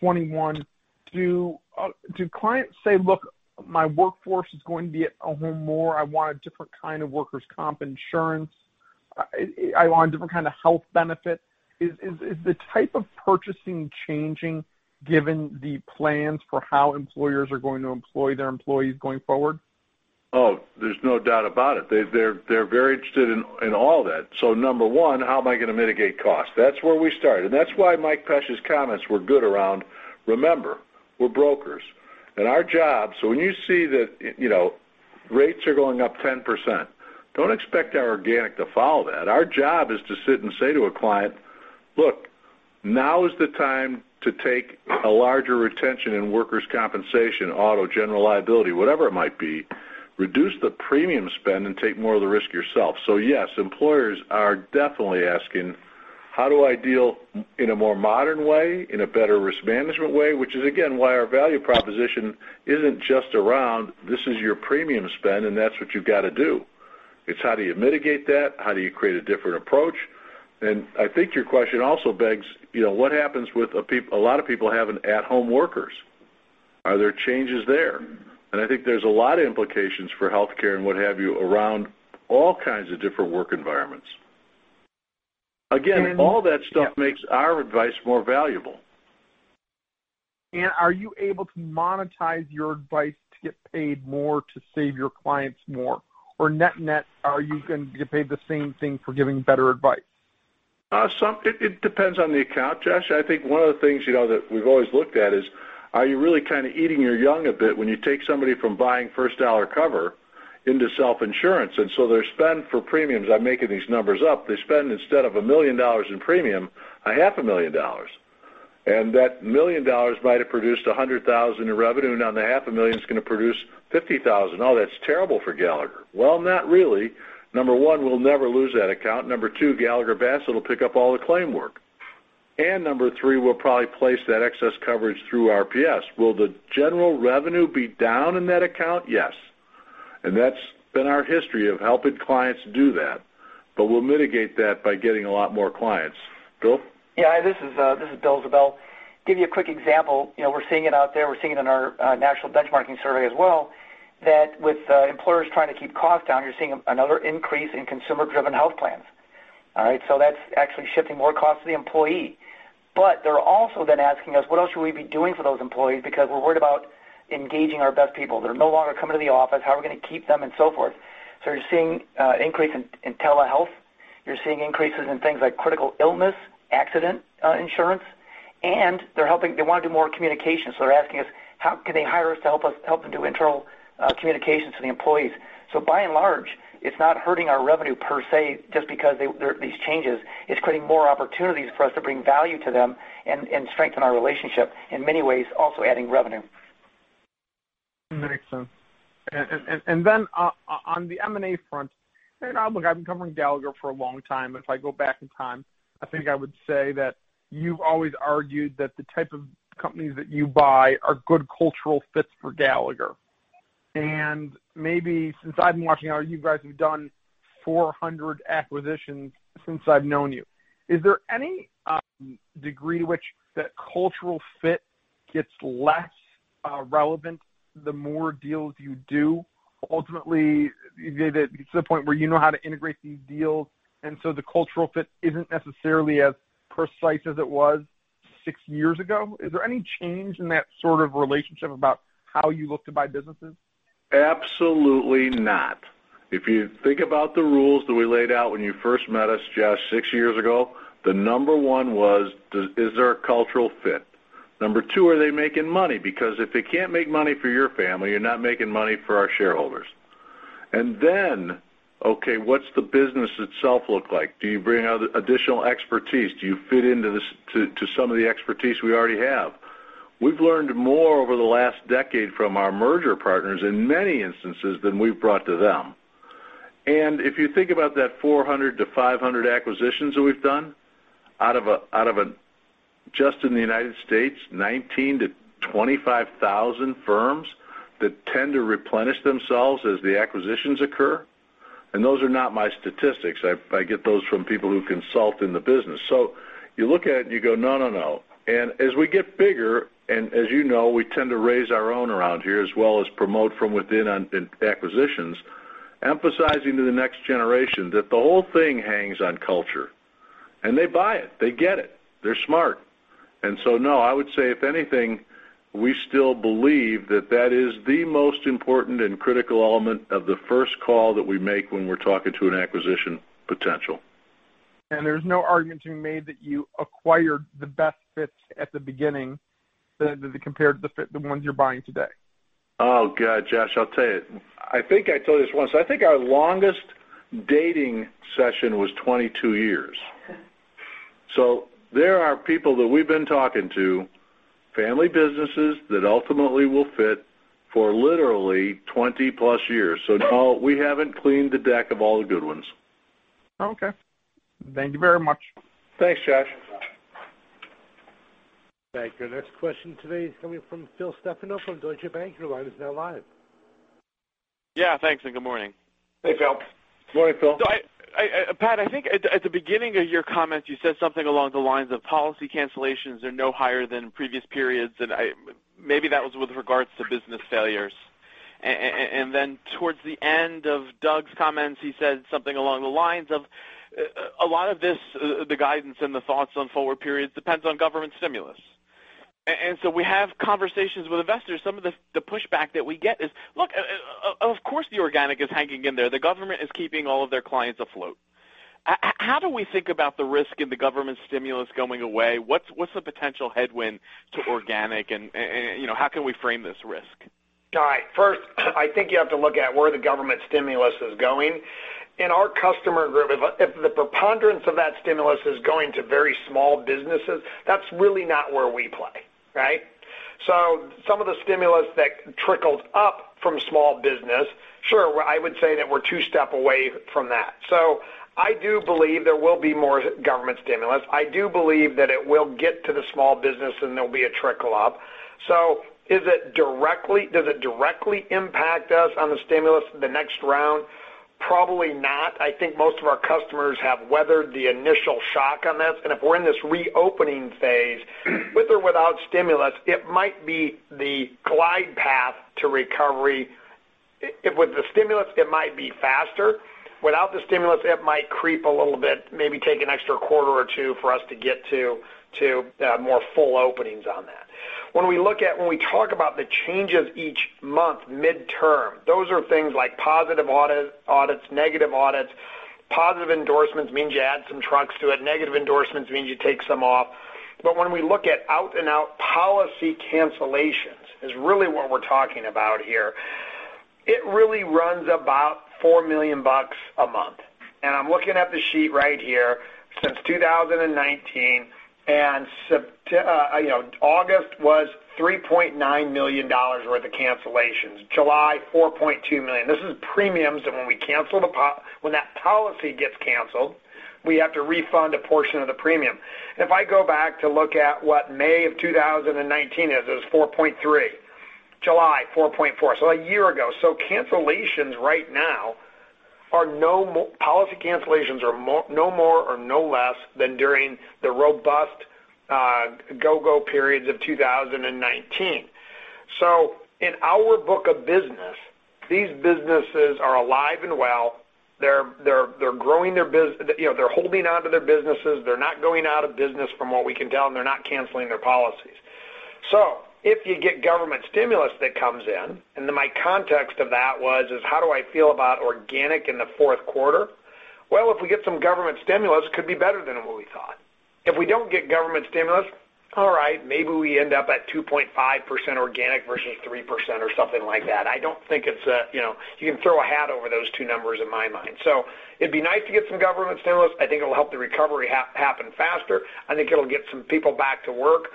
2021? Do clients say, "Look, my workforce is going to be at home more. I want a different kind of workers' comp insurance. I want a different kind of health benefit." Is the type of purchasing changing given the plans for how employers are going to employ their employees going forward? Oh, there's no doubt about it. They're very interested in all that. Number one, how am I going to mitigate costs? That's where we start. That's why Mike Pesch's comments were good around, "Remember, we're brokers." Our job, so when you see that rates are going up 10%, don't expect our organic to follow that. Our job is to sit and say to a client, "Look, now is the time to take a larger retention in workers' compensation, auto, general liability, whatever it might be, reduce the premium spend and take more of the risk yourself." Yes, employers are definitely asking, "How do I deal in a more modern way, in a better risk management way?" Which is, again, why our value proposition isn't just around, "This is your premium spend, and that's what you've got to do." It's how do you mitigate that? How do you create a different approach? I think your question also begs, what happens with a lot of people having at-home workers? Are there changes there? I think there's a lot of implications for healthcare and what have you around all kinds of different work environments. Again, all that stuff makes our advice more valuable. Are you able to monetize your advice to get paid more to save your clients more? Or net-net, are you going to get paid the same thing for giving better advice? It depends on the account, Josh. I think one of the things that we've always looked at is, are you really kind of eating your young a bit when you take somebody from buying first dollar cover into self-insurance? Their spend for premiums—I'm making these numbers up—they spend instead of $1 million in premium, $500,000. That $1 million might have produced $100,000 in revenue. Now, the $500,000 is going to produce $50,000. Oh, that's terrible for Gallagher. Not really. Number one, we'll never lose that account. Number two, Gallagher Bassett will pick up all the claim work. Number three, we'll probably place that excess coverage through RPS. Will the general revenue be down in that account? Yes. That has been our history of helping clients do that. We'll mitigate that by getting a lot more clients. Bill? Yeah. This is Bill Ziebell. Give you a quick example. We're seeing it out there. We're seeing it in our national benchmarking survey as well that with employers trying to keep costs down, you're seeing another increase in consumer-driven health plans. All right? That is actually shifting more costs to the employee. They're also then asking us, "What else should we be doing for those employees?" Because we're worried about engaging our best people that are no longer coming to the office. How are we going to keep them and so forth? You're seeing an increase in telehealth. You're seeing increases in things like critical illness, accident insurance. They want to do more communication. They're asking us, "How can they hire us to help them do internal communications to the employees?" By and large, it's not hurting our revenue per se just because there are these changes. It's creating more opportunities for us to bring value to them and strengthen our relationship. In many ways, also adding revenue. Makes sense. On the M&A front, look, I've been covering Gallagher for a long time. If I go back in time, I think I would say that you've always argued that the type of companies that you buy are good cultural fits for Gallagher. Maybe since I've been watching you, you guys have done 400 acquisitions since I've known you. Is there any degree to which that cultural fit gets less relevant the more deals you do? Ultimately, it gets to the point where you know how to integrate these deals. The cultural fit is not necessarily as precise as it was six years ago. Is there any change in that sort of relationship about how you look to buy businesses? Absolutely not. If you think about the rules that we laid out when you first met us, Josh, six years ago, the number one was, "Is there a cultural fit?" Number two, are they making money? Because if they cannot make money for your family, you are not making money for our shareholders. Then, okay, what does the business itself look like? Do you bring additional expertise? Do you fit into some of the expertise we already have? We've learned more over the last decade from our merger partners in many instances than we've brought to them. If you think about that 400-500 acquisitions that we've done, out of just in the U.S., 19,000-25,000 firms that tend to replenish themselves as the acquisitions occur. Those are not my statistics. I get those from people who consult in the business. You look at it and you go, "No, no, no." As we get bigger, and as you know, we tend to raise our own around here as well as promote from within acquisitions, emphasizing to the next generation that the whole thing hangs on culture. They buy it. They get it. They're smart. No, I would say, if anything, we still believe that that is the most important and critical element of the first call that we make when we're talking to an acquisition potential. There's no argument to be made that you acquired the best fits at the beginning compared to the ones you're buying today. Oh, God, Josh. I'll tell you. I think I told you this once. I think our longest dating session was 22 years. There are people that we've been talking to, family businesses that ultimately will fit for literally 20-plus years. No, we haven't cleaned the deck of all the good ones. Okay. Thank you very much. Thanks, Josh. Thank you. Next question today is coming from Phil Stefano from Deutsche Bank. Your line is now live. Yeah. Thanks. And good morning. Hey, Phil. Good morning, Phil. Pat, I think at the beginning of your comments, you said something along the lines of policy cancellations are no higher than previous periods. Maybe that was with regards to business failures. Towards the end of Doug's comments, he said something along the lines of, "A lot of this, the guidance and the thoughts on forward periods, depends on government stimulus." We have conversations with investors. Some of the pushback that we get is, "Look, of course, the organic is hanging in there. The government is keeping all of their clients afloat. How do we think about the risk in the government stimulus going away? What's the potential headwind to organic? How can we frame this risk?" First, I think you have to look at where the government stimulus is going. In our customer group, if the preponderance of that stimulus is going to very small businesses, that's really not where we play. Right? Some of the stimulus that trickles up from small business, sure, I would say that we're two steps away from that. I do believe there will be more government stimulus. I do believe that it will get to the small business and there'll be a trickle-up. Does it directly impact us on the stimulus the next round? Probably not. I think most of our customers have weathered the initial shock on this. If we're in this reopening phase, with or without stimulus, it might be the glide path to recovery. With the stimulus, it might be faster. Without the stimulus, it might creep a little bit, maybe take an extra quarter or two for us to get to more full openings on that. When we look at when we talk about the changes each month, midterm, those are things like positive audits, negative audits. Positive endorsements means you add some trucks to it. Negative endorsements means you take some off. When we look at out-and-out policy cancellations is really what we're talking about here. It really runs about $4 million a month. I'm looking at the sheet right here since 2019. August was $3.9 million worth of cancellations. July, $4.2 million. This is premiums that when we cancel the when that policy gets canceled, we have to refund a portion of the premium. If I go back to look at what May of 2019 is, it was $4.3 million. July, $4.4 million. A year ago. Cancellations right now are no policy cancellations are no more or no less than during the robust go-go periods of 2019. In our book of business, these businesses are alive and well. They're growing their business. They're holding on to their businesses. They're not going out of business from what we can tell. They're not canceling their policies. If you get government stimulus that comes in, and my context of that was, "How do I feel about organic in the fourth quarter?" If we get some government stimulus, it could be better than what we thought. If we don't get government stimulus, maybe we end up at 2.5% organic versus 3% or something like that. I don't think you can throw a hat over those two numbers in my mind. It would be nice to get some government stimulus. I think it'll help the recovery happen faster. I think it'll get some people back to work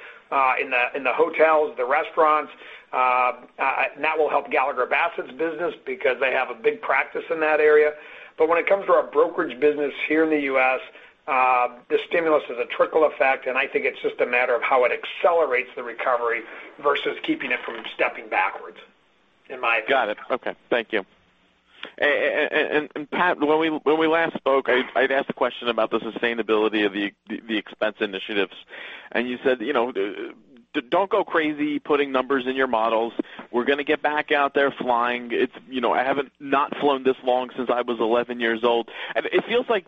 in the hotels, the restaurants. That will help Gallagher Bassett's business because they have a big practice in that area. When it comes to our brokerage business here in the U.S., the stimulus is a trickle effect. I think it is just a matter of how it accelerates the recovery versus keeping it from stepping backwards, in my opinion. Got it. Okay. Thank you. Pat, when we last spoke, I had asked a question about the sustainability of the expense initiatives. You said, "Don't go crazy putting numbers in your models. We're going to get back out there flying. I have not flown this long since I was 11 years old." It feels like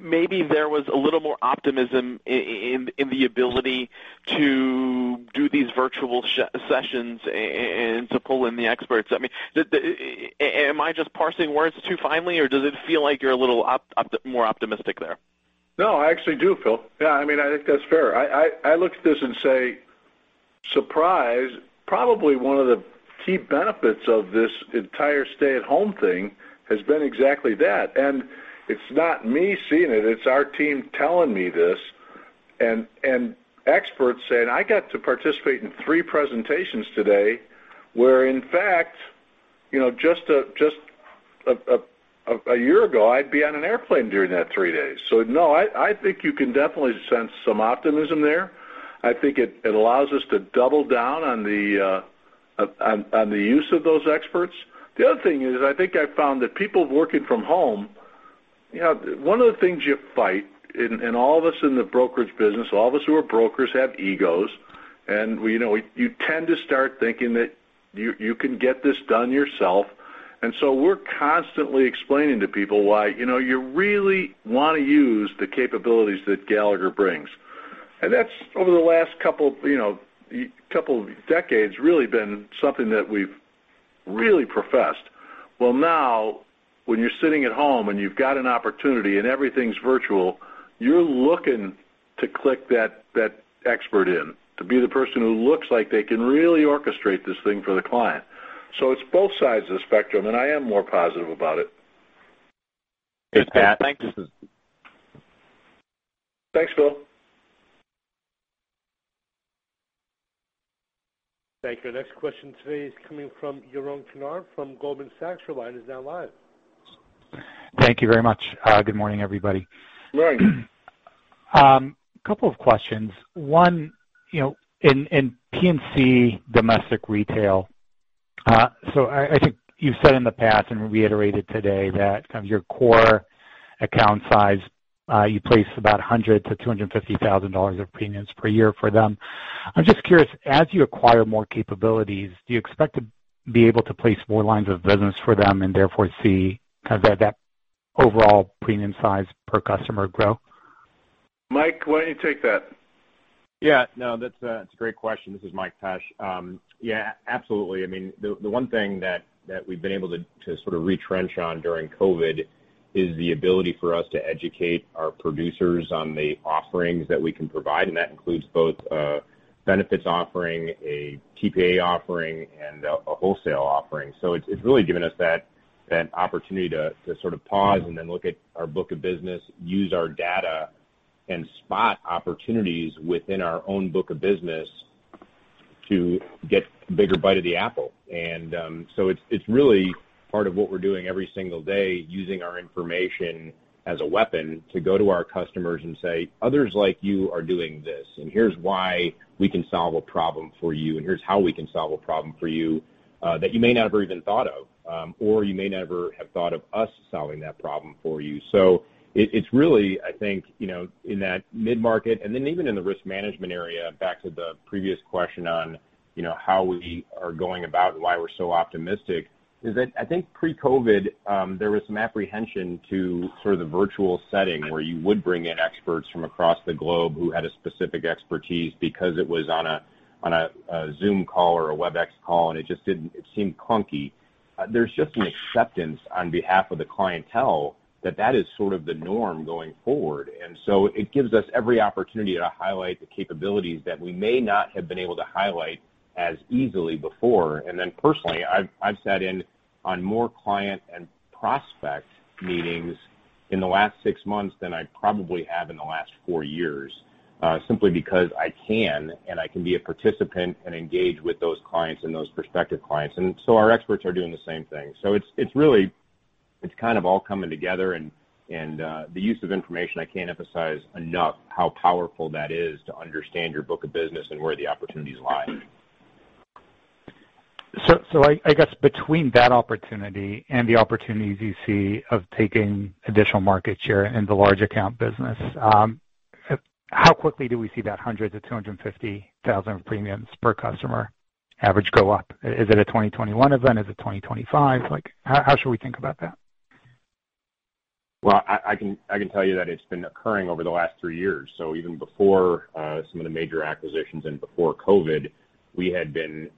maybe there was a little more optimism in the ability to do these virtual sessions and to pull in the experts. I mean, am I just parsing words too finely? Does it feel like you're a little more optimistic there? No, I actually do, Phil. Yeah. I mean, I think that's fair. I look at this and say, "Surprise." Probably one of the key benefits of this entire stay-at-home thing has been exactly that. It's not me seeing it. It's our team telling me this. Experts saying, "I got to participate in three presentations today where, in fact, just a year ago, I'd be on an airplane during that three days." No, I think you can definitely sense some optimism there. I think it allows us to double down on the use of those experts. The other thing is, I think I found that people working from home, one of the things you fight, and all of us in the brokerage business, all of us who are brokers have egos. You tend to start thinking that you can get this done yourself. We are constantly explaining to people why you really want to use the capabilities that Gallagher brings. That has, over the last couple of decades, really been something that we have really professed. Now, when you are sitting at home and you have got an opportunity and everything is virtual, you are looking to click that expert in, to be the person who looks like they can really orchestrate this thing for the client. It is both sides of the spectrum. I am more positive about it. Hey, Pat. Thanks. Thanks, Phil. Thank you. Our next question today is coming from Yaron Kinnard from Goldman Sachs. Your line is now live. Thank you very much. Good morning, everybody. Good morning. A couple of questions. One, in P&C domestic retail, I think you've said in the past and reiterated today that your core account size, you place about $100,000-$250,000 of premiums per year for them. I'm just curious, as you acquire more capabilities, do you expect to be able to place more lines of business for them and therefore see that overall premium size per customer grow? Mike, why don't you take that? Yeah. No, that's a great question. This is Mike Pesch. Yeah, absolutely. I mean, the one thing that we've been able to sort of retrench on during COVID is the ability for us to educate our producers on the offerings that we can provide. That includes both a benefits offering, a TPA offering, and a wholesale offering. It has really given us that opportunity to sort of pause and then look at our book of business, use our data, and spot opportunities within our own book of business to get a bigger bite of the apple. It is really part of what we are doing every single day, using our information as a weapon to go to our customers and say, "Others like you are doing this. And here is why we can solve a problem for you. And here is how we can solve a problem for you that you may never even have thought of. You may never have thought of us solving that problem for you." It is really, I think, in that mid-market and then even in the risk management area, back to the previous question on how we are going about and why we are so optimistic, that I think pre-COVID, there was some apprehension to the virtual setting where you would bring in experts from across the globe who had a specific expertise because it was on a Zoom call or a WebEx call. It just did not seem clunky. There is just an acceptance on behalf of the clientele that that is the norm going forward. It gives us every opportunity to highlight the capabilities that we may not have been able to highlight as easily before. Personally, I've sat in on more client and prospect meetings in the last six months than I probably have in the last four years, simply because I can and I can be a participant and engage with those clients and those prospective clients. Our experts are doing the same thing. It is kind of all coming together. The use of information, I can't emphasize enough how powerful that is to understand your book of business and where the opportunities lie. I guess between that opportunity and the opportunities you see of taking additional market share in the large account business, how quickly do we see that $100,000-$250,000 premiums per customer average go up? Is it a 2021 event? Is it 2025? How should we think about that? I can tell you that it's been occurring over the last three years. Even before some of the major acquisitions and before COVID, we had been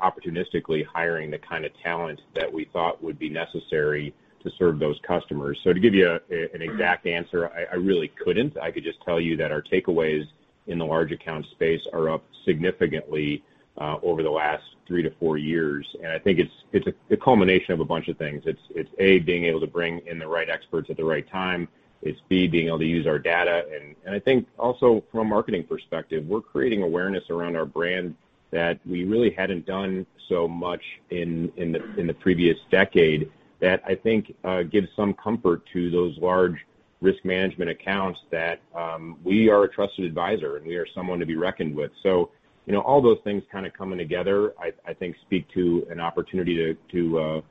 opportunistically hiring the kind of talent that we thought would be necessary to serve those customers. To give you an exact answer, I really couldn't. I could just tell you that our takeaways in the large account space are up significantly over the last three to four years. I think it's a culmination of a bunch of things. It's A, being able to bring in the right experts at the right time. It's B, being able to use our data. I think also from a marketing perspective, we're creating awareness around our brand that we really hadn't done so much in the previous decade that I think gives some comfort to those large risk management accounts that we are a trusted advisor and we are someone to be reckoned with. All those things kind of coming together, I think, speak to an opportunity to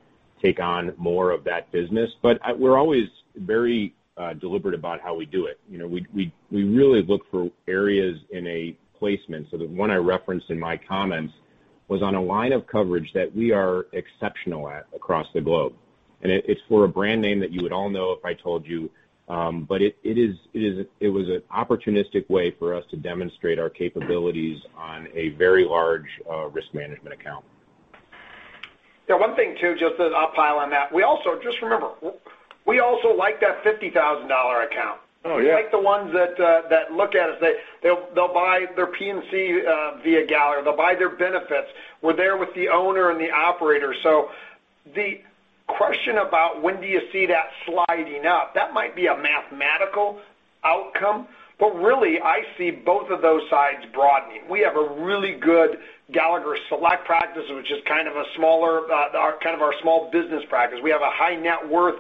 take on more of that business. We're always very deliberate about how we do it. We really look for areas in a placement. The one I referenced in my comments was on a line of coverage that we are exceptional at across the globe. It's for a brand name that you would all know if I told you. It was an opportunistic way for us to demonstrate our capabilities on a very large risk management account. Yeah. One thing too, just to uphile on that, we also just remember, we also like that $50,000 account. We like the ones that look at us. They'll buy their P&C via Gallagher. They'll buy their benefits. We're there with the owner and the operator. The question about when do you see that sliding up? That might be a mathematical outcome. Really, I see both of those sides broadening. We have a really good Gallagher Select practice, which is kind of a smaller, kind of our small business practice. We have a high-net-worth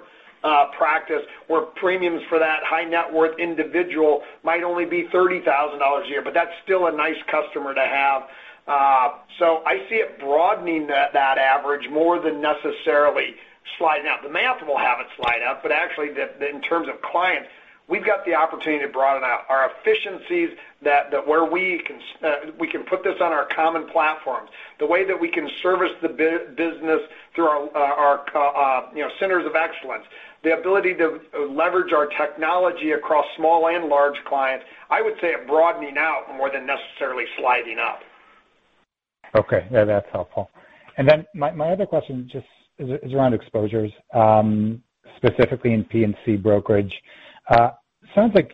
practice where premiums for that high-net-worth individual might only be $30,000 a year. That's still a nice customer to have. I see it broadening that average more than necessarily sliding up. The math will have it slide up. Actually, in terms of clients, we've got the opportunity to broaden our efficiencies where we can put this on our common platforms, the way that we can service the business through our centers of excellence, the ability to leverage our technology across small and large clients. I would say it broadening out more than necessarily sliding up. Okay. Yeah, that's helpful. My other question just is around exposures, specifically in P&C brokerage. It sounds like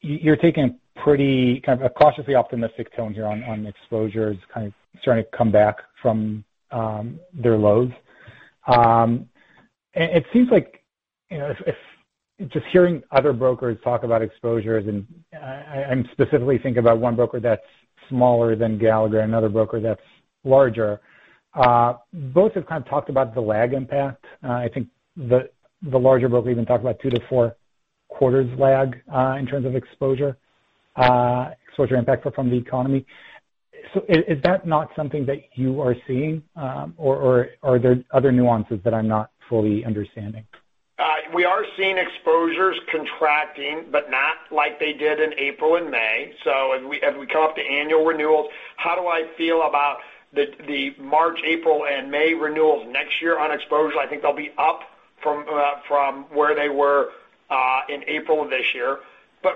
you're taking a pretty kind of cautiously optimistic tone here on exposures, kind of starting to come back from their lows. It seems like just hearing other brokers talk about exposures, and I'm specifically thinking about one broker that's smaller than Gallagher and another broker that's larger. Both have kind of talked about the lag impact. I think the larger broker even talked about two to four quarters lag in terms of exposure impact from the economy. Is that not something that you are seeing? Are there other nuances that I'm not fully understanding? We are seeing exposures contracting, but not like they did in April and May. As we come up to annual renewals, how do I feel about the March, April, and May renewals next year on exposures? I think they'll be up from where they were in April of this year.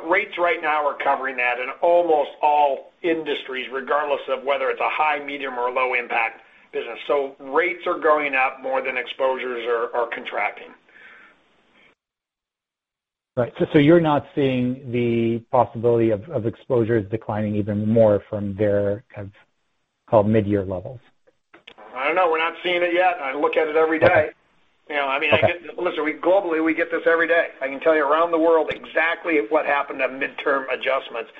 Rates right now are covering that in almost all industries, regardless of whether it's a high, medium, or low-impact business. Rates are going up more than exposures are contracting. Right. You're not seeing the possibility of exposures declining even more from their kind of called mid-year levels? I don't know. We're not seeing it yet. I look at it every day. I mean, I get, listen, globally, we get this every day. I can tell you around the world exactly what happened to midterm adjustments.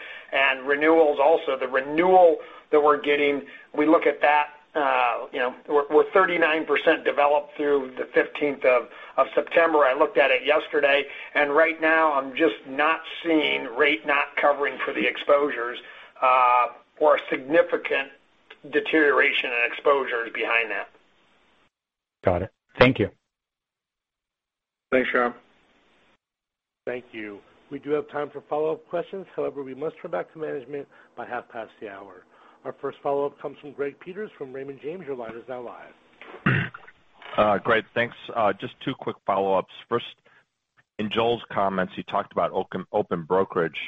Renewals also, the renewal that we're getting, we look at that. We're 39% developed through the 15th of September. I looked at it yesterday. Right now, I'm just not seeing rate not covering for the exposures or a significant deterioration in exposures behind that. Got it. Thank you. Thanks, Yaron. Thank you. We do have time for follow-up questions. However, we must turn back to management by half past the hour. Our first follow-up comes from Greg Peters from Raymond James. Your line is now live. Great. Thanks. Just two quick follow-ups. First, in Joe's comments, he talked about open brokerage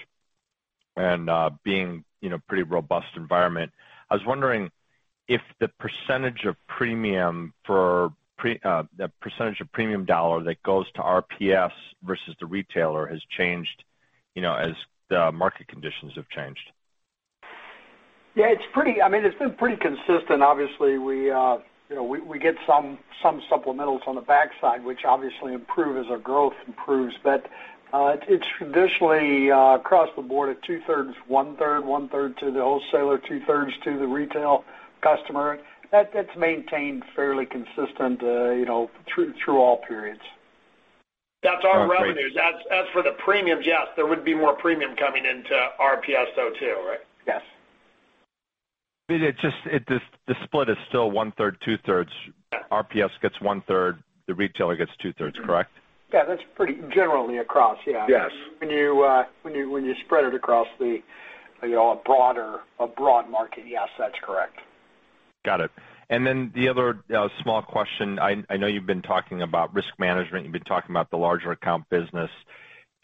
and being a pretty robust environment. I was wondering if the percentage of premium for the percentage of premium dollar that goes to RPS versus the retailer has changed as the market conditions have changed. Yeah. I mean, it's been pretty consistent. Obviously, we get some supplementals on the backside, which obviously improves as our growth improves. It's traditionally across the board at two-thirds, one-third, one-third to the wholesaler, two-thirds to the retail customer. That's maintained fairly consistent through all periods. That's our revenues. As for the premiums, yes. There would be more premium coming into RPS, though, too, right? Yes. The split is still one-third, two-thirds. RPS gets one-third. The retailer gets two-thirds, correct? Yeah. That's pretty generally across. Yeah. When you spread it across the broader market, yes, that's correct. Got it. The other small question, I know you've been talking about risk management. You've been talking about the larger account business.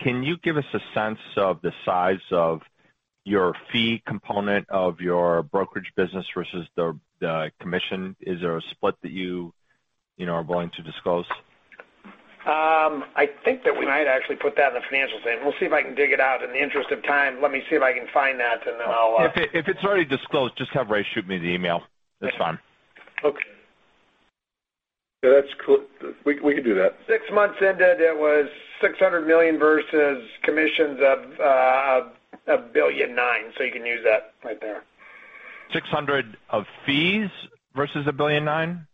Can you give us a sense of the size of your fee component of your brokerage business versus the commission? Is there a split that you are willing to disclose? I think that we might actually put that in the financials then. We'll see if I can dig it out. In the interest of time, let me see if I can find that, and then I'll— if it's already disclosed, just have Ray shoot me the email. That's fine. Okay. Yeah. We can do that. Six months into it, it was $600 million versus commissions of $1.9 billion. So you can use that right there. $600 million of fees versus $1.9 billion?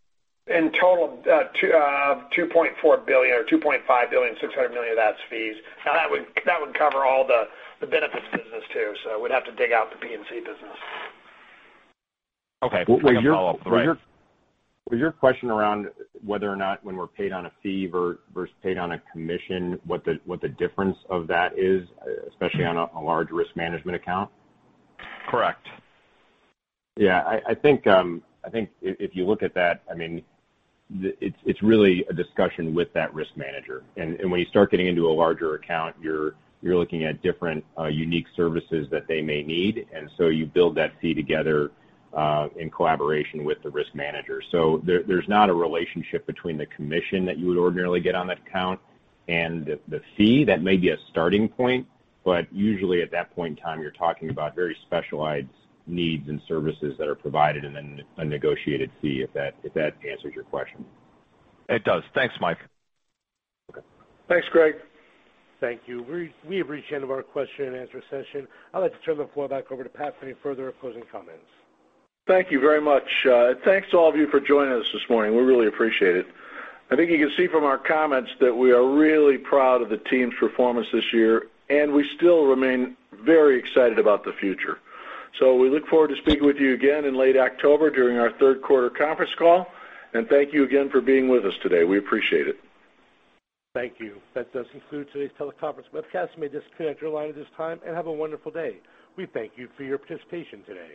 In total of $2.4 billion-$2.5 billion, $600 million of that's fees. Now, that would cover all the benefits business too. So we'd have to dig out the P&C business. Okay. Your question around whether or not when we're paid on a fee versus paid on a commission, what the difference of that is, especially on a large risk management account? Correct. Yeah. I think if you look at that, I mean, it's really a discussion with that risk manager. When you start getting into a larger account, you're looking at different unique services that they may need. You build that fee together in collaboration with the risk manager. There's not a relationship between the commission that you would ordinarily get on that account and the fee. That may be a starting point. Usually, at that point in time, you're talking about very specialized needs and services that are provided and then a negotiated fee if that answers your question. It does. Thanks, Mike. Thanks, Greg. Thank you. We have reached the end of our question and answer session. I'd like to turn the floor back over to Pat for any further closing comments. Thank you very much. Thanks to all of you for joining us this morning. We really appreciate it. I think you can see from our comments that we are really proud of the team's performance this year. We still remain very excited about the future. We look forward to speaking with you again in late October during our third quarter conference call. Thank you again for being with us today. We appreciate it. Thank you. That does conclude today's teleconference webcast. May this disconnect your line at this time. Have a wonderful day. We thank you for your participation today.